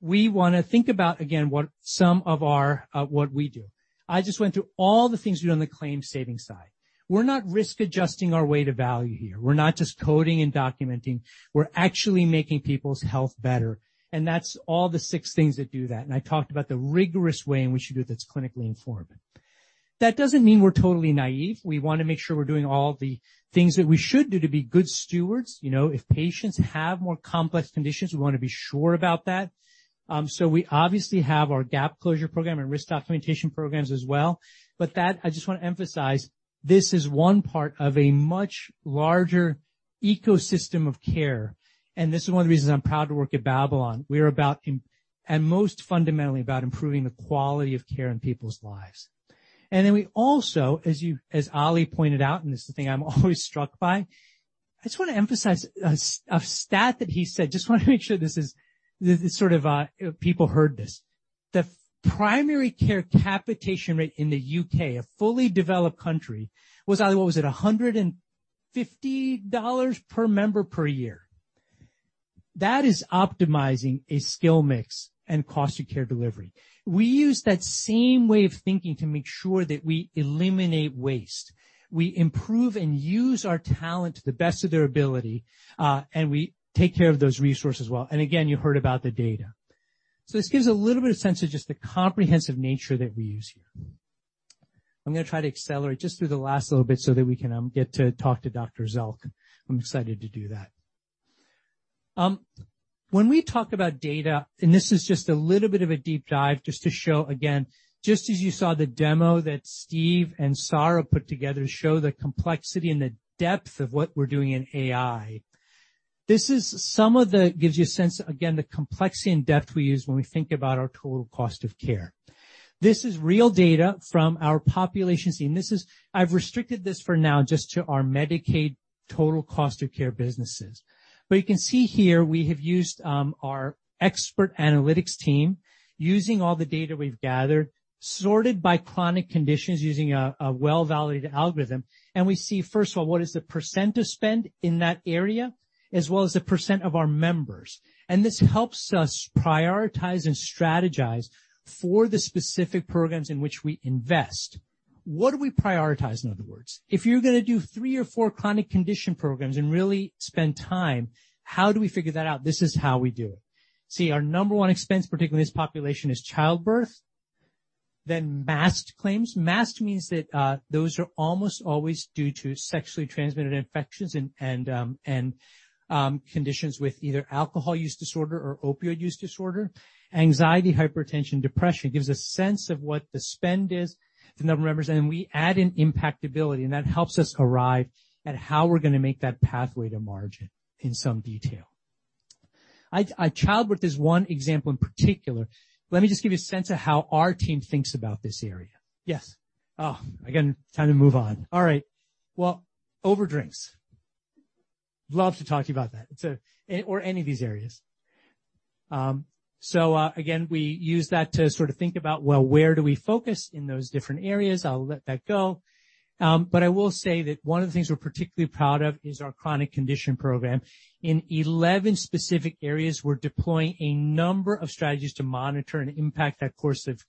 we want to think about, again, what some of our—what we do. I just went through all the things we do on the claim savings side. We're not risk-adjusting our way to value here. We're not just coding and documenting. We're actually making people's health better. And that's all the six things that do that. And I talked about the rigorous way in which you do it that's clinically informed. That doesn't mean we're totally naive. We want to make sure we're doing all the things that we should do to be good stewards. If patients have more complex conditions, we want to be sure about that. So we obviously have our gap closure program and risk documentation programs as well. But that, I just want to emphasize, this is one part of a much larger ecosystem of care. This is one of the reasons I'm proud to work at Babylon. We are about, and most fundamentally, about improving the quality of care in people's lives. Then we also, as Ali pointed out, and this is the thing I'm always struck by, I just want to emphasize a stat that he said. Just want to make sure this is sort of people heard this. The primary care capitation rate in the U.K., a fully developed country, was, Ali, what was it? $150 per member per year. That is optimizing a skill mix and cost of care delivery. We use that same way of thinking to make sure that we eliminate waste. We improve and use our talent to the best of their ability, and we take care of those resources well. Again, you heard about the data. So this gives a little bit of sense of just the comprehensive nature that we use here. I'm going to try to accelerate just through the last little bit so that we can get to talk to Dr. Zelk. I'm excited to do that. When we talk about data, and this is just a little bit of a deep dive just to show, again, just as you saw the demo that Steve and Sarah put together to show the complexity and the depth of what we're doing in AI, this is some of the, gives you a sense, again, the complexity and depth we use when we think about our total cost of care. This is real data from our populations. And I've restricted this for now just to our Medicaid total cost of care businesses. But you can see here we have used our expert analytics team using all the data we've gathered, sorted by chronic conditions using a well-validated algorithm. And we see, first of all, what is the % of spend in that area, as well as the % of our members. And this helps us prioritize and strategize for the specific programs in which we invest. What do we prioritize, in other words? If you're going to do three or four chronic condition programs and really spend time, how do we figure that out? This is how we do it. See, our number one expense, particularly in this population, is childbirth, then masked claims. Masked means that those are almost always due to sexually transmitted infections and conditions with either alcohol use disorder or opioid use disorder, anxiety, hypertension, depression. It gives a sense of what the spend is, the number of members, and then we add in impactability. And that helps us arrive at how we're going to make that pathway to margin in some detail. Childbirth is one example in particular. Let me just give you a sense of how our team thinks about this area. Yes. Oh, again, time to move on. All right. Well, over drinks. Love to talk to you about that. Or any of these areas. So again, we use that to sort of think about, well, where do we focus in those different areas? I'll let that go. But I will say that one of the things we're particularly proud of is our chronic condition program. In 11 specific areas, we're deploying a number of strategies to monitor and impact that course of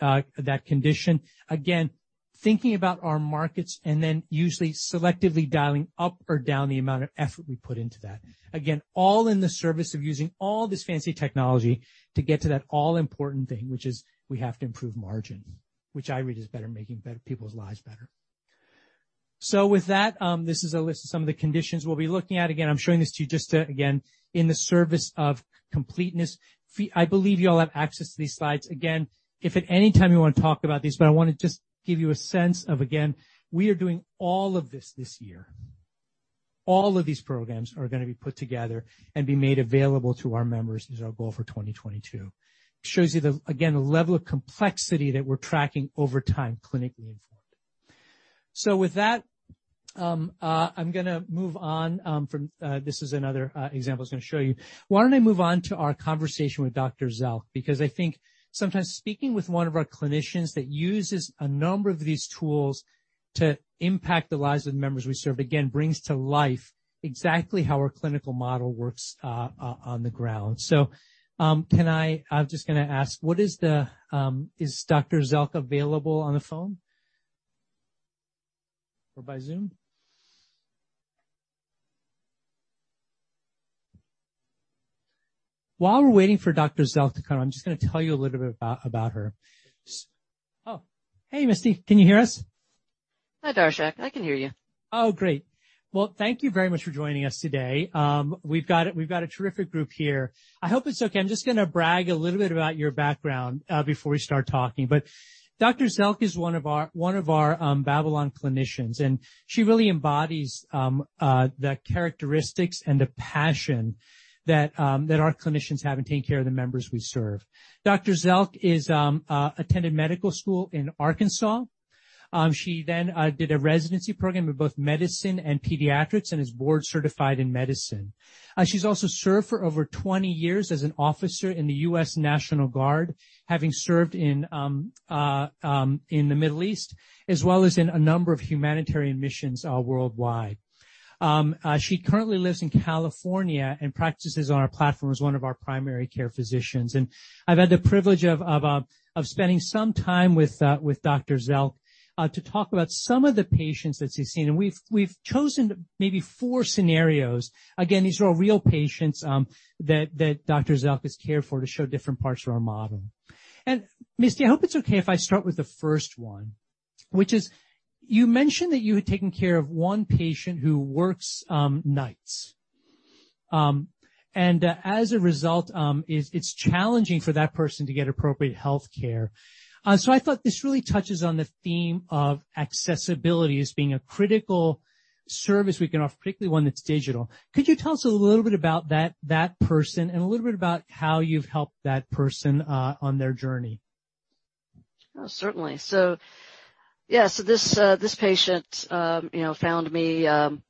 that condition. Again, thinking about our markets and then usually selectively dialing up or down the amount of effort we put into that. Again, all in the service of using all this fancy technology to get to that all-important thing, which is we have to improve margin, which I read as better making people's lives better. So with that, this is a list of some of the conditions we'll be looking at. Again, I'm showing this to you just to, again, in the service of completeness. I believe you all have access to these slides. Again, if at any time you want to talk about these, but I want to just give you a sense of, again, we are doing all of this this year. All of these programs are going to be put together and be made available to our members. This is our goal for 2022. It shows you, again, the level of complexity that we're tracking over time, clinically informed. So with that, I'm going to move on from this. This is another example I was going to show you. Why don't I move on to our conversation with Dr. Zelk? Because I think sometimes speaking with one of our clinicians that uses a number of these tools to impact the lives of the members we serve, again, brings to life exactly how our clinical model works on the ground. So I'm just going to ask, is Dr. Zelk available on the phone or by Zoom? While we're waiting for Dr. Zelk to come, I'm just going to tell you a little bit about her. Oh. Hey, Misty. Can you hear us? Hi, Darshak. I can hear you. Oh, great. Well, thank you very much for joining us today. We've got a terrific group here. I hope it's okay. I'm just going to brag a little bit about your background before we start talking. But Dr. Zelk is one of our Babylon clinicians, and she really embodies the characteristics and the passion that our clinicians have in taking care of the members we serve. Dr. Zelk attended medical school in Arkansas. She then did a residency program in both medicine and pediatrics and is board-certified in medicine. She's also served for over 20 years as an officer in the U.S. National Guard, having served in the Middle East, as well as in a number of humanitarian missions worldwide. She currently lives in California and practices on our platform as one of our primary care physicians. And I've had the privilege of spending some time with Dr. Zelk to talk about some of the patients that she's seen. We've chosen maybe four scenarios. Again, these are all real patients that Dr. Zelk has cared for to show different parts of our model. Misty, I hope it's okay if I start with the first one, which is you mentioned that you had taken care of one patient who works nights. And as a result, it's challenging for that person to get appropriate healthcare. So I thought this really touches on the theme of accessibility as being a critical service we can offer, particularly one that's digital. Could you tell us a little bit about that person and a little bit about how you've helped that person on their journey? Certainly. So yeah, so this patient found me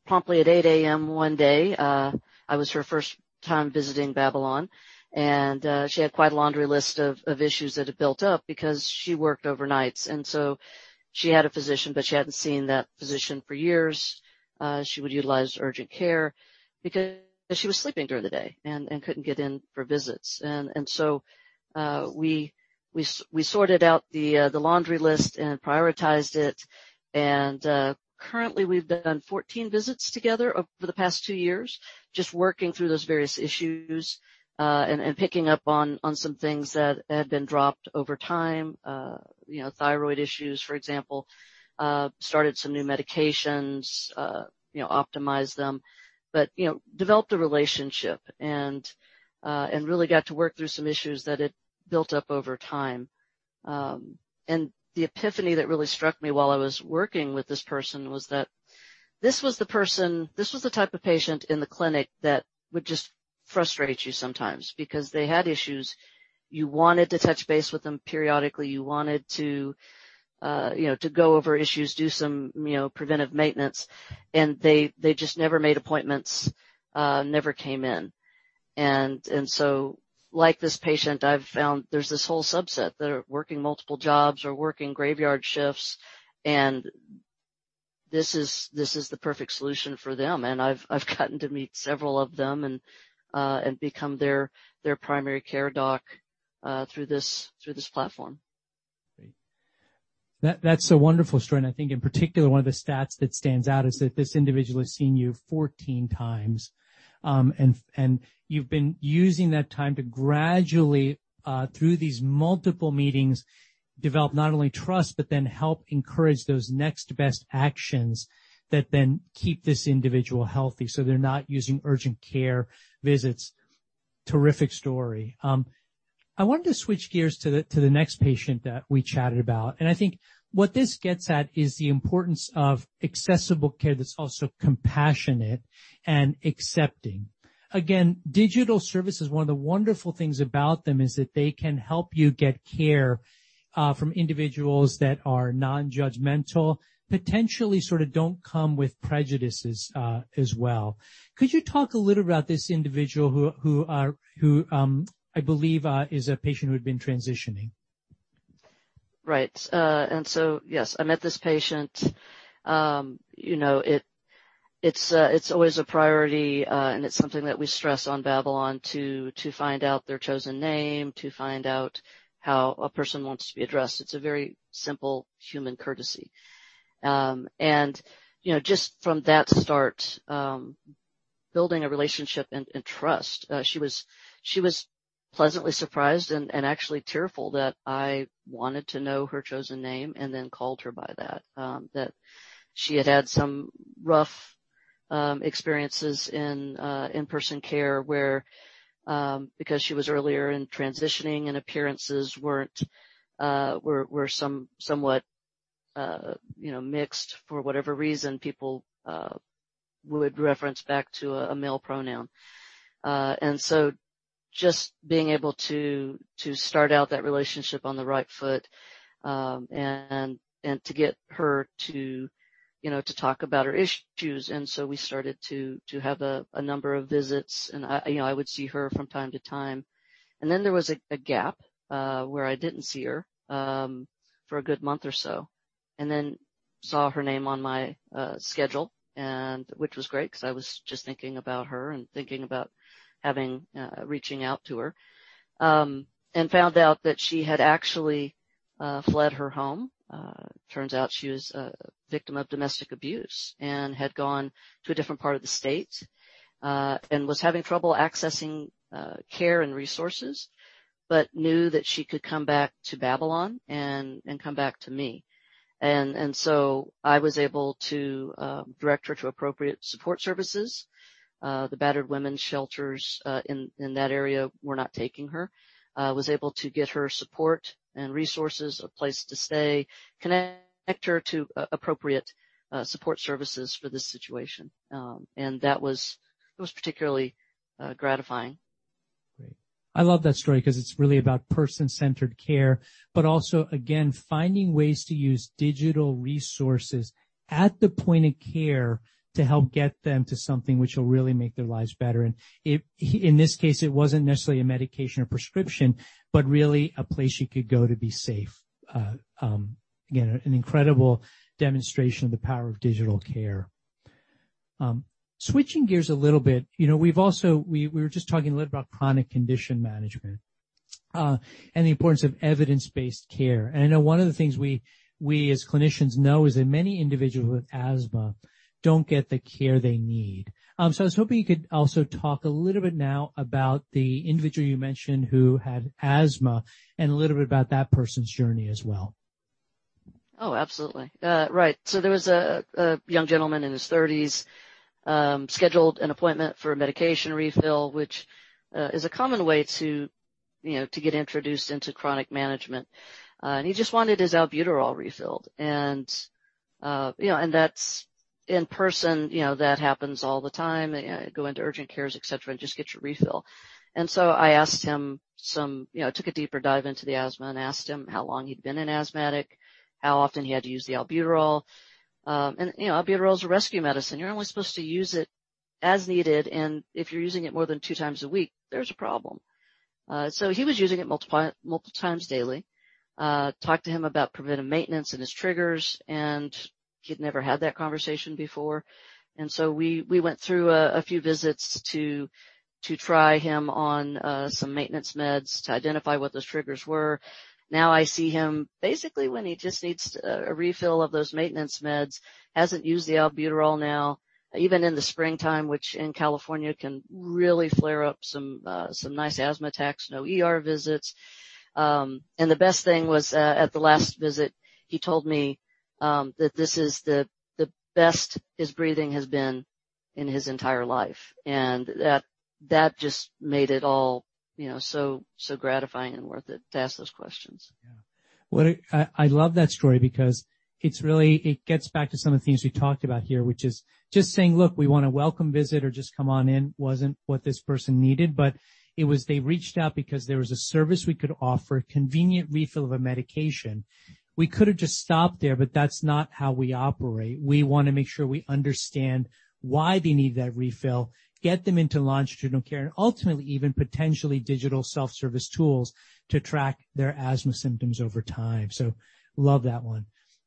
promptly at 8:00 A.M. one day. It was her first time visiting Babylon. And she had quite a laundry list of issues that had built up because she worked overnights. And so she had a physician, but she hadn't seen that physician for years. She would utilize urgent care because she was sleeping during the day and couldn't get in for visits. And so we sorted out the laundry list and prioritized it. And currently, we've done 14 visits together over the past two years, just working through those various issues and picking up on some things that had been dropped over time, thyroid issues, for example, started some new medications, optimized them, but developed a relationship and really got to work through some issues that had built up over time. And the epiphany that really struck me while I was working with this person was that this was the person, this was the type of patient in the clinic that would just frustrate you sometimes because they had issues. You wanted to touch base with them periodically. You wanted to go over issues, do some preventive maintenance, and they just never made appointments, never came in, and so like this patient, I've found there's this whole subset that are working multiple jobs or working graveyard shifts, and this is the perfect solution for them, and I've gotten to meet several of them and become their primary care doc through this platform. Great. That's a wonderful story, and I think, in particular, one of the stats that stands out is that this individual has seen you 14 times, and you've been using that time to gradually, through these multiple meetings, develop not only trust, but then help encourage those next best actions that then keep this individual healthy so they're not using urgent care visits. Terrific story. I wanted to switch gears to the next patient that we chatted about. I think what this gets at is the importance of accessible care that's also compassionate and accepting. Again, digital services, one of the wonderful things about them is that they can help you get care from individuals that are non-judgmental, potentially sort of don't come with prejudices as well. Could you talk a little bit about this individual who, I believe, is a patient who had been transitioning? Right. So yes, I met this patient. It's always a priority, and it's something that we stress on Babylon to find out their chosen name, to find out how a person wants to be addressed. It's a very simple human courtesy. Just from that start, building a relationship and trust, she was pleasantly surprised and actually tearful that I wanted to know her chosen name and then called her by that, that she had had some rough experiences in-person care because she was earlier in transitioning and appearances were somewhat mixed for whatever reason people would reference back to a male pronoun. Just being able to start out that relationship on the right foot and to get her to talk about her issues. We started to have a number of visits, and I would see her from time to time. Then there was a gap where I didn't see her for a good month or so, and then saw her name on my schedule, which was great because I was just thinking about her and thinking about reaching out to her, and found out that she had actually fled her home. Turns out she was a victim of domestic abuse and had gone to a different part of the state and was having trouble accessing care and resources, but knew that she could come back to Babylon and come back to me. So I was able to direct her to appropriate support services. The battered women's shelters in that area were not taking her. I was able to get her support and resources, a place to stay, connect her to appropriate support services for this situation. That was particularly gratifying. Great. I love that story because it's really about person-centered care, but also, again, finding ways to use digital resources at the point of care to help get them to something which will really make their lives better. And in this case, it wasn't necessarily a medication or prescription, but really a place you could go to be safe. Again, an incredible demonstration of the power of digital care. Switching gears a little bit, we were just talking a little bit about chronic condition management and the importance of evidence-based care. And I know one of the things we as clinicians know is that many individuals with asthma don't get the care they need. So I was hoping you could also talk a little bit now about the individual you mentioned who had asthma and a little bit about that person's journey as well. Oh, absolutely. Right. So there was a young gentleman in his 30s scheduled an appointment for a medication refill, which is a common way to get introduced into chronic management, and he just wanted his albuterol refilled, and that's in person, that happens all the time. Go into urgent cares, etc., and just get your refill, and so I asked him. I took a deeper dive into the asthma and asked him how long he'd been an asthmatic, how often he had to use the albuterol, and albuterol is a rescue medicine. You're only supposed to use it as needed, and if you're using it more than two times a week, there's a problem, so he was using it multiple times daily, talked to him about preventive maintenance and his triggers, and he'd never had that conversation before. And so we went through a few visits to try him on some maintenance meds to identify what those triggers were. Now I see him basically when he just needs a refill of those maintenance meds, hasn't used the albuterol now, even in the springtime, which in California can really flare up some nice asthma attacks, no visits. And the best thing was at the last visit, he told me that this is the best his breathing has been in his entire life. And that just made it all so gratifying and worth it to ask those questions. Yeah. I love that story because it gets back to some of the things we talked about here, which is just saying, "Look, we want a welcome visit or just come on in," wasn't what this person needed. But it was, they reached out because there was a service we could offer, convenient refill of a medication. We could have just stopped there, but that's not how we operate. We want to make sure we understand why they need that refill, get them into longitudinal care, and ultimately even potentially digital self-service tools to track their asthma symptoms over time. So love that one.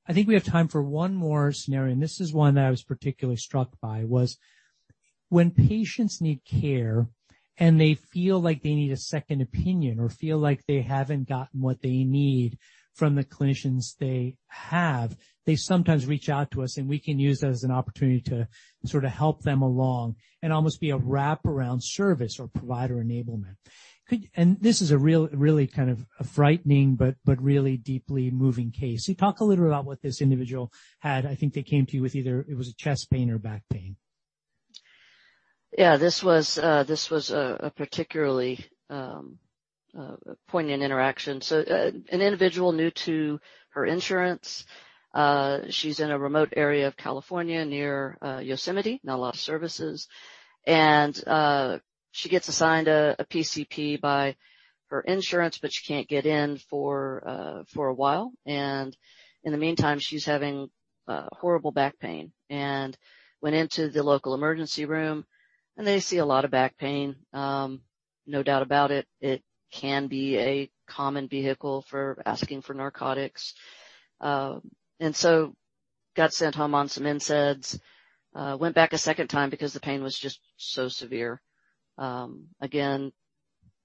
I think we have time for one more scenario, and this is one that I was particularly struck by, was when patients need care and they feel like they need a second opinion or feel like they haven't gotten what they need from the clinicians they have. They sometimes reach out to us, and we can use that as an opportunity to sort of help them along and almost be a wraparound service or provider enablement. This is a really kind of a frightening but really deeply moving case. Talk a little about what this individual had. I think they came to you with either it was chest pain or back pain. Yeah. This was a particularly poignant interaction. An individual new to her insurance. She's in a remote area of California near Yosemite, not a lot of services. She gets assigned a PCP by her insurance, but she can't get in for a while. In the meantime, she's having horrible back pain and went into the local emergency room, and they see a lot of back pain. No doubt about it. It can be a common vehicle for asking for narcotics. Got sent home on some NSAIDs, went back a second time because the pain was just so severe. Again,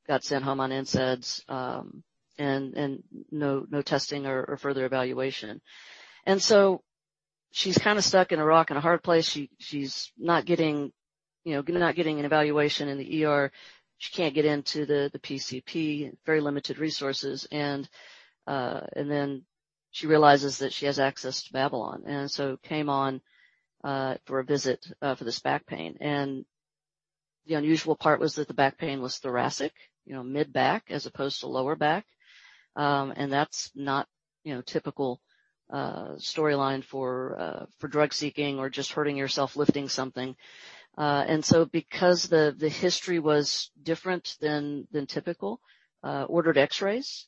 got sent home on NSAIDs and no testing or further evaluation. And so she's kind of stuck in a rock and a hard place. She's not getting an evaluation in the ER. She can't get into the PCP, very limited resources. And then she realizes that she has access to Babylon. And so came on for a visit for this back pain. And the unusual part was that the back pain was thoracic, mid-back as opposed to lower back. And that's not a typical storyline for drug seeking or just hurting yourself lifting something. And so because the history was different than typical, ordered X-rays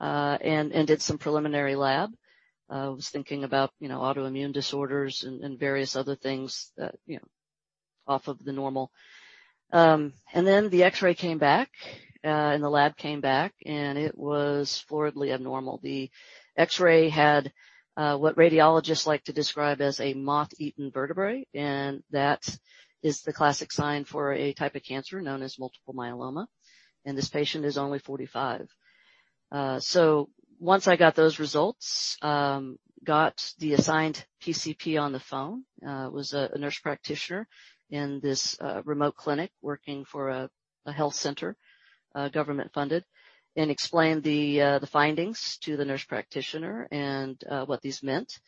and did some preliminary lab. I was thinking about autoimmune disorders and various other things off of the normal. And then the X-ray came back, and the lab came back, and it was floridly abnormal. The X-ray had what radiologists like to describe as a moth-eaten vertebrae. And that is the classic sign for a type of cancer known as multiple myeloma. And this patient is only 45. So once I got those results, got the assigned PCP on the phone, was a nurse practitioner in this remote clinic working for a health center, government-funded, and explained the findings to the nurse practitioner and what these meant.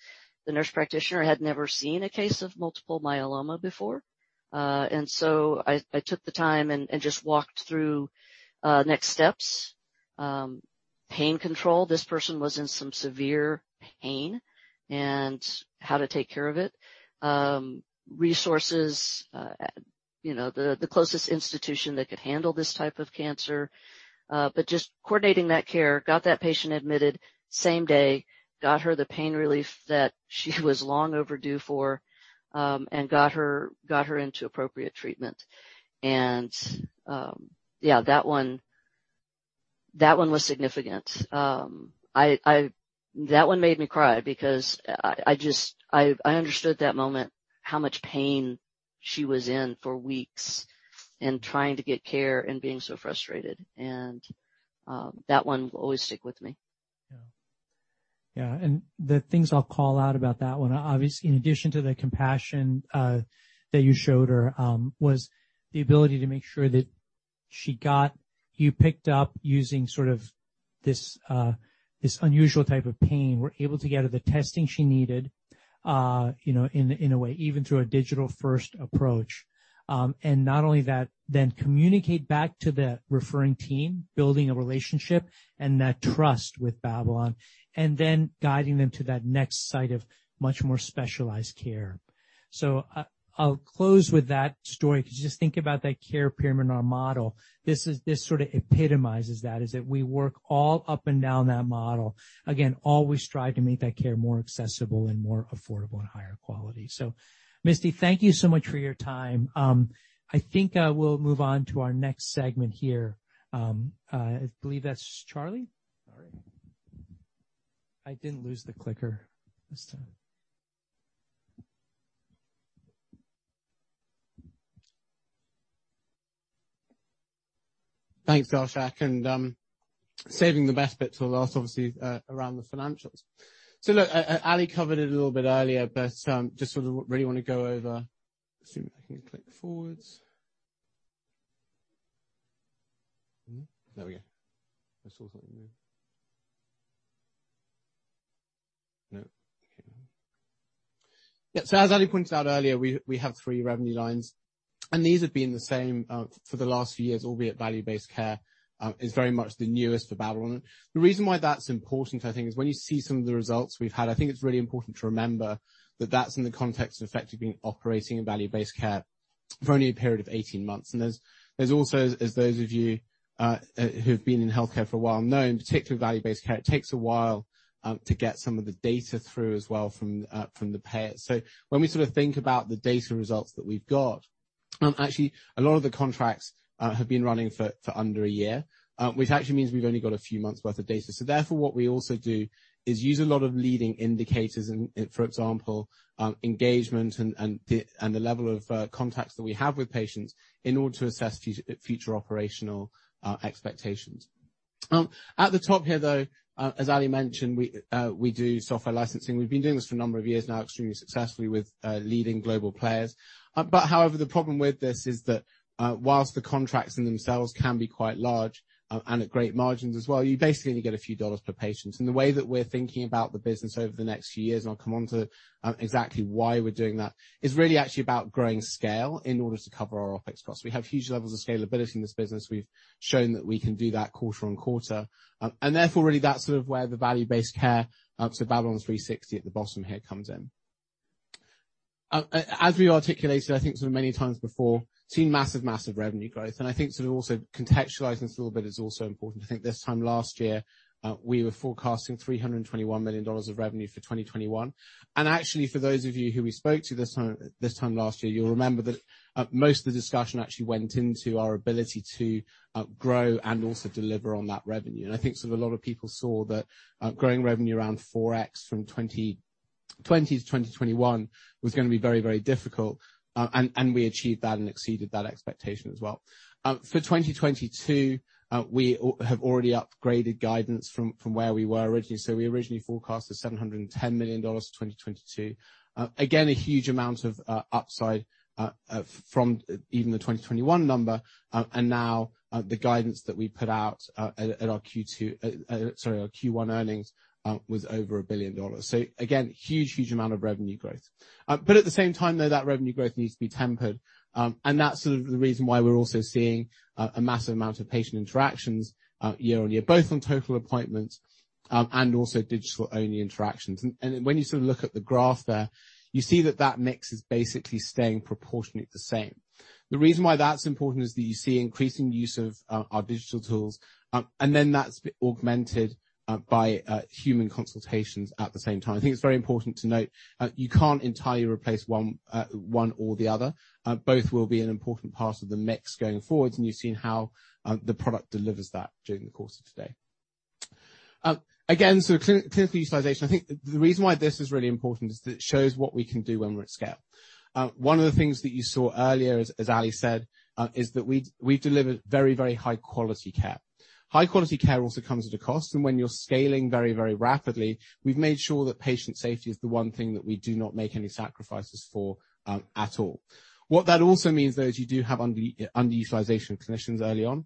The nurse practitioner had never seen a case of multiple myeloma before. And so I took the time and just walked through next steps, pain control. This person was in some severe pain and how to take care of it, resources, the closest institution that could handle this type of cancer, but just coordinating that care got that patient admitted same day, got her the pain relief that she was long overdue for, and got her into appropriate treatment. And yeah, that one was significant. That one made me cry because I understood that moment, how much pain she was in for weeks and trying to get care and being so frustrated. And that one will always stick with me. Yeah. And the things I'll call out about that one, obviously, in addition to the compassion that you showed her, was the ability to make sure that she got you picked up using sort of this unusual type of pain, were able to get her the testing she needed in a way, even through a digital-first approach. And not only that, then communicate back to the referring team, building a relationship and that trust with Babylon, and then guiding them to that next site of much more specialized care. So I'll close with that story. Just think about that care pyramid in our model. This sort of epitomizes that, is that we work all up and down that model. Again, always strive to make that care more accessible and more affordable and higher quality. So Misty, thank you so much for your time. I think we'll move on to our next segment here. I believe that's Charlie. Sorry. I didn't lose the clicker. Thanks, Darshak, and saving the best bit for last, obviously, around the financials. So look, Ali covered it a little bit earlier, but just sort of really want to go over. See if I can click forwards. There we go. I saw something move. No. Okay. Yeah, so as Ali pointed out earlier, we have three revenue lines. And these have been the same for the last few years, albeit value-based care is very much the newest for Babylon. The reason why that's important, I think, is when you see some of the results we've had, I think it's really important to remember that that's in the context of effectively operating in value-based care for only a period of 18 months. There's also, as those of you who've been in healthcare for a while know, in particular value-based care. It takes a while to get some of the data through as well from the payers. So when we sort of think about the data results that we've got, actually, a lot of the contracts have been running for under a year, which actually means we've only got a few months' worth of data. So therefore, what we also do is use a lot of leading indicators, for example, engagement and the level of contacts that we have with patients in order to assess future operational expectations. At the top here, though, as Ali mentioned, we do software licensing. We've been doing this for a number of years now, extremely successfully with leading global players. But however, the problem with this is that while the contracts in themselves can be quite large and at great margins as well, you basically only get a few dollars per patient. And the way that we're thinking about the business over the next few years, and I'll come on to exactly why we're doing that, is really actually about growing scale in order to cover our OpEx costs. We have huge levels of scalability in this business. We've shown that we can do that quarter on quarter. And therefore, really, that's sort of where the value-based care up to Babylon 360 at the bottom here comes in. As we've articulated, I think sort of many times before, seen massive, massive revenue growth. And I think sort of also contextualizing this a little bit is also important. I think this time last year, we were forecasting $321 million of revenue for 2021. And actually, for those of you who we spoke to this time last year, you'll remember that most of the discussion actually went into our ability to grow and also deliver on that revenue. And I think sort of a lot of people saw that growing revenue around 4x from 2020 to 2021 was going to be very, very difficult. And we achieved that and exceeded that expectation as well. For 2022, we have already upgraded guidance from where we were originally. So we originally forecasted $710 million for 2022. Again, a huge amount of upside from even the 2021 number. And now the guidance that we put out at our Q2, sorry, our Q1 earnings was over a billion dollars. So again, huge, huge amount of revenue growth. But at the same time, though, that revenue growth needs to be tempered. And that's sort of the reason why we're also seeing a massive amount of patient interactions year on year, both on total appointments and also digital-only interactions. And when you sort of look at the graph there, you see that that mix is basically staying proportionately the same. The reason why that's important is that you see increasing use of our digital tools. And then that's augmented by human consultations at the same time. I think it's very important to note you can't entirely replace one or the other. Both will be an important part of the mix going forwards. And you've seen how the product delivers that during the course of today. Again, sort of clinical utilization, I think the reason why this is really important is that it shows what we can do when we're at scale. One of the things that you saw earlier, as Ali said, is that we've delivered very, very high-quality care. High-quality care also comes at a cost, and when you're scaling very, very rapidly, we've made sure that patient safety is the one thing that we do not make any sacrifices for at all. What that also means, though, is you do have underutilization of clinicians early on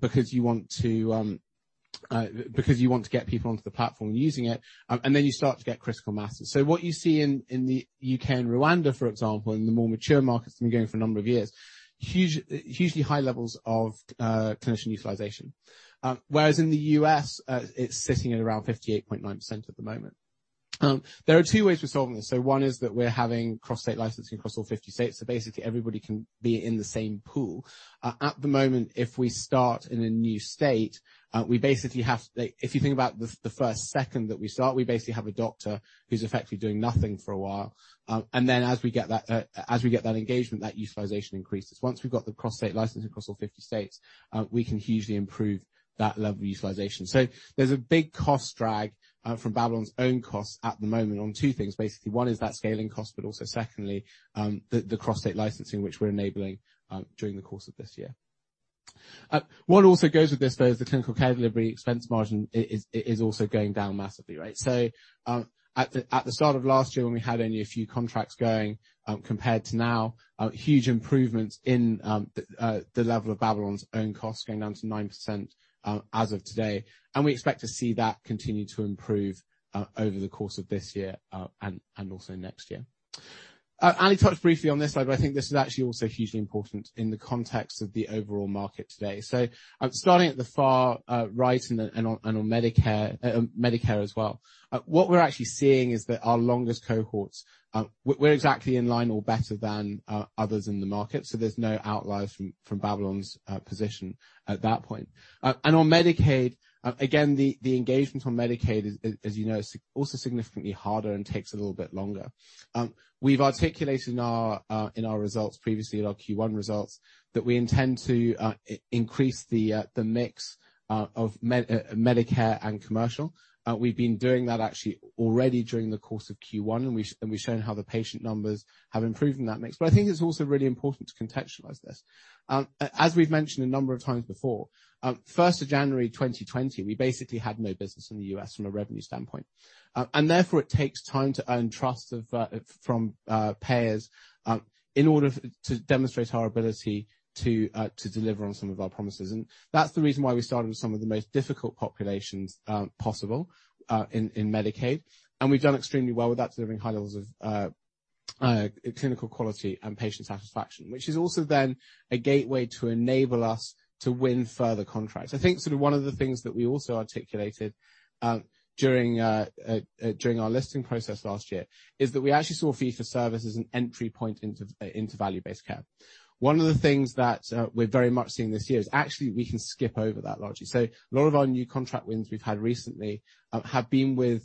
because you want to get people onto the platform using it, and then you start to get critical masses, so what you see in the U.K. and Rwanda, for example, in the more mature markets have been going for a number of years, have hugely high levels of clinician utilization. Whereas in the U.S., it's sitting at around 58.9% at the moment. There are two ways we're solving this. So one is that we're having cross-state licensing across all 50 states. So basically, everybody can be in the same pool. At the moment, if we start in a new state, we basically have if you think about the first second that we start, we basically have a doctor who's effectively doing nothing for a while. And then as we get that engagement, that utilization increases. Once we've got the cross-state licensing across all 50 states, we can hugely improve that level of utilization. So there's a big cost drag from Babylon's own costs at the moment on two things. Basically, one is that scaling cost, but also secondly, the cross-state licensing, which we're enabling during the course of this year. What also goes with this, though, is the clinical care delivery expense margin is also going down massively, right? So at the start of last year, when we had only a few contracts going compared to now, huge improvements in the level of Babylon's own costs going down to 9% as of today, and we expect to see that continue to improve over the course of this year and also next year. Ali touched briefly on this slide, but I think this is actually also hugely important in the context of the overall market today. So starting at the far right and on Medicare as well, what we're actually seeing is that our longest cohorts, we're exactly in line or better than others in the market. So there's no outliers from Babylon's position at that point. On Medicaid, again, the engagement on Medicaid, as you know, is also significantly harder and takes a little bit longer. We've articulated in our results previously, in our Q1 results, that we intend to increase the mix of Medicare and commercial. We've been doing that actually already during the course of Q1, and we've shown how the patient numbers have improved in that mix. But I think it's also really important to contextualize this. As we've mentioned a number of times before, first of January 2020, we basically had no business in the U.S. from a revenue standpoint. And therefore, it takes time to earn trust from payers in order to demonstrate our ability to deliver on some of our promises. And that's the reason why we started with some of the most difficult populations possible in Medicaid. We've done extremely well with that, delivering high levels of clinical quality and patient satisfaction, which is also then a gateway to enable us to win further contracts. I think sort of one of the things that we also articulated during our listing process last year is that we actually saw fee-for-service as an entry point into value-based care. One of the things that we're very much seeing this year is actually we can skip over that largely. A lot of our new contract wins we've had recently have been with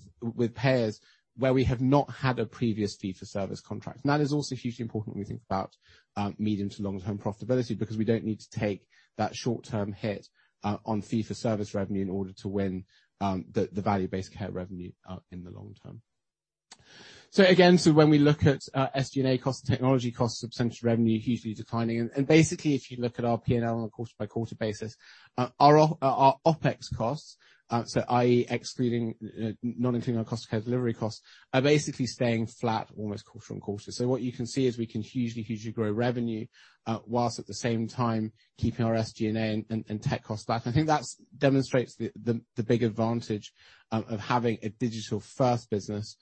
payers where we have not had a previous fee-for-service contract. That is also hugely important when we think about medium to long-term profitability because we don't need to take that short-term hit on fee-for-service revenue in order to win the value-based care revenue in the long term. So again, when we look at SG&A costs and technology costs, substantial revenue hugely declining. And basically, if you look at our P&L on a quarter-by-quarter basis, our OpEx costs, so i.e., not including our cost of care delivery costs, are basically staying flat almost quarter on quarter. So what you can see is we can hugely, hugely grow revenue while at the same time keeping our SG&A and tech costs back. I think that demonstrates the big advantage of having a digital-first business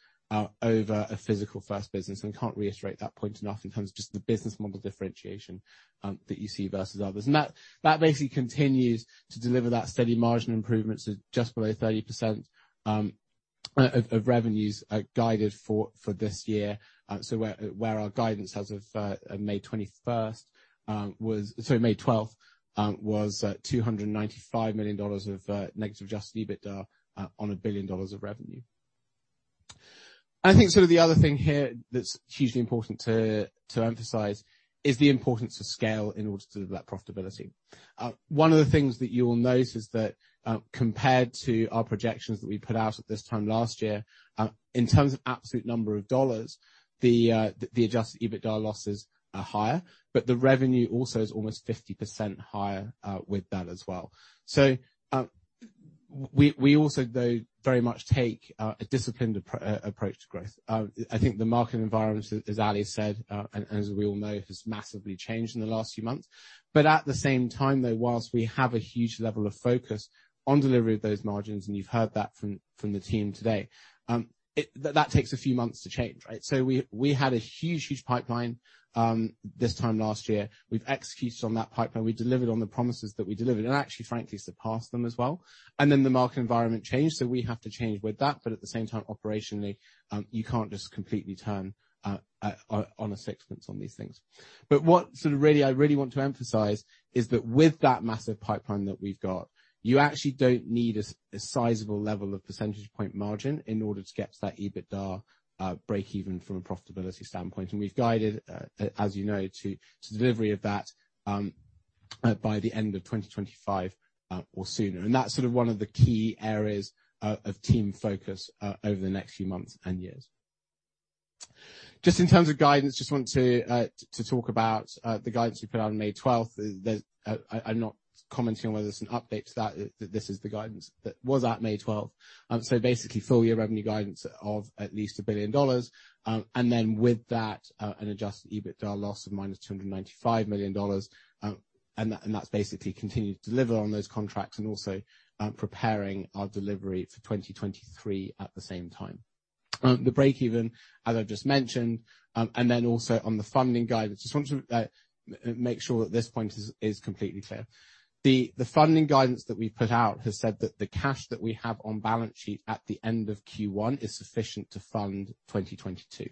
over a physical-first business. And we can't reiterate that point enough in terms of just the business model differentiation that you see versus others. And that basically continues to deliver that steady margin improvement to just below 30% of revenues guided for this year. So where our guidance as of May 21st was sorry, May 12th was $295 million of negative adjusted EBITDA on $1 billion of revenue. And I think sort of the other thing here that's hugely important to emphasize is the importance of scale in order to deliver that profitability. One of the things that you'll notice is that compared to our projections that we put out at this time last year, in terms of absolute number of dollars, the adjusted EBITDA losses are higher, but the revenue also is almost 50% higher with that as well. So we also, though, very much take a disciplined approach to growth. I think the market environment, as Ali said, and as we all know, has massively changed in the last few months. But at the same time, though, while we have a huge level of focus on delivery of those margins, and you've heard that from the team today, that takes a few months to change, right? So we had a huge, huge pipeline this time last year. We've executed on that pipeline. We delivered on the promises that we delivered and actually, frankly, surpassed them as well. And then the market environment changed. So we have to change with that. But at the same time, operationally, you can't just completely turn on a six-month on these things. But what I really want to emphasize is that with that massive pipeline that we've got, you actually don't need a sizable level of percentage point margin in order to get to that EBITDA break-even from a profitability standpoint. We've guided, as you know, to delivery of that by the end of 2025 or sooner. That's sort of one of the key areas of team focus over the next few months and years. Just in terms of guidance, I just want to talk about the guidance we put out on May 12th. I'm not commenting on whether it's an update to that. That this is the guidance that was at May 12th. Basically, full-year revenue guidance of at least $1 billion. Then with that, an adjusted EBITDA loss of -$295 million. That's basically continued delivery on those contracts and also preparing our delivery for 2023 at the same time. The break-even, as I've just mentioned, and then also on the funding guidance, I just want to make sure that this point is completely clear. The funding guidance that we've put out has said that the cash that we have on balance sheet at the end of Q1 is sufficient to fund 2022.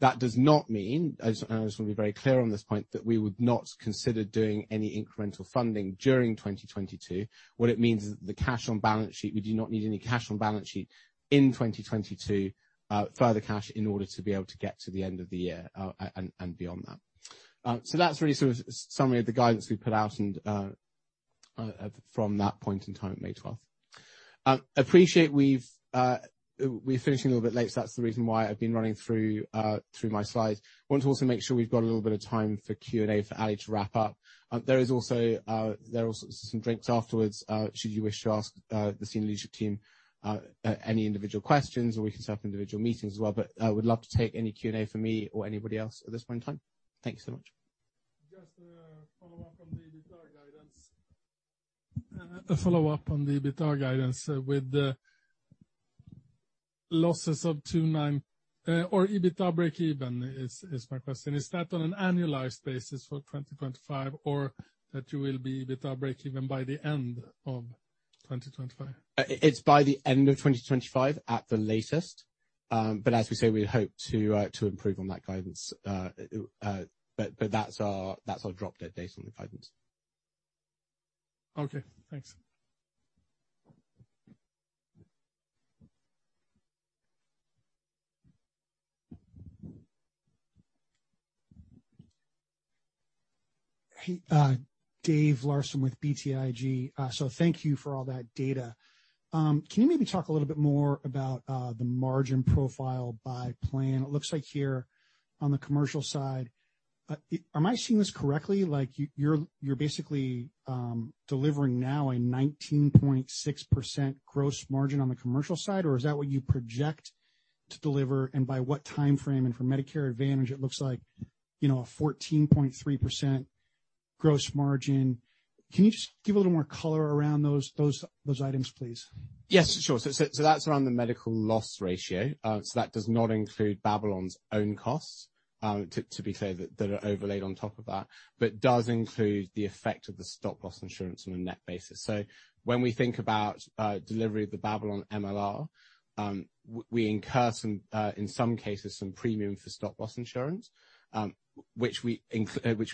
That does not mean, and I just want to be very clear on this point, that we would not consider doing any incremental funding during 2022. What it means is that the cash on balance sheet, we do not need any cash on balance sheet in 2022, further cash in order to be able to get to the end of the year and beyond that. So that's really sort of a summary of the guidance we put out from that point in time at May 12th. Appreciate we're finishing a little bit late. So that's the reason why I've been running through my slides. I want to also make sure we've got a little bit of time for Q&A for Ali to wrap up. There is also some drinks afterwards. Should you wish to ask the senior leadership team any individual questions, or we can set up individual meetings as well. But I would love to take any Q&A from me or anybody else at this point in time. Thank you so much. Just a follow-up on the EBITDA guidance. A follow-up on the EBITDA guidance with the losses of 29 or EBITDA break-even is my question. Is that on an annualized basis for 2025, or that you will be EBITDA break-even by the end of 2025? It's by the end of 2025 at the latest. But as we say, we hope to improve on that guidance. But that's our drop dead date on the guidance. Okay. Thanks. Dave Larsen with BTIG. So thank you for all that data. Can you maybe talk a little bit more about the margin profile by plan? It looks like here on the commercial side, am I seeing this correctly? You're basically delivering now a 19.6% gross margin on the commercial side, or is that what you project to deliver? And by what timeframe? And for Medicare Advantage, it looks like a 14.3% gross margin. Can you just give a little more color around those items, please? Yes, sure. So that's around the medical loss ratio. So that does not include Babylon's own costs, to be fair, that are overlaid on top of that, but does include the effect of the stop-loss insurance on a net basis. So when we think about delivery of the Babylon MLR, we incur in some cases some premium for stop-loss insurance, which we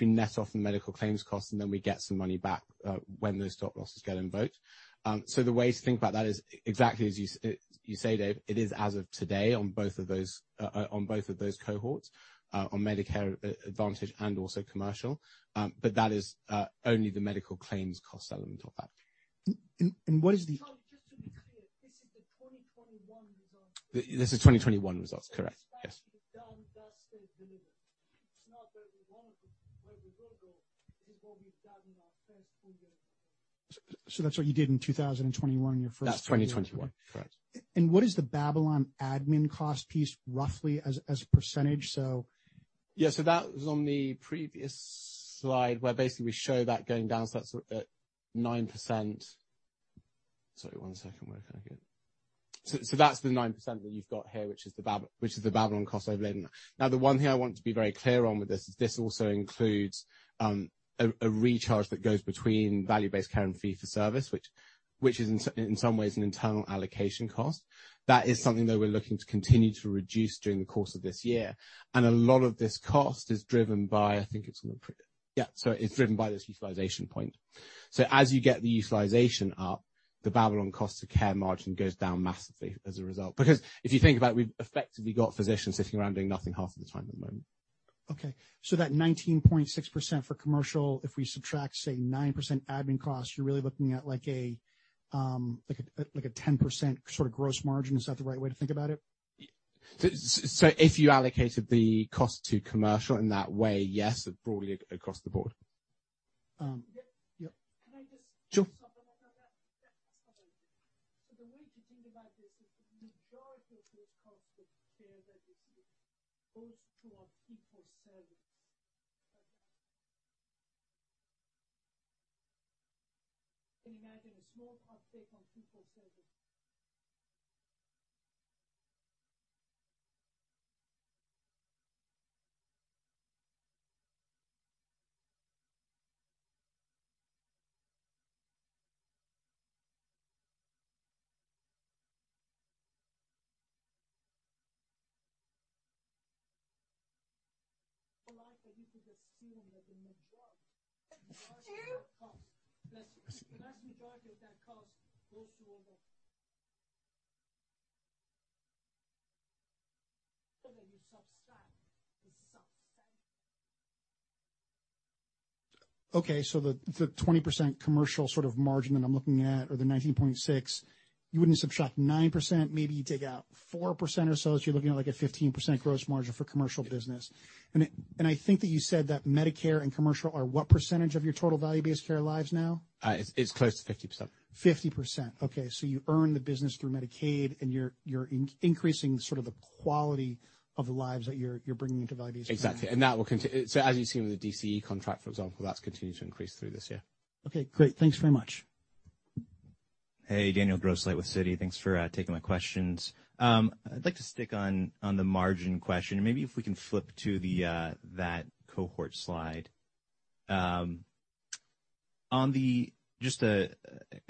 net off the medical claims costs, and then we get some money back when those stop-losses get invoked. So the way to think about that is exactly as you say, Dave. It is as of today on both of those cohorts, on Medicare Advantage and also commercial. But that is only the medical claims cost element of that. And what is the? Sorry, just to be clear, this is the 2021 results. This is 2021 results, correct? Yes. That's what we've done, that's the delivery. It's not where we want to go. Where we will go, this is what we've done in our first full-year report. So that's what you did in 2021 in your first report? That's 2021, correct. And what is the Babylon admin cost piece roughly as a percentage? So. Yeah. So that was on the previous slide where basically we show that going down. So that's 9%. So that's the 9% that you've got here, which is the Babylon cost overlaid. Now, the one thing I want to be very clear on with this is this also includes a recharge that goes between value-based care and fee-for-service, which is in some ways an internal allocation cost. That is something that we're looking to continue to reduce during the course of this year. And a lot of this cost is driven by this utilization point. So it's driven by this utilization point. So as you get the utilization up, the Babylon cost of care margin goes down massively as a result. Because if you think about it, we've effectively got physicians sitting around doing nothing half of the time at the moment. Okay. So that 19.6% for commercial, if we subtract, say, 9% admin costs, you're really looking at like a 10% sort of gross margin. Is that the right way to think about it? So if you allocated the cost to commercial in that way, yes, broadly across the board. Yep. Can I just supplement on that? So the way to think about this is the majority of those costs of care that you see goes towards fee-for-service. Can you imagine a small uptake on fee-for-service? I like that you could assume that the majority of that cost, the vast majority of that cost goes towards that you subtract the substantial. Okay. So the 20% commercial sort of margin that I'm looking at, or the 19.6, you wouldn't subtract 9%. Maybe you take out 4% or so. So you're looking at like a 15% gross margin for commercial business. And I think that you said that Medicare and commercial are what percentage of your total value-based care lives now? It's close to 50%. 50%. Okay. So you earn the business through Medicaid, and you're increasing sort of the quality of the lives that you're bringing into value-based care. Exactly. And that will continue. So as you've seen with the DCE contract, for example, that's continued to increase through this year. Okay. Great. Thanks very much. Hey, Daniel Grosslight with Citi. Thanks for taking my questions. I'd like to stick on the margin question. Maybe if we can flip to that cohort slide. Just, I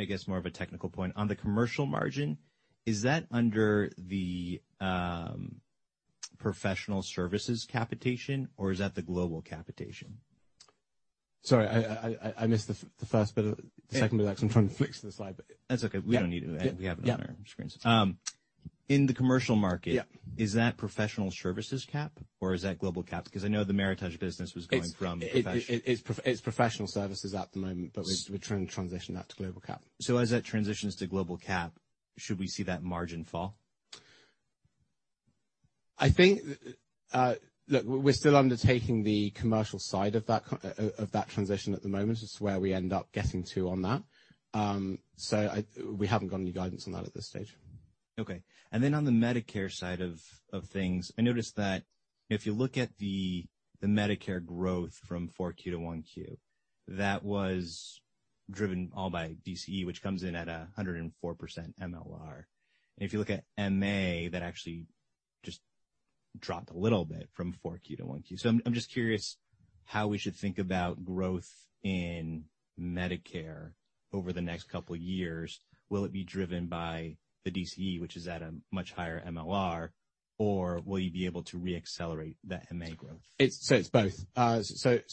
guess, more of a technical point. On the commercial margin, is that under the professional services capitation, or is that the global capitation? Sorry, I missed the second bit of that because I'm trying to fix the slide. That's okay. We don't need it. We have it on our screens. In the commercial market, is that professional services cap, or is that global cap? Because I know the Medicare business was going from professional. It's professional services at the moment, but we're trying to transition that to global cap. So as that transitions to global cap, should we see that margin fall? I think, look, we're still undertaking the commercial side of that transition at the moment. It's where we end up getting to on that. So we haven't got any guidance on that at this stage. Okay. And then on the Medicare side of things, I noticed that if you look at the Medicare growth from 4Q to 1Q, that was driven all by DCE, which comes in at 104% MLR. If you look at MA, that actually just dropped a little bit from 4Q to 1Q. I'm just curious how we should think about growth in Medicare over the next couple of years. Will it be driven by the DCE, which is at a much higher MLR, or will you be able to reaccelerate that MA growth? It's both.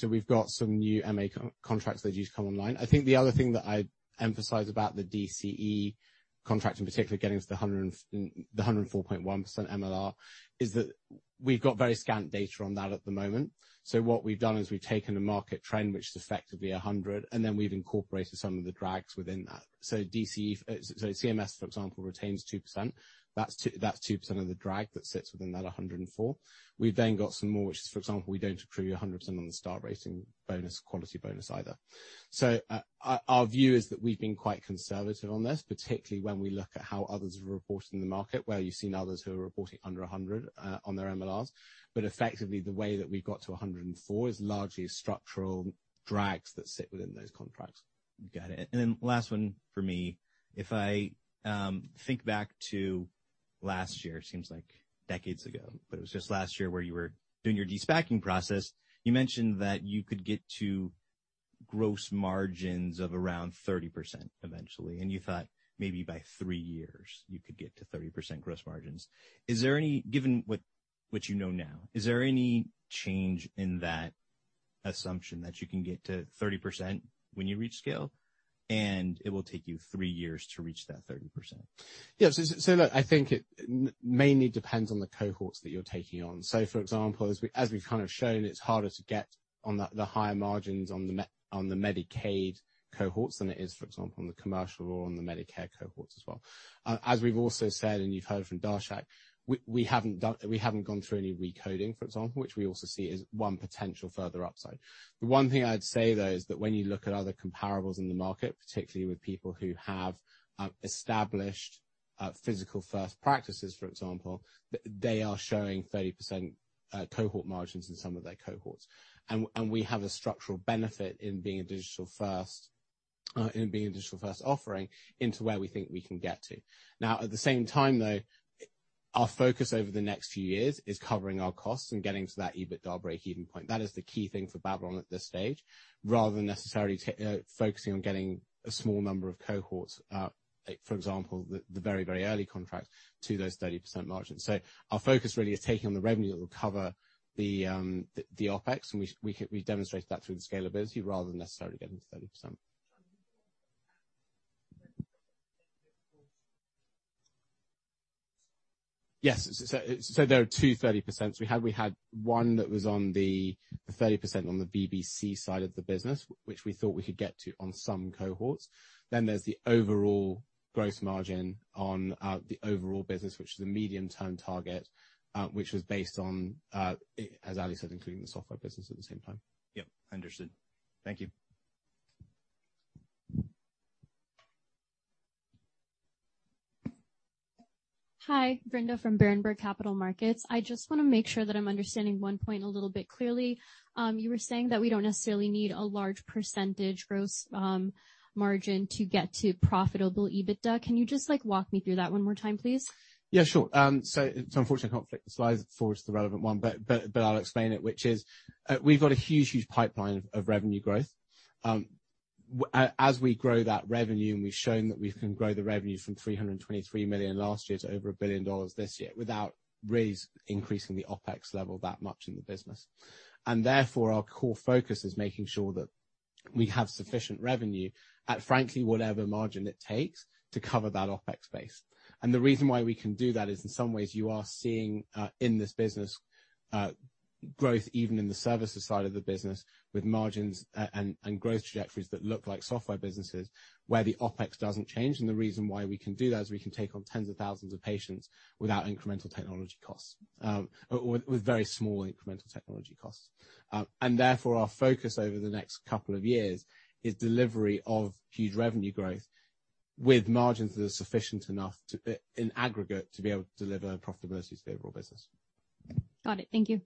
We've got some new MA contracts that are due to come online. I think the other thing that I emphasize about the DCE contract, in particular, getting to the 104.1% MLR, is that we've got very scant data on that at the moment. What we've done is we've taken a market trend, which is effectively 100%, and then we've incorporated some of the drags within that. CMS, for example, retains 2%. That's 2% of the drag that sits within that 104. We've then got some more, which is, for example, we don't accrue 100% on the star rating bonus, quality bonus either. So our view is that we've been quite conservative on this, particularly when we look at how others have reported in the market, where you've seen others who are reporting under 100% on their MLRs. But effectively, the way that we've got to 104% is largely structural drags that sit within those contracts. Got it. And then last one for me. If I think back to last year, it seems like decades ago, but it was just last year where you were doing your de-risking process, you mentioned that you could get to gross margins of around 30% eventually. And you thought maybe by three years, you could get to 30% gross margins. Given what you know now, is there any change in that assumption that you can get to 30% when you reach scale, and it will take you three years to reach that 30%? Yeah. So look, I think it mainly depends on the cohorts that you're taking on. So for example, as we've kind of shown, it's harder to get on the higher margins on the Medicaid cohorts than it is, for example, on the commercial or on the Medicare cohorts as well. As we've also said, and you've heard from Darshak, we haven't gone through any recoding, for example, which we also see as one potential further upside. The one thing I'd say, though, is that when you look at other comparables in the market, particularly with people who have established physical-first practices, for example, they are showing 30% cohort margins in some of their cohorts. We have a structural benefit in being a digital-first offering into where we think we can get to. Now, at the same time, though, our focus over the next few years is covering our costs and getting to that EBITDA break-even point. That is the key thing for Babylon at this stage, rather than necessarily focusing on getting a small number of cohorts, for example, the very, very early contracts, to those 30% margins. Our focus really is taking on the revenue that will cover the OpEx, and we demonstrate that through the scalability rather than necessarily getting to 30%. Yes. There are two 30%s. We had one that was on the 30% on the B2C side of the business, which we thought we could get to on some cohorts. Then there's the overall gross margin on the overall business, which is the medium-term target, which was based on, as Ali said, including the software business at the same time. Yep. Understood. Thank you. Hi, Brenda from Berenberg Capital Markets. I just want to make sure that I'm understanding one point a little bit clearly. You were saying that we don't necessarily need a large % gross margin to get to profitable EBITDA. Can you just walk me through that one more time, please? Yeah, sure. So unfortunately, I can't flick the slides forward to the relevant one, but I'll explain it, which is we've got a huge, huge pipeline of revenue growth. As we grow that revenue, and we've shown that we can grow the revenue from $323 million last year to over $1 billion this year without really increasing the OpEx level that much in the business. Therefore, our core focus is making sure that we have sufficient revenue at, frankly, whatever margin it takes to cover that OpEx base. The reason why we can do that is, in some ways, you are seeing in this business growth, even in the services side of the business, with margins and growth trajectories that look like software businesses, where the OpEx doesn't change. The reason why we can do that is we can take on tens of thousands of patients without incremental technology costs, or with very small incremental technology costs. Therefore, our focus over the next couple of years is delivery of huge revenue growth with margins that are sufficient enough in aggregate to be able to deliver profitability to the overall business. Got it. Thank you.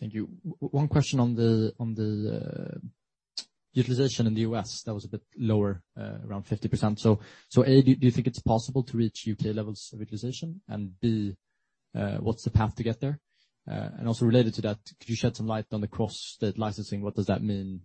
Thank you. One question on the utilization in the U.S. That was a bit lower, around 50%. Do you think it's possible to reach UK levels of utilization? And B, what's the path to get there? And also related to that, could you shed some light on the cross-state licensing? What does that mean?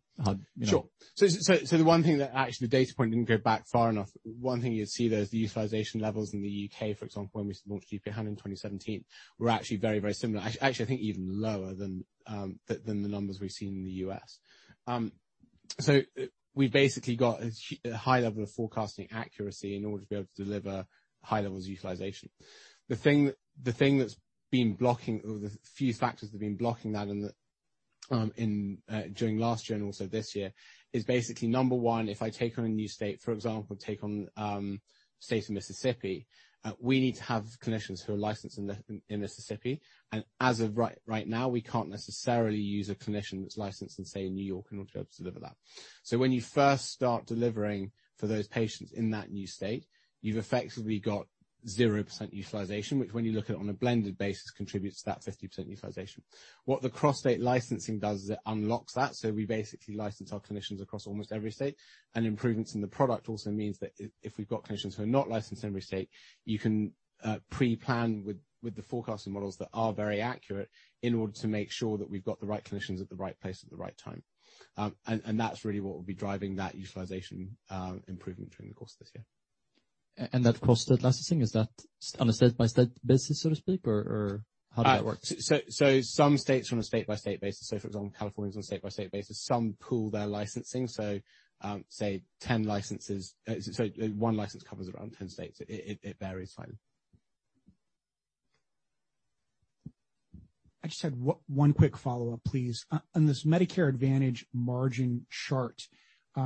Sure. So the one thing that actually the data point didn't go back far enough. One thing you'd see those utilization levels in the UK, for example, when we launched GP at Hand in 2017, were actually very, very similar. Actually, I think even lower than the numbers we've seen in the U.S. So we've basically got a high level of forecasting accuracy in order to be able to deliver high levels of utilization. The thing that's been blocking or the few factors that have been blocking that during last year and also this year is basically number one. If I take on a new state, for example, take on the state of Mississippi, we need to have clinicians who are licensed in Mississippi, and as of right now, we can't necessarily use a clinician that's licensed in, say, New York in order to be able to deliver that. So when you first start delivering for those patients in that new state, you've effectively got 0% utilization, which when you look at it on a blended basis, contributes to that 50% utilization. What the cross-state licensing does is it unlocks that, so we basically license our clinicians across almost every state. Improvements in the product also means that if we've got clinicians who are not licensed in every state, you can pre-plan with the forecasting models that are very accurate in order to make sure that we've got the right clinicians at the right place at the right time. That's really what will be driving that utilization improvement during the course of this year. That cross-state licensing, is that on a state-by-state basis, so to speak, or how does that work? Some states are on a state-by-state basis. For example, California is on a state-by-state basis. Some pool their licensing. Say, 10 licenses. Sorry, one license covers around 10 states. It varies slightly. I just had one quick follow-up, please. On this Medicare Advantage margin chart,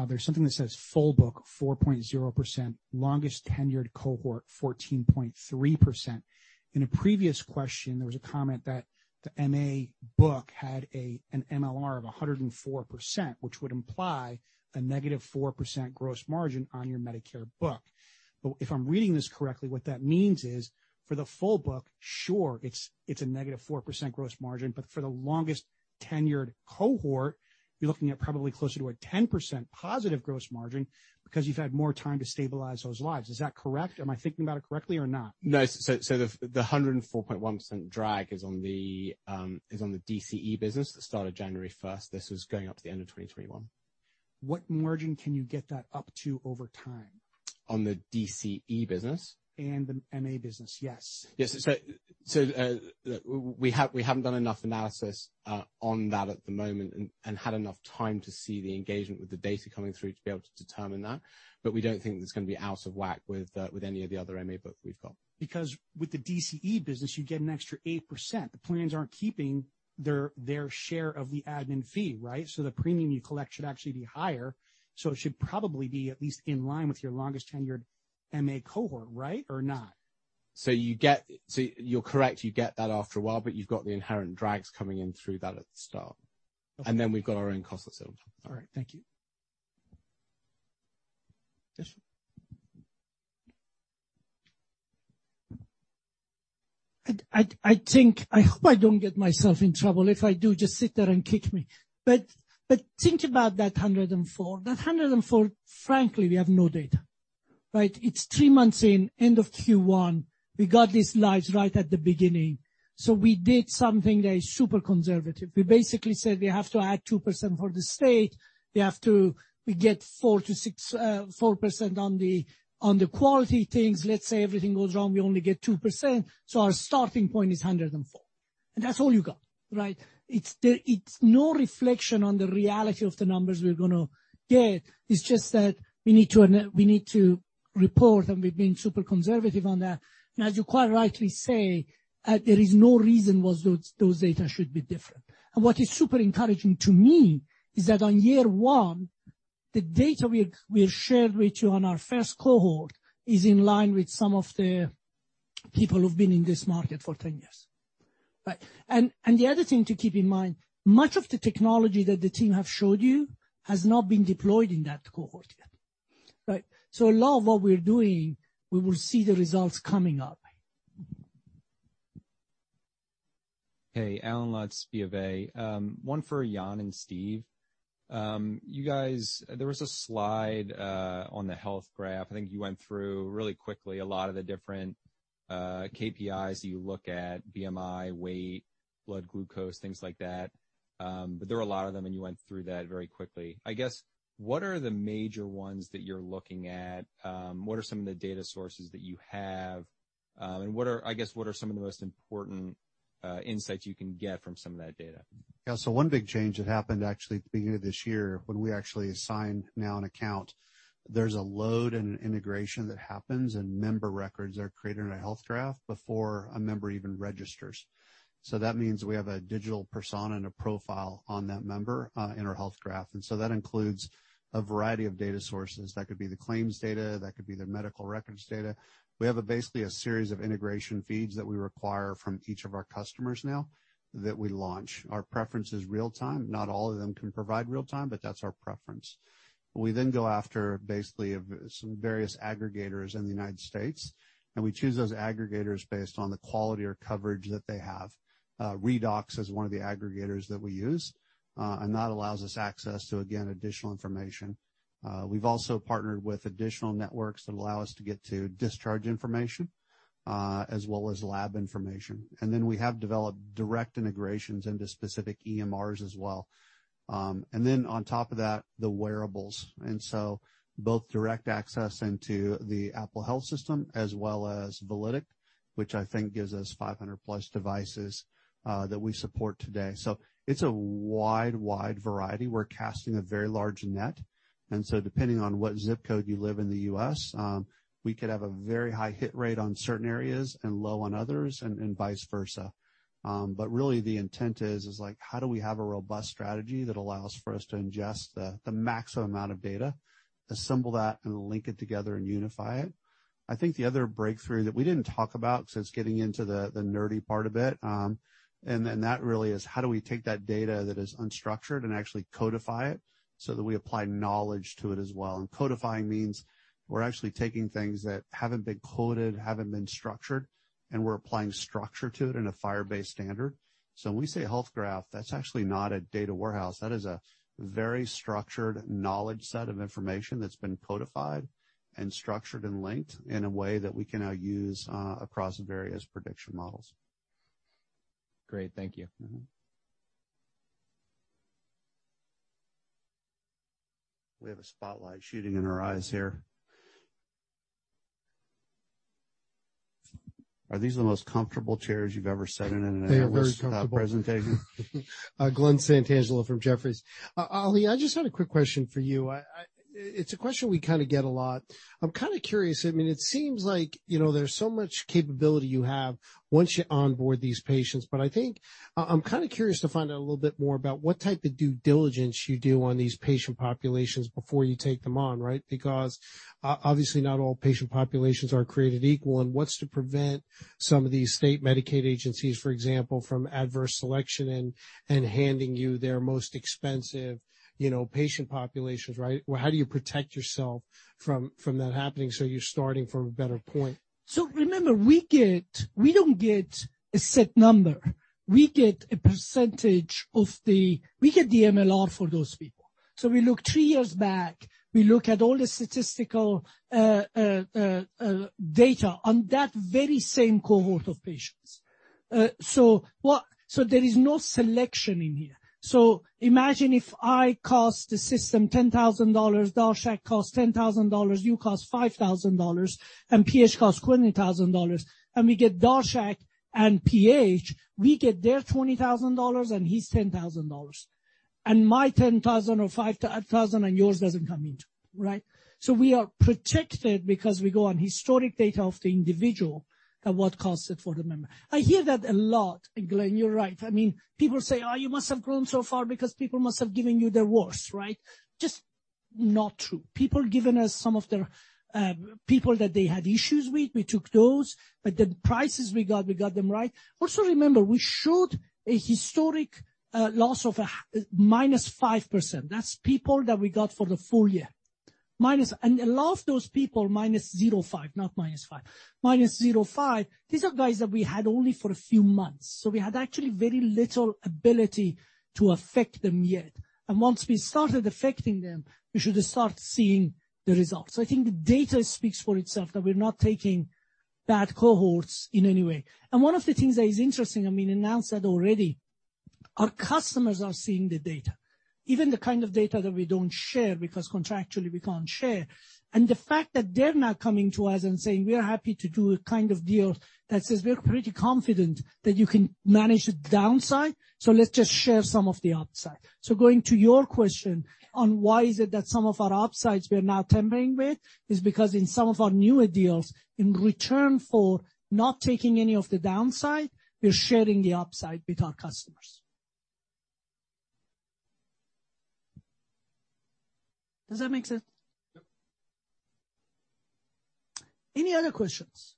there's something that says full book 4.0%, longest tenured cohort 14.3%. In a previous question, there was a comment that the MA book had an MLR of 104%, which would imply a negative 4% gross margin on your Medicare book. But if I'm reading this correctly, what that means is, for the full book, sure, it's a negative 4% gross margin, but for the longest tenured cohort, you're looking at probably closer to a 10% positive gross margin because you've had more time to stabilize those lives. Is that correct? Am I thinking about it correctly or not? No. So the 104.1% drag is on the DCE business that started January 1st. This was going up to the end of 2021. What margin can you get that up to over time? On the DCE business? And the MA business, yes. Yes. So we haven't done enough analysis on that at the moment and had enough time to see the engagement with the data coming through to be able to determine that. But we don't think that it's going to be out of whack with any of the other MA books we've got. Because with the DCE business, you get an extra 8%. The plans aren't keeping their share of the admin fee, right? So the premium you collect should actually be higher. So it should probably be at least in line with your longest tenured MA cohort, right, or not? So you're correct. You get that after a while, but you've got the inherent drags coming in through that at the start. And then we've got our own costs that sit on top of that. All right. Thank you. I hope I don't get myself in trouble. If I do, just sit there and kick me. But think about that 104. That 104, frankly, we have no data, right? It's three months in, end of Q1. We got these lives right at the beginning. So we did something that is super conservative. We basically said we have to add 2% for the state. We get 4% on the quality things. Let's say everything goes wrong, we only get 2%. So our starting point is 104. And that's all you got, right? It's no reflection on the reality of the numbers we're going to get. It's just that we need to report, and we've been super conservative on that. And as you quite rightly say, there is no reason why those data should be different. What is super encouraging to me is that on year one, the data we've shared with you on our first cohort is in line with some of the people who've been in this market for 10 years, right? The other thing to keep in mind, much of the technology that the team have showed you has not been deployed in that cohort yet, right? A lot of what we're doing, we will see the results coming our way. Hey, Allen Lutz, BofA. One for Yon and Steve. There was a slide on the health graph. I think you went through really quickly a lot of the different KPIs that you look at: BMI, weight, blood glucose, things like that. But there were a lot of them, and you went through that very quickly. I guess, what are the major ones that you're looking at? What are some of the data sources that you have? And I guess, what are some of the most important insights you can get from some of that data? Yeah. One big change that happened actually at the beginning of this year when we actually signed on an account. There's a load and an integration that happens in member records that are created in our health graph before a member even registers. So that means we have a digital persona and a profile on that member in our health graph. And so that includes a variety of data sources. That could be the claims data. That could be the medical records data. We have basically a series of integration feeds that we require from each of our customers when we launch. Our preference is real-time. Not all of them can provide real-time, but that's our preference. We then go after basically some various aggregators in the United States, and we choose those aggregators based on the quality or coverage that they have. Redox is one of the aggregators that we use, and that allows us access to, again, additional information. We've also partnered with additional networks that allow us to get to discharge information as well as lab information. And then we have developed direct integrations into specific EMRs as well. And then on top of that, the wearables. And so both direct access into the Apple Health as well as Validic, which I think gives us 500-plus devices that we support today. So it's a wide, wide variety. We're casting a very large net. And so depending on what zip code you live in the U.S., we could have a very high hit rate on certain areas and low on others and vice versa. But really, the intent is, how do we have a robust strategy that allows for us to ingest the maximum amount of data, assemble that, and link it together and unify it? I think the other breakthrough that we didn't talk about because it's getting into the nerdy part a bit, and that really is, how do we take that data that is unstructured and actually codify it so that we apply knowledge to it as well? And codifying means we're actually taking things that haven't been coded, haven't been structured, and we're applying structure to it in a Firebase standard. So when we say health graph, that's actually not a data warehouse. That is a very structured knowledge set of information that's been codified and structured and linked in a way that we can now use across various prediction models. Great. Thank you. We have a spotlight shooting in our eyes here. Are these the most comfortable chairs you've ever sat in in an intensive health presentation? They are very comfortable. Glen Santangelo from Jefferies. Ali, I just had a quick question for you. It's a question we kind of get a lot. I'm kind of curious. I mean, it seems like there's so much capability you have once you onboard these patients. But I think I'm kind of curious to find out a little bit more about what type of due diligence you do on these patient populations before you take them on, right? Because obviously, not all patient populations are created equal. And what's to prevent some of these state Medicaid agencies, for example, from adverse selection and handing you their most expensive patient populations, right? How do you protect yourself from that happening so you're starting from a better point? Remember, we don't get a set number. We get a percentage of the we get the MLR for those people. So we look three years back. We look at all the statistical data on that very same cohort of patients. So there is no selection in here. So imagine if I cost the system $10,000, Darshak costs $10,000, you cost $5,000, and PH costs $20,000. And we get Darshak and PH, we get their $20,000 and his $10,000. And my $10,000 or $5,000 and yours doesn't come in, right? So we are protected because we go on historic data of the individual and what costs it for the member. I hear that a lot. And Glen, you're right. I mean, people say, "Oh, you must have grown so far because people must have given you their worst," right? Just not true. People gave us some of their people that they had issues with. We took those. But the prices we got, we got them right. Also remember, we showed a historical loss of minus 5%. That's people that we got for the full year. And a lot of those people, minus 0.5%, not minus 5%, minus 0.5%. These are guys that we had only for a few months. So we had actually very little ability to affect them yet. And once we started affecting them, we should start seeing the results. So I think the data speaks for itself that we're not taking bad cohorts in any way. And one of the things that is interesting, I mean, we announced that already. Our customers are seeing the data, even the kind of data that we don't share because contractually we can't share. And the fact that they're now coming to us and saying, "We're happy to do a kind of deal that says we're pretty confident that you can manage the downside, so let's just share some of the upside." So going to your question on why is it that some of our upsides we're now tampering with is because in some of our newer deals, in return for not taking any of the downside, we're sharing the upside with our customers. Does that make sense? Yep. Any other questions?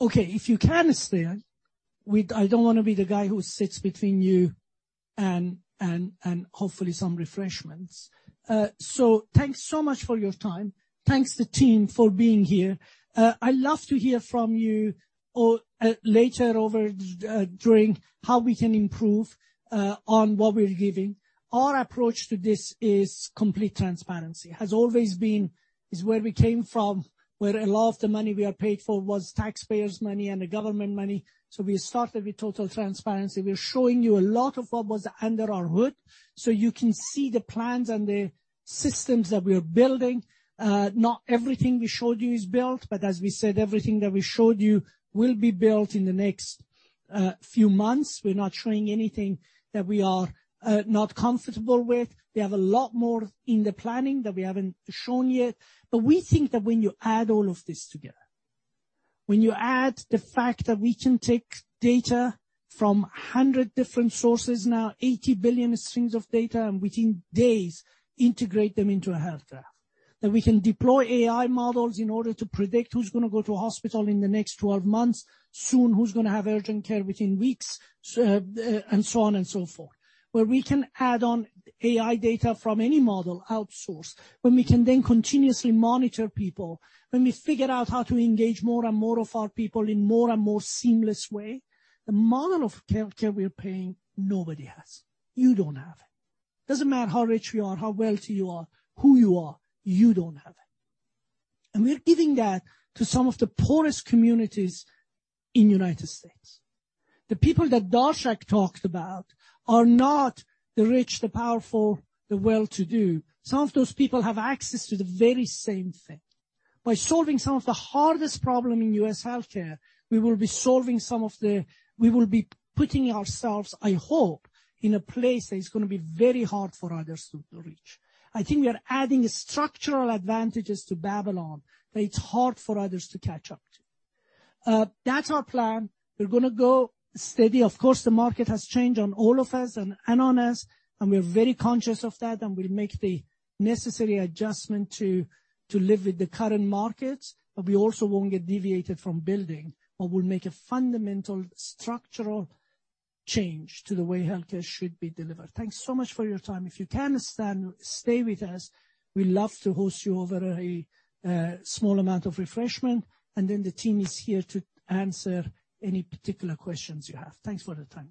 Okay. If you can stay, I don't want to be the guy who sits between you and hopefully some refreshments. So thanks so much for your time. Thanks to the team for being here. I'd love to hear from you later over during how we can improve on what we're giving. Our approach to this is complete transparency. It has always been where we came from, where a lot of the money we are paid for was taxpayers' money and the government money. So we started with total transparency. We're showing you a lot of what was under our hood so you can see the plans and the systems that we are building. Not everything we showed you is built, but as we said, everything that we showed you will be built in the next few months. We're not showing anything that we are not comfortable with. We have a lot more in the planning that we haven't shown yet. But we think that when you add all of this together, when you add the fact that we can take data from 100 different sources now, 80 billion strings of data, and within days, integrate them into a health graph, that we can deploy AI models in order to predict who's going to go to a hospital in the next 12 months, soon who's going to have urgent care within weeks, and so on and so forth, where we can add on AI data from any model outsourced, where we can then continuously monitor people, where we figure out how to engage more and more of our people in more and more seamless ways. The model of healthcare we're paying, nobody has. You don't have it. Doesn't matter how rich you are, how wealthy you are, who you are, you don't have it. We're giving that to some of the poorest communities in the United States. The people that Darshak talked about are not the rich, the powerful, the well-to-do. Some of those people have access to the very same thing. By solving some of the hardest problems in U.S. healthcare, we will be solving some of the, we will be putting ourselves, I hope, in a place that is going to be very hard for others to reach. I think we are adding structural advantages to Babylon that it's hard for others to catch up to. That's our plan. We're going to go steady. Of course, the market has changed on all of us and on us, and we're very conscious of that, and we'll make the necessary adjustment to live with the current markets. But we also won't get deviated from building, but we'll make a fundamental structural change to the way healthcare should be delivered. Thanks so much for your time. If you can stay with us, we'd love to host you over a small amount of refreshment, and then the team is here to answer any particular questions you have. Thanks for the time.